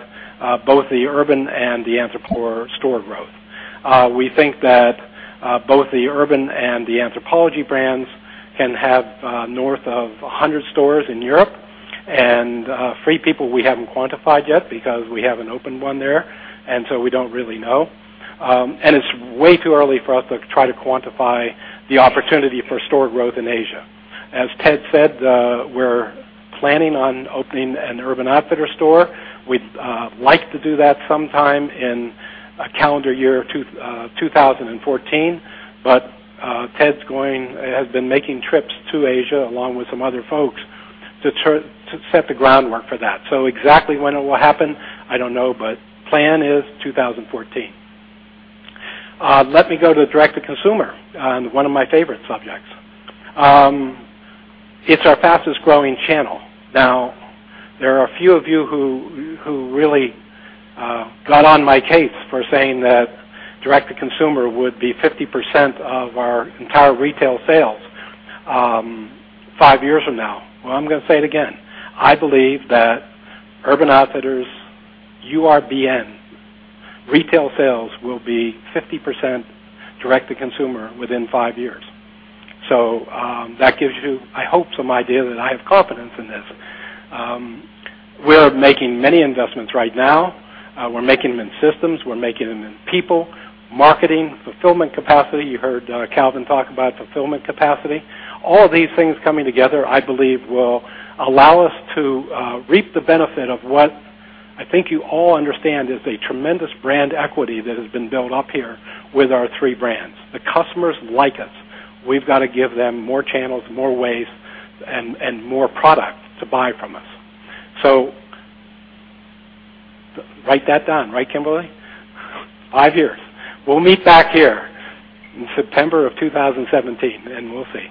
both the Urban and the Anthropologie brands can have north of 100 stores in Europe. Free People, we haven't quantified yet because we haven't opened one there, and so we don't really know. It's way too early for us to try to quantify the opportunity for store growth in Asia. As Ted said, we're planning on opening an Urban Outfitters store. We'd like to do that sometime in calendar year 2014. Ted has been making trips to Asia, along with some other folks, to set the groundwork for that. So exactly when it will happen, I don't know, but plan is 2014. Let me go to direct-to-consumer, one of my favorite subjects. It's our fastest growing channel. Now, there are a few of you who really got on my case for saying that direct-to-consumer would be 50% of our entire retail sales five years from now. I'm going to say it again. I believe that Urban Outfitters, URBN retail sales will be 50% direct-to-consumer within five years. So that gives you, I hope, some idea that I have confidence in this. We're making many investments right now. We're making them in systems, we're making them in people, marketing, fulfillment capacity. You heard Calvin talk about fulfillment capacity. All of these things coming together, I believe, will allow us to reap the benefit of what I think you all understand is a tremendous brand equity that has been built up here with our three brands. The customers like us. We've got to give them more channels, more ways, and more product to buy from us. Write that down. Right, Kimberly? Five years. We'll meet back here in September of 2017, and we'll see.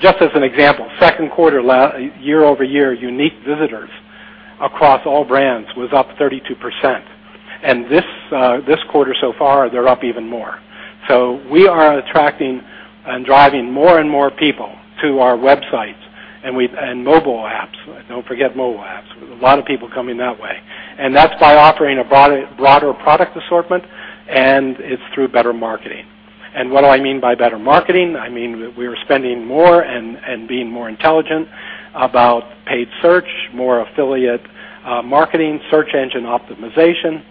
Just as an example, second quarter year-over-year unique visitors across all brands was up 32%. This quarter so far, they're up even more. We are attracting and driving more and more people to our websites and mobile apps. Don't forget mobile apps. There's a lot of people coming that way. That's by offering a broader product assortment, and it's through better marketing. What do I mean by better marketing? I mean that we are spending more and being more intelligent about paid search, more affiliate marketing, search engine optimization,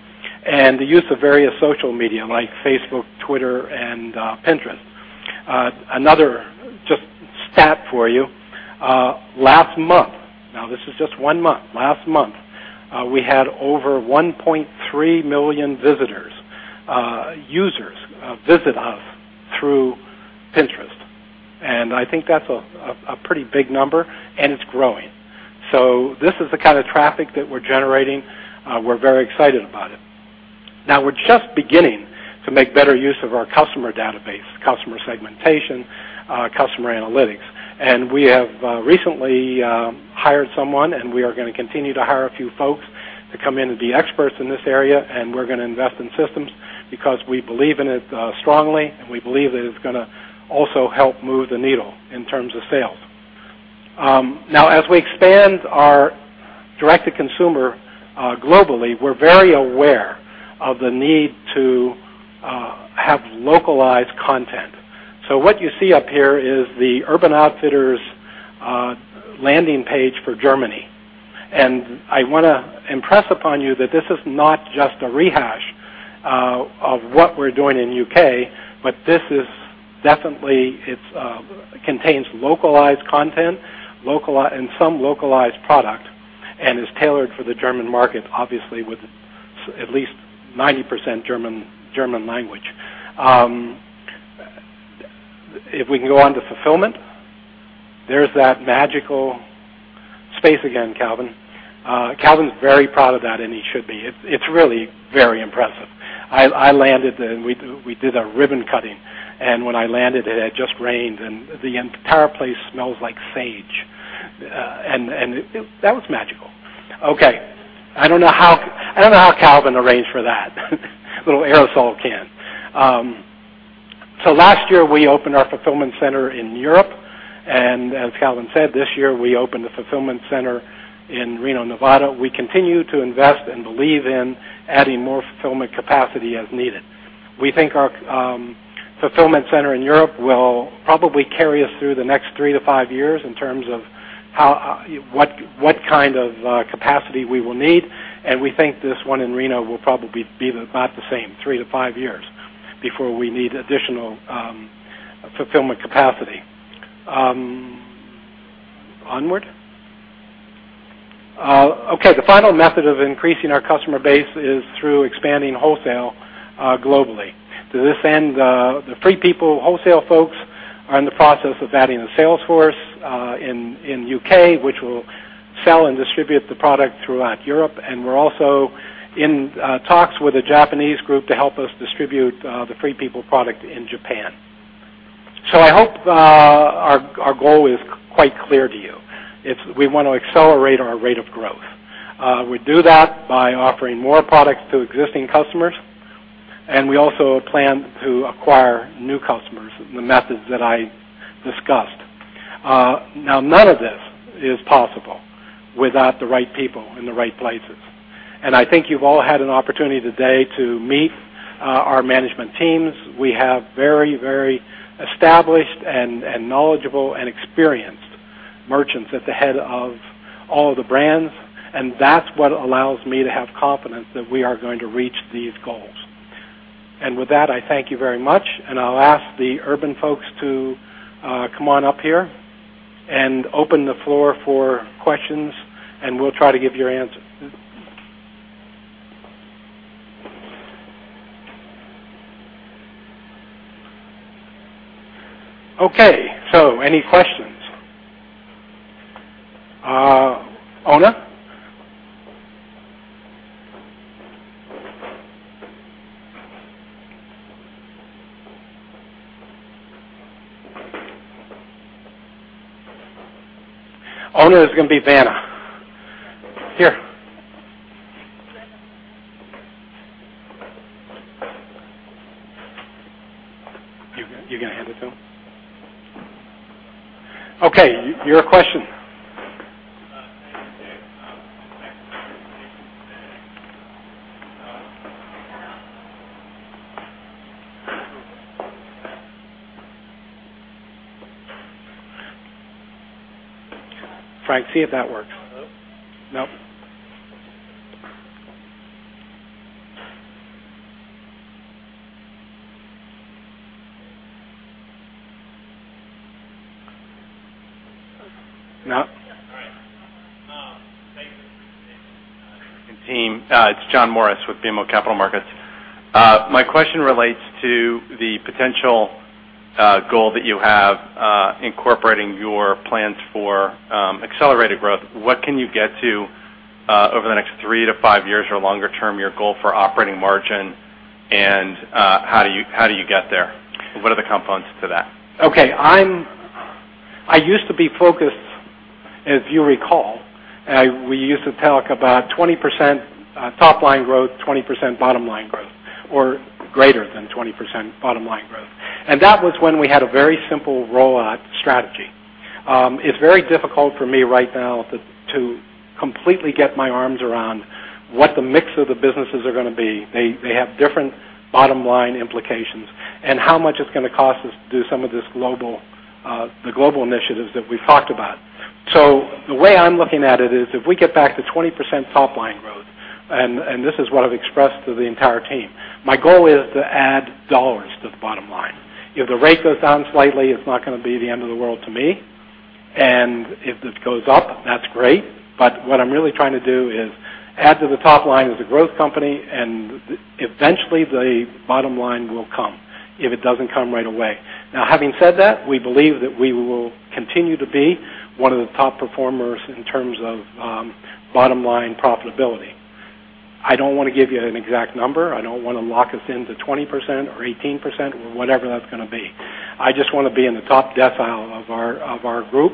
and the use of various social media like Facebook, Twitter, and Pinterest. Another just stat for you. Last month, now this is just one month, last month, we had over 1.3 million visitors, users visit us through Pinterest. I think that's a pretty big number, and it's growing. This is the kind of traffic that we're generating. We're very excited about it. Now we're just beginning to make better use of our customer database, customer segmentation, customer analytics. We have recently hired someone, and we are going to continue to hire a few folks to come in and be experts in this area, we're going to invest in systems because we believe in it strongly, we believe that it's going to also help move the needle in terms of sales. Now, as we expand our direct-to-consumer globally, we're very aware of the need to have localized content. What you see up here is the Urban Outfitters landing page for Germany. I want to impress upon you that this is not just a rehash of what we're doing in U.K., but this definitely contains localized content and some localized product, and is tailored for the German market, obviously, with at least 90% German language. If we can go on to fulfillment. There's that magical space again, Calvin. Calvin's very proud of that, he should be. It's really very impressive. I landed, we did a ribbon cutting. When I landed, it had just rained, the entire place smells like sage. That was magical. Okay. I don't know how Calvin arranged for that. Little aerosol can. Last year, we opened our fulfillment center in Europe. As Calvin said, this year, we opened a fulfillment center in Reno, Nevada. We continue to invest and believe in adding more fulfillment capacity as needed. We think our fulfillment center in Europe will probably carry us through the next three to five years in terms of what kind of capacity we will need. We think this one in Reno will probably be about the same, three to five years before we need additional fulfillment capacity. Onward. Okay. The final method of increasing our customer base is through expanding wholesale globally. To this end, the Free People wholesale folks are in the process of adding a sales force in U.K., which will sell and distribute the product throughout Europe. We're also in talks with a Japanese group to help us distribute the Free People product in Japan. I hope our goal is quite clear to you. We want to accelerate our rate of growth. We do that by offering more products to existing customers, we also plan to acquire new customers in the methods that I discussed. Now, none of this is possible without the right people in the right places. I think you've all had an opportunity today to meet our management teams. We have very established and knowledgeable and experienced merchants at the head of all of the brands, and that's what allows me to have confidence that we are going to reach these goals. With that, I thank you very much, and I'll ask the Urban folks to come on up here and open the floor for questions, and we'll try to give your answers. Okay. Any questions? Oona? Oona is going to be Vanna. Here. You're going to hand it to him? Okay. Your question. Thank you. Frank, see if that works. Nope. Nope. All right. Thanks. It's John Morris with BMO Capital Markets. My question relates to the potential goal that you have incorporating your plans for accelerated growth. What can you get to over the next three to five years or longer term, your goal for operating margin, and how do you get there? What are the components to that? Okay. I used to be focused, if you recall, we used to talk about 20% top-line growth, 20% bottom line growth, or greater than 20% bottom line growth. That was when we had a very simple rollout strategy. It's very difficult for me right now to completely get my arms around what the mix of the businesses are going to be. They have different bottom-line implications and how much it's going to cost us to do some of the global initiatives that we've talked about. The way I'm looking at it is, if we get back to 20% top-line growth, and this is what I've expressed to the entire team, my goal is to add dollars to the bottom line. If the rate goes down slightly, it's not going to be the end of the world to me. If it goes up, that's great, but what I'm really trying to do is add to the top line as a growth company, and eventually, the bottom line will come if it doesn't come right away. Now, having said that, we believe that we will continue to be one of the top performers in terms of bottom-line profitability. I don't want to give you an exact number. I don't want to lock us into 20% or 18%, or whatever that's going to be. I just want to be in the top decile of our group,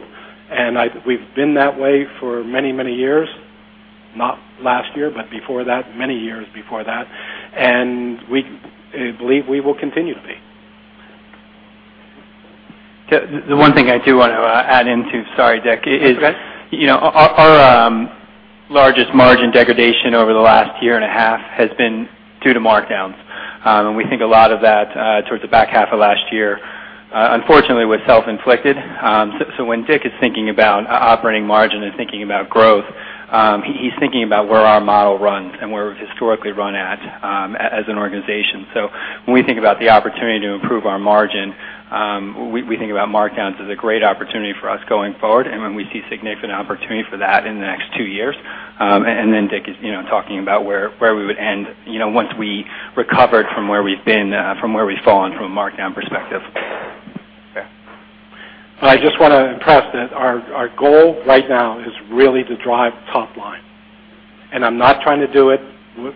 and we've been that way for many, many years. Not last year, but before that, many years before that, and we believe we will continue to be. The one thing I do want to add into, sorry, Dick. Go ahead Our largest margin degradation over the last year and a half has been due to markdowns. We think a lot of that towards the back half of last year, unfortunately, was self-inflicted. When Dick is thinking about operating margin and thinking about growth, he's thinking about where our model runs and where we've historically run at as an organization. When we think about the opportunity to improve our margin, we think about markdowns as a great opportunity for us going forward and when we see significant opportunity for that in the next two years. Then Dick is talking about where we would end once we recovered from where we've been, from where we've fallen from a markdown perspective. Okay. I just want to impress that our goal right now is really to drive top line. I'm not trying to do it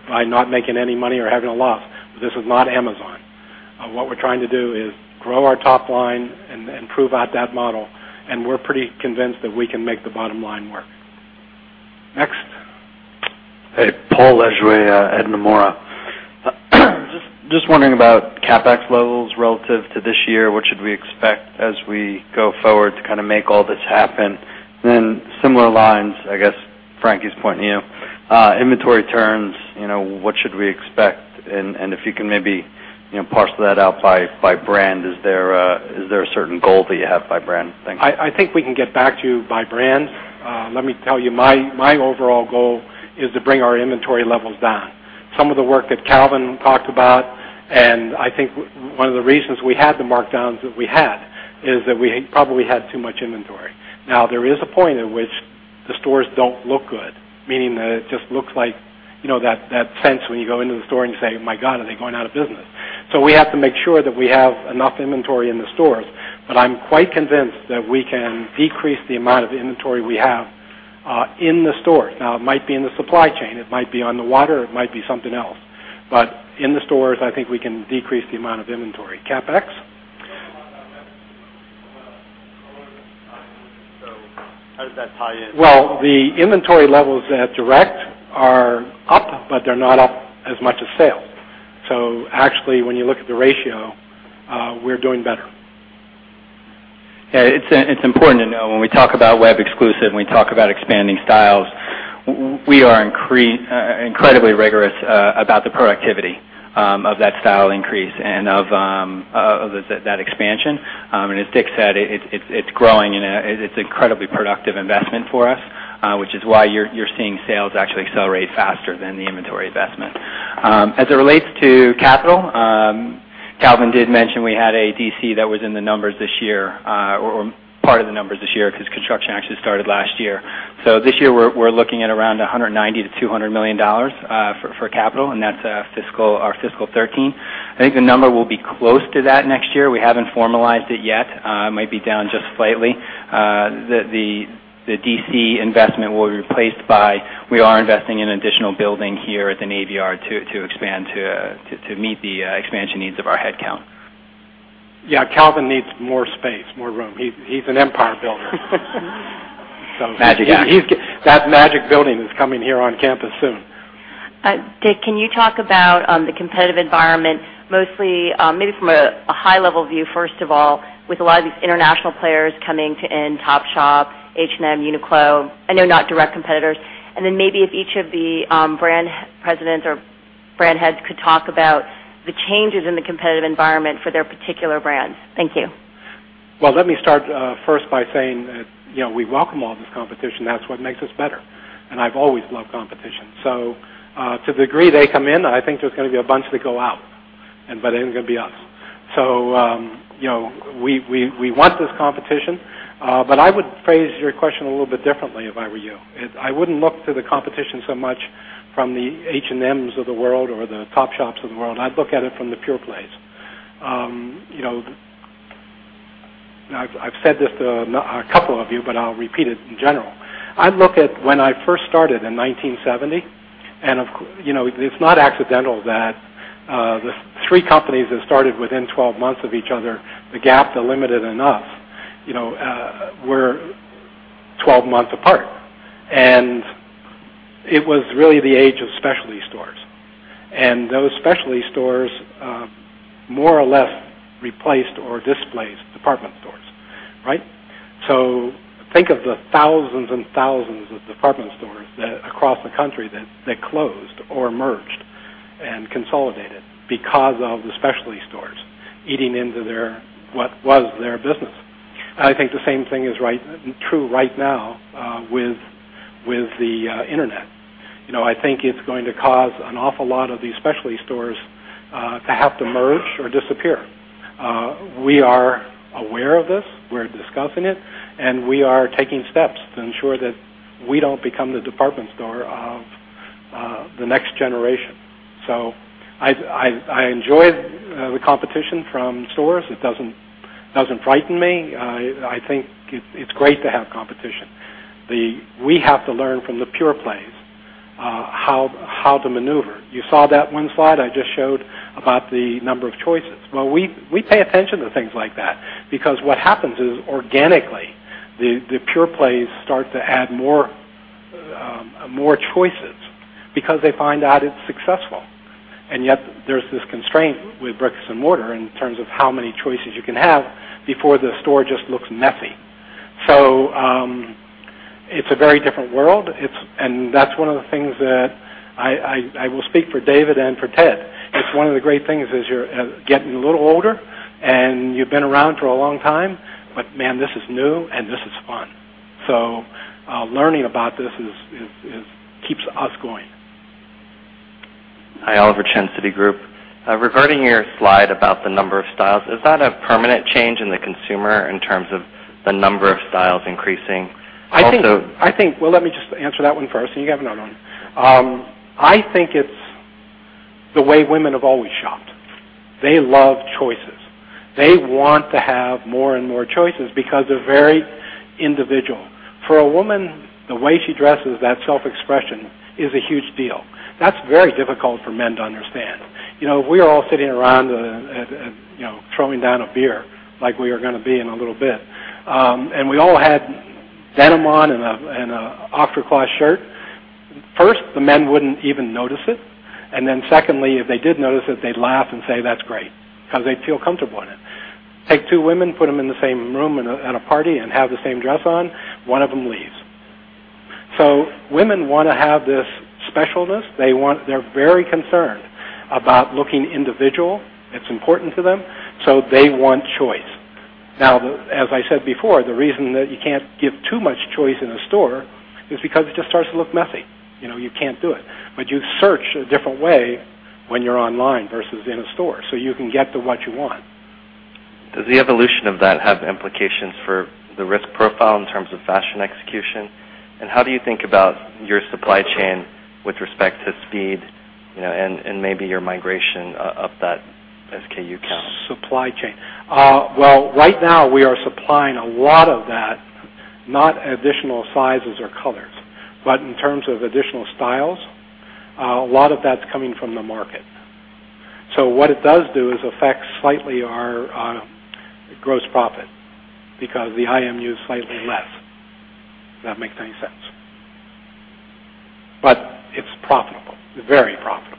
by not making any money or having a loss. This is not Amazon. What we're trying to do is grow our top line and prove out that model, and we're pretty convinced that we can make the bottom line work. Next. Hey, Paul Lejuez at Nomura. Just wondering about CapEx levels relative to this year. What should we expect as we go forward to kind of make all this happen? Similar lines, I guess Frankie's pointing you. Inventory turns, what should we expect? If you can maybe parcel that out by brand, is there a certain goal that you have by brand? Thanks. I think we can get back to you by brand. Let me tell you, my overall goal is to bring our inventory levels down. Some of the work that Calvin talked about, I think one of the reasons we had the markdowns that we had is that we probably had too much inventory. Now, there is a point at which the stores don't look good, meaning that it just looks like that sense when you go into the store and you say, "My God, are they going out of business?" We have to make sure that we have enough inventory in the stores, but I'm quite convinced that we can decrease the amount of inventory we have in the stores. Now, it might be in the supply chain, it might be on the water, it might be something else. In the stores, I think we can decrease the amount of inventory. CapEx? How does that tie in? The inventory levels at Direct are up, but they're not up as much as sales. Actually, when you look at the ratio, we're doing better. It's important to know when we talk about web exclusive and we talk about expanding styles, we are incredibly rigorous about the productivity of that style increase and of that expansion. As Dick said, it's growing and it's incredibly productive investment for us, which is why you're seeing sales actually accelerate faster than the inventory investment. As it relates to capital, Calvin did mention we had a DC that was in the numbers this year, or part of the numbers this year because construction actually started last year. This year, we're looking at around $190 million-$200 million for capital, and that's our fiscal 2013. I think the number will be close to that next year. We haven't formalized it yet. It might be down just slightly. The DC investment will be replaced by, we are investing in additional building here at the Navy Yard to expand to meet the expansion needs of our headcount. Yeah, Calvin needs more space, more room. He's an empire builder. Magic. Yeah. That magic building is coming here on campus soon. Dick, can you talk about the competitive environment, mostly maybe from a high level view, first of all, with a lot of these international players coming to Topshop, H&M, Uniqlo. I know not direct competitors. Then maybe if each of the brand presidents or brand heads could talk about the changes in the competitive environment for their particular brands. Thank you. Well, let me start first by saying that we welcome all this competition. That's what makes us better. I've always loved competition. To the degree they come in, I think there's going to be a bunch that go out, but it ain't going to be us. We want this competition. I would phrase your question a little bit differently if I were you. I wouldn't look to the competition so much from the H&Ms of the world or the Topshops of the world. I'd look at it from the pure plays. I've said this to a couple of you, but I'll repeat it in general. I look at when I first started in 1970, and it's not accidental that the three companies that started within 12 months of each other, Gap Inc., The Limited, and us, were 12 months apart. It was really the age of specialty stores. Those specialty stores more or less replaced or displaced department stores. Right? Think of the thousands and thousands of department stores across the country that closed or merged and consolidated because of the specialty stores eating into what was their business. I think the same thing is true right now with the internet. I think it's going to cause an awful lot of these specialty stores to have to merge or disappear. We are aware of this, we're discussing it, and we are taking steps to ensure that we don't become the department store of the next generation. I enjoy the competition from stores. It doesn't frighten me. I think it's great to have competition. We have to learn from the pure plays how to maneuver. You saw that one slide I just showed about the number of choices. Well, we pay attention to things like that because what happens is, organically, the pure plays start to add more choices because they find out it's successful. Yet there's this constraint with bricks and mortar in terms of how many choices you can have before the store just looks messy. It's a very different world, and that's one of the things that I will speak for David and for Ted. It's one of the great things as you're getting a little older, and you've been around for a long time, but man, this is new and this is fun. Learning about this keeps us going. Hi, Oliver Chen, Citigroup. Regarding your slide about the number of styles, is that a permanent change in the consumer in terms of the number of styles increasing? Well, let me just answer that one first, then you can have another one. I think it's the way women have always shopped. They love choices. They want to have more and more choices because they're very individual. For a woman, the way she dresses, that self-expression is a huge deal. That's very difficult for men to understand. If we are all sitting around throwing down a beer like we are going to be in a little bit, and we all had denim on and an Oxford cloth shirt, first, the men wouldn't even notice it. Secondly, if they did notice it, they'd laugh and say, "That's great," because they'd feel comfortable in it. Take two women, put them in the same room at a party and have the same dress on, one of them leaves. Women want to have this specialness. They're very concerned about looking individual. It's important to them, they want choice. Now, as I said before, the reason that you can't give too much choice in a store is because it just starts to look messy. You can't do it. You search a different way when you're online versus in a store, you can get to what you want. Does the evolution of that have implications for the risk profile in terms of fashion execution? How do you think about your supply chain with respect to speed and maybe your migration of that SKU count? Supply chain. Well, right now, we are supplying a lot of that, not additional sizes or colors. In terms of additional styles, a lot of that's coming from the market. What it does do is affect slightly our gross profit because the IMU is slightly less, if that makes any sense. It's profitable. Very profitable.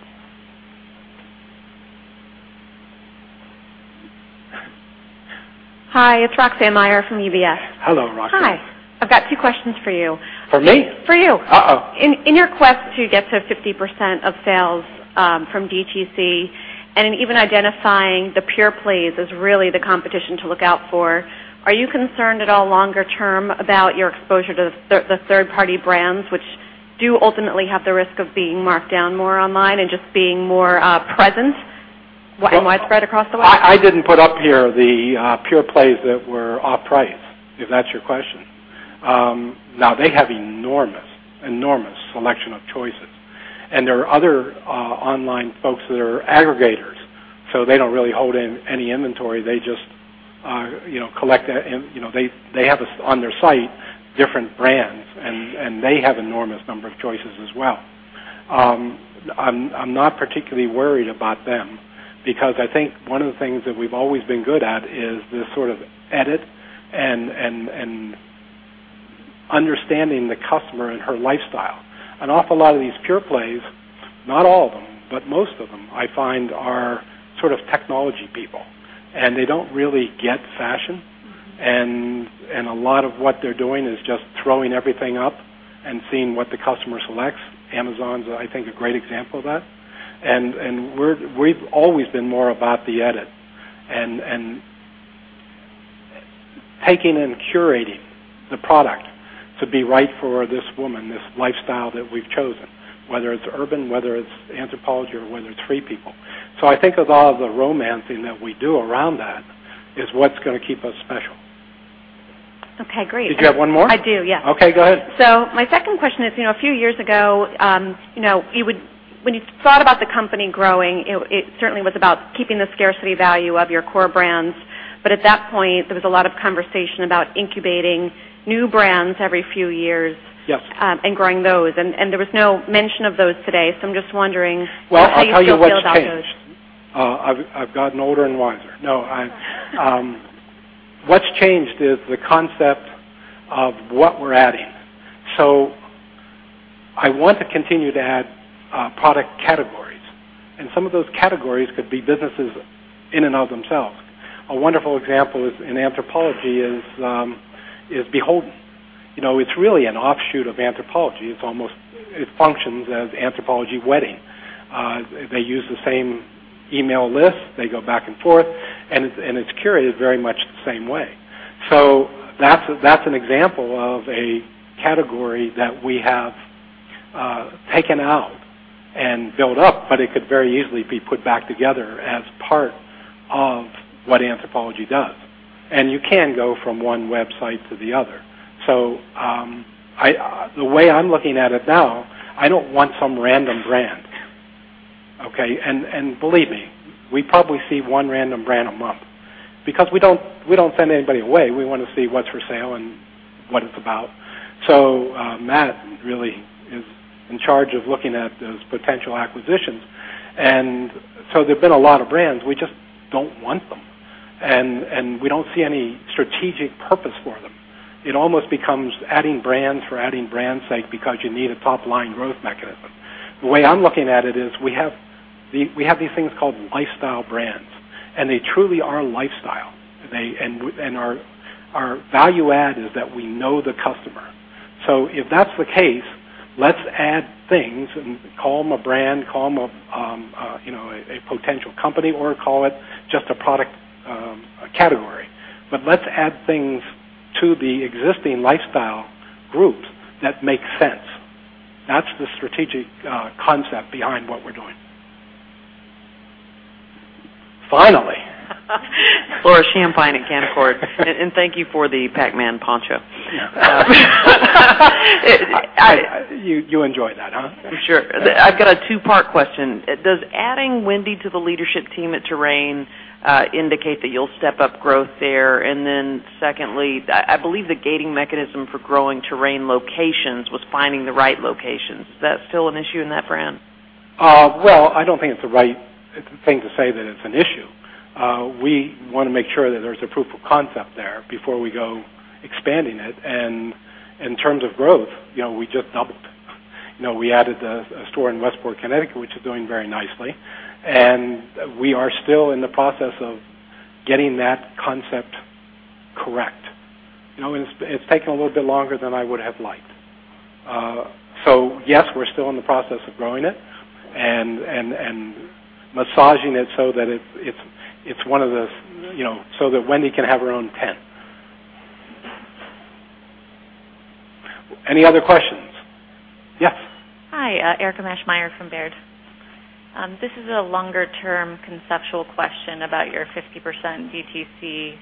Hi, it's Roxanne Meyer from UBS. Hello, Roxanne. Hi. I've got two questions for you. For me? For you. Uh-oh. In your quest to get to 50% of sales from DTC, and in even identifying the pure plays as really the competition to look out for, are you concerned at all longer term about your exposure to the third-party brands, which do ultimately have the risk of being marked down more online and just being more present and widespread across the web? I didn't put up here the pure plays that were off-price, if that's your question. They have enormous selection of choices. There are other online folks that are aggregators, so they don't really hold any inventory. They have on their site different brands, and they have enormous number of choices as well. I'm not particularly worried about them because I think one of the things that we've always been good at is this sort of edit and understanding the customer and her lifestyle. An awful lot of these pure plays, not all of them, but most of them, I find, are sort of technology people, and they don't really get fashion. A lot of what they're doing is just throwing everything up and seeing what the customer selects. Amazon's, I think, a great example of that. We've always been more about the edit and taking and curating the product to be right for this woman, this lifestyle that we've chosen, whether it's Urban, whether it's Anthropologie, or whether it's Free People. I think of all the romancing that we do around that is what's going to keep us special. Okay, great. Did you have one more? I do, yes. Okay, go ahead. My second question is, a few years ago, when you thought about the company growing, it certainly was about keeping the scarcity value of your core brands. At that point, there was a lot of conversation about incubating new brands every few years. Yes Growing those. There was no mention of those today. I'm just wondering how you feel about those. Well, I'll tell you what's changed. I've gotten older and wiser. No. What's changed is the concept of what we're adding. I want to continue to add product categories, and some of those categories could be businesses in and of themselves. A wonderful example is in Anthropologie is BHLDN. It's really an offshoot of Anthropologie. It functions as Anthropologie wedding. They use the same email list. They go back and forth, and it's curated very much the same way. That's an example of a category that we have taken out and built up, but it could very easily be put back together as part of what Anthropologie does. You can go from one website to the other. The way I'm looking at it now, I don't want some random brand, okay? Believe me, we probably see one random brand a month because we don't send anybody away. We want to see what's for sale and what it's about. Matt really is in charge of looking at those potential acquisitions. There've been a lot of brands, we just don't want them, and we don't see any strategic purpose for them. It almost becomes adding brands for adding brands' sake because you need a top-line growth mechanism. The way I'm looking at it is we have these things called lifestyle brands, and they truly are a lifestyle. Our value add is that we know the customer. If that's the case, let's add things and call them a brand, call them a potential company, or call it just a product category. Let's add things to the existing lifestyle groups that make sense. That's the strategic concept behind what we're doing. Finally. Laura Champine at Canaccord. Thank you for the Pac-Man poncho. Yeah. You enjoy that, huh? Sure. I've got a two-part question. Does adding Wendy to the leadership team at Terrain indicate that you'll step up growth there? Secondly, I believe the gating mechanism for growing Terrain locations was finding the right locations. Is that still an issue in that brand? Well, I don't think it's a right thing to say that it's an issue. We want to make sure that there's a proof of concept there before we go expanding it. In terms of growth, we just doubled. We added a store in Westport, Connecticut, which is doing very nicely. We are still in the process of getting that concept correct. It's taken a little bit longer than I would have liked. Yes, we're still in the process of growing it and massaging it so that Wendy can have her own tent. Any other questions? Yes. Hi, Erika Wishnow from Baird. This is a longer-term conceptual question about your 50% DTC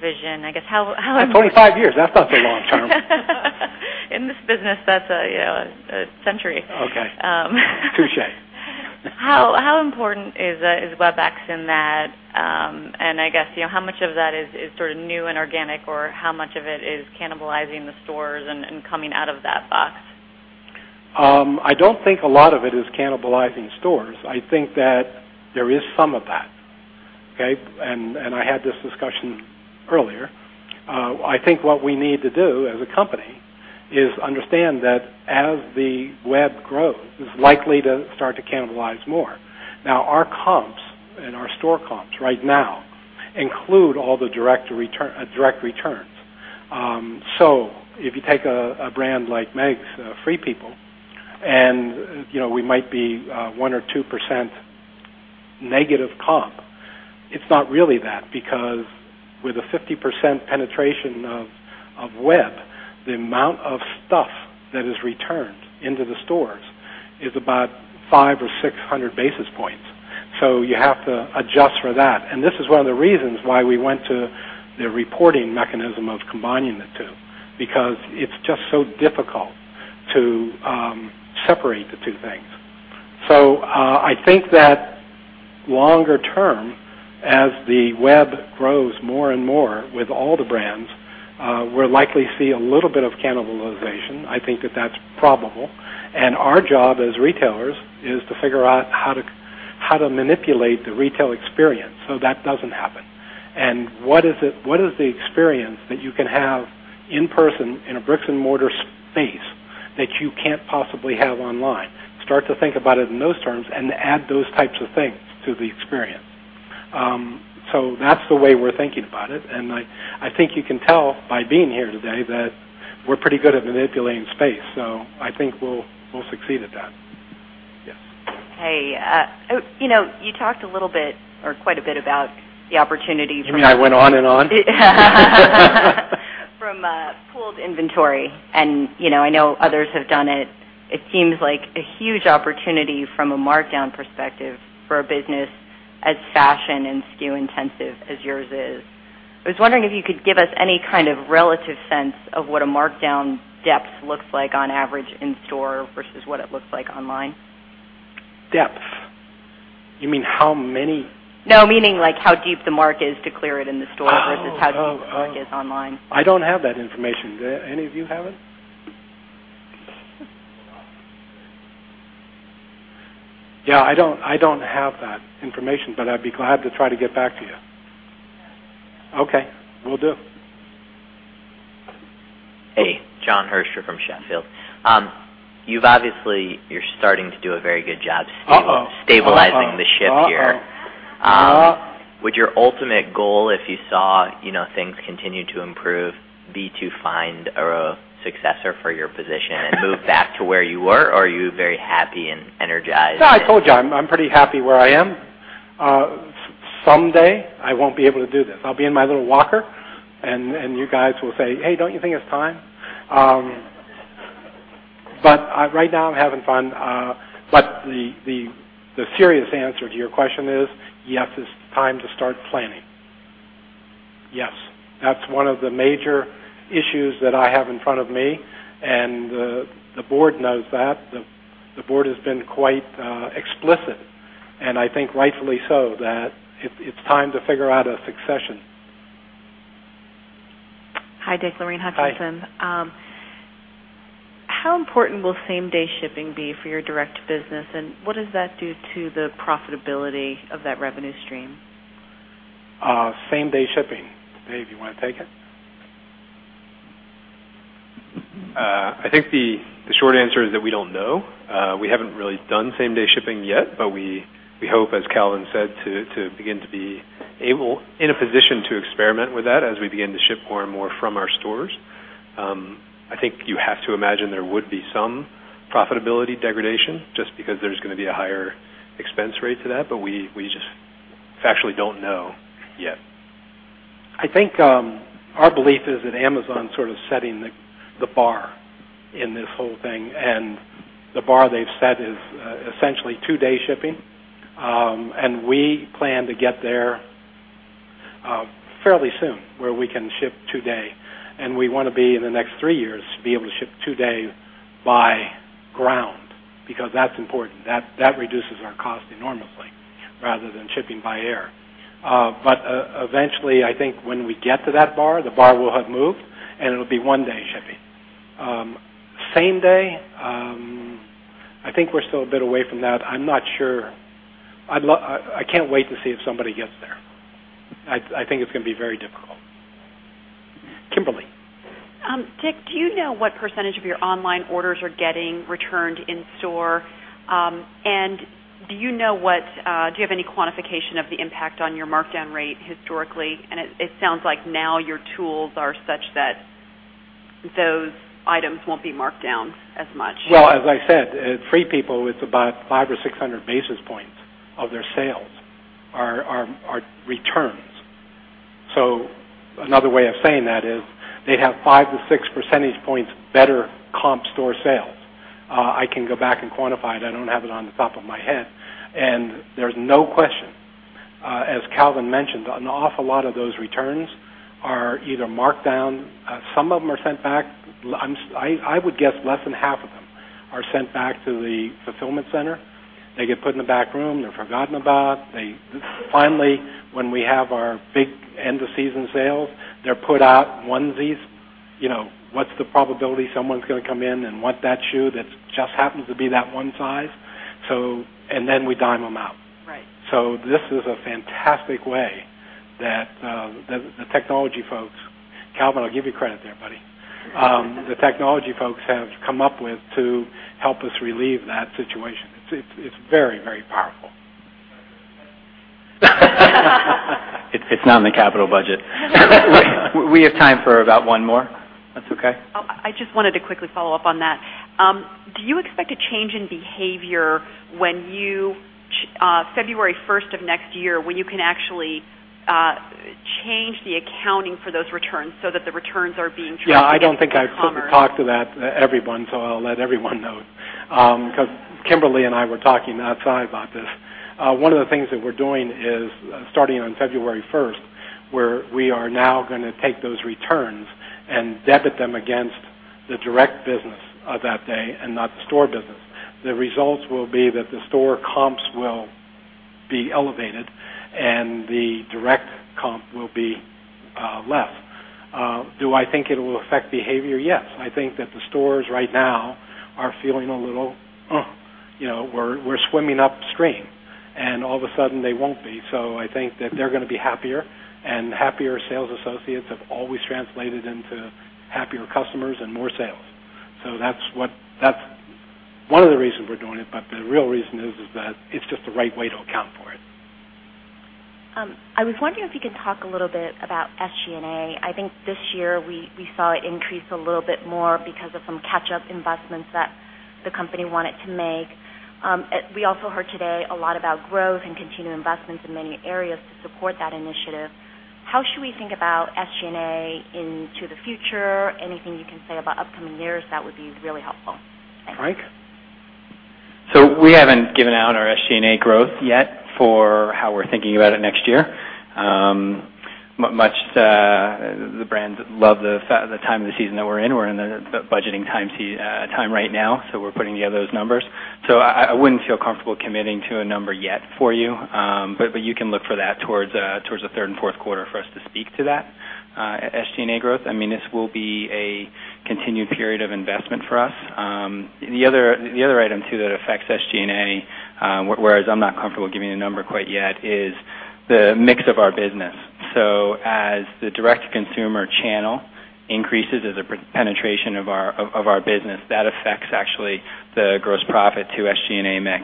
vision. In 25 years. That's not the long term. In this business, that's a century. Okay. Touche. How important is Webex in that? I guess, how much of that is sort of new and organic, or how much of it is cannibalizing the stores and coming out of that box? I don't think a lot of it is cannibalizing stores. I think that there is some of that, okay? I had this discussion earlier. I think what we need to do as a company is understand that as the web grows, it's likely to start to cannibalize more. Now, our comps and our store comps right now include all the direct returns. If you take a brand like Meg's Free People, and we might be 1% or 2% negative comp. It's not really that, because with a 50% penetration of web, the amount of stuff that is returned into the stores is about 500 or 600 basis points. You have to adjust for that. This is one of the reasons why we went to the reporting mechanism of combining the two, because it's just so difficult to separate the two things. I think that longer term, as the web grows more and more with all the brands, we'll likely see a little bit of cannibalization. I think that that's probable. Our job as retailers is to figure out how to manipulate the retail experience so that doesn't happen. What is the experience that you can have in person in a bricks-and-mortar space that you can't possibly have online? Start to think about it in those terms and add those types of things to the experience. That's the way we're thinking about it, and I think you can tell by being here today that we're pretty good at manipulating space, so I think we'll succeed at that. Yes. Hey. You talked a little bit, or quite a bit, about the opportunity from- You mean I went on and on? From pooled inventory, I know others have done it. It seems like a huge opportunity from a markdown perspective for a business as fashion and SKU intensive as yours is. I was wondering if you could give us any kind of relative sense of what a markdown depth looks like on average in store versus what it looks like online. Depth. You mean how many? No, meaning like how deep the mark is to clear it in the store versus how deep the mark is online. I don't have that information. Do any of you have it? Yeah, I don't have that information, but I'd be glad to try to get back to you. Okay, will do. Hey. John Thorbeck from Sheffield. You've obviously, you're starting to do a very good job stabilizing the ship here. Uh-oh. Would your ultimate goal, if you saw things continue to improve, be to find a successor for your position and move back to where you were? Or are you very happy and energized? No, I told you, I'm pretty happy where I am. Someday I won't be able to do this. I'll be in my little walker, and you guys will say, "Hey, don't you think it's time?" Right now I'm having fun. The serious answer to your question is, yes, it's time to start planning. Yes. That's one of the major issues that I have in front of me, and the board knows that. The board has been quite explicit, and I think rightfully so, that it's time to figure out a succession. Hi, Dick. Lorraine Hutchinson. Hi. How important will same-day shipping be for your direct business, and what does that do to the profitability of that revenue stream? Same-day shipping. Dave, you want to take it? I think the short answer is that we don't know. We haven't really done same-day shipping yet. We hope, as Calvin said, to begin to be able, in a position to experiment with that as we begin to ship more and more from our stores. I think you have to imagine there would be some profitability degradation just because there's going to be a higher expense rate to that. We just factually don't know yet. I think our belief is that Amazon is sort of setting the bar in this whole thing. The bar they've set is essentially two-day shipping. We plan to get there fairly soon where we can ship two-day. We want to be in the next three years, be able to ship two-day by ground because that's important. That reduces our cost enormously rather than shipping by air. Eventually, I think when we get to that bar, the bar will have moved, and it'll be one-day shipping. Same day, I think we're still a bit away from that. I'm not sure. I can't wait to see if somebody gets there. I think it's going to be very difficult. Kimberly. Dick, do you know what % of your online orders are getting returned in store? Do you have any quantification of the impact on your markdown rate historically? It sounds like now your tools are such that those items won't be marked down as much. Well, as I said, at Free People, it's about 500 or 600 basis points of their sales are returns. Another way of saying that is they'd have five to six percentage points better comp store sales. I can go back and quantify it. I don't have it on the top of my head. There's no question. As Calvin mentioned, an awful lot of those returns are either marked down. Some of them are sent back. I would guess less than half of them are sent back to the fulfillment center. They get put in the back room. They're forgotten about. Finally, when we have our big end-of-season sales, they're put out onesies. What's the probability someone's going to come in and want that shoe that just happens to be that one size? Then we dime them out. Right. This is a fantastic way that the technology folks Calvin, I'll give you credit there, buddy. The technology folks have come up with to help us relieve that situation. It's very, very powerful. It's not in the capital budget. We have time for about one more, if that's okay. I just wanted to quickly follow up on that. Do you expect a change in behavior when you, February first of next year, when you can actually change the accounting for those returns so that the returns are being tracked against proper. Yeah, I don't think I've talked to that everyone, so I'll let everyone know. Because Kimberly and I were talking outside about this. One of the things that we're doing is starting on February first, where we are now going to take those returns and debit them against the direct business of that day and not the store business. The results will be that the store comps will be elevated and the direct comp will be less. Do I think it will affect behavior? Yes. I think that the stores right now are feeling a little, "Ugh, we're swimming upstream." All of a sudden, they won't be. I think that they're going to be happier, and happier sales associates have always translated into happier customers and more sales. That's one of the reasons we're doing it, but the real reason is that it's just the right way to account for it. I was wondering if you could talk a little bit about SG&A. I think this year we saw it increase a little bit more because of some catch-up investments that the company wanted to make. We also heard today a lot about growth and continued investments in many areas to support that initiative. How should we think about SG&A into the future? Anything you can say about upcoming years, that would be really helpful. Thanks. Frank? We haven't given out our SG&A growth yet for how we're thinking about it next year. Much the brands love the time of the season that we're in. We're in the budgeting time right now, we're putting together those numbers. I wouldn't feel comfortable committing to a number yet for you. You can look for that towards the third and fourth quarter for us to speak to that SG&A growth. This will be a continued period of investment for us. The other item, too, that affects SG&A, whereas I'm not comfortable giving a number quite yet, is the mix of our business. As the direct-to-consumer channel increases as a penetration of our business, that affects actually the gross profit to SG&A mix.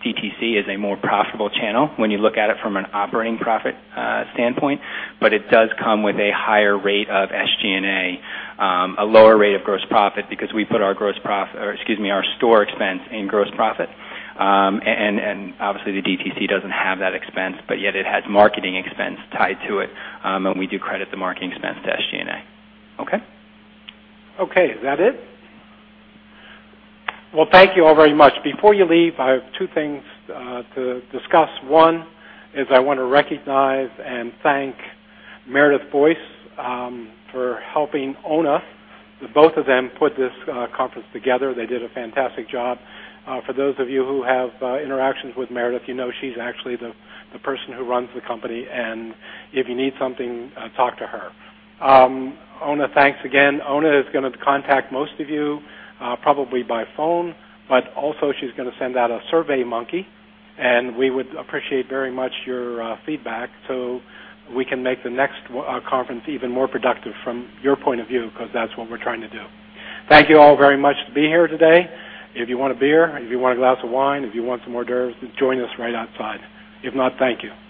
DTC is a more profitable channel when you look at it from an operating profit standpoint, it does come with a higher rate of SG&A, a lower rate of gross profit because we put our store expense in gross profit. Obviously, the DTC doesn't have that expense, yet it has marketing expense tied to it, we do credit the marketing expense to SG&A. Okay? Okay. Is that it? Thank you all very much. Before you leave, I have 2 things to discuss. One is I want to recognize and thank Meredith Boyce for helping Oona. The both of them put this conference together. They did a fantastic job. For those of you who have interactions with Meredith, you know she's actually the person who runs the company, and if you need something, talk to her. Oona, thanks again. Oona is going to contact most of you, probably by phone, she's going to send out a SurveyMonkey, we would appreciate very much your feedback so we can make the next conference even more productive from your point of view, because that's what we're trying to do. Thank you all very much to be here today. If you want a beer, if you want a glass of wine, if you want some hors d'oeuvres, just join us right outside. If not, thank you.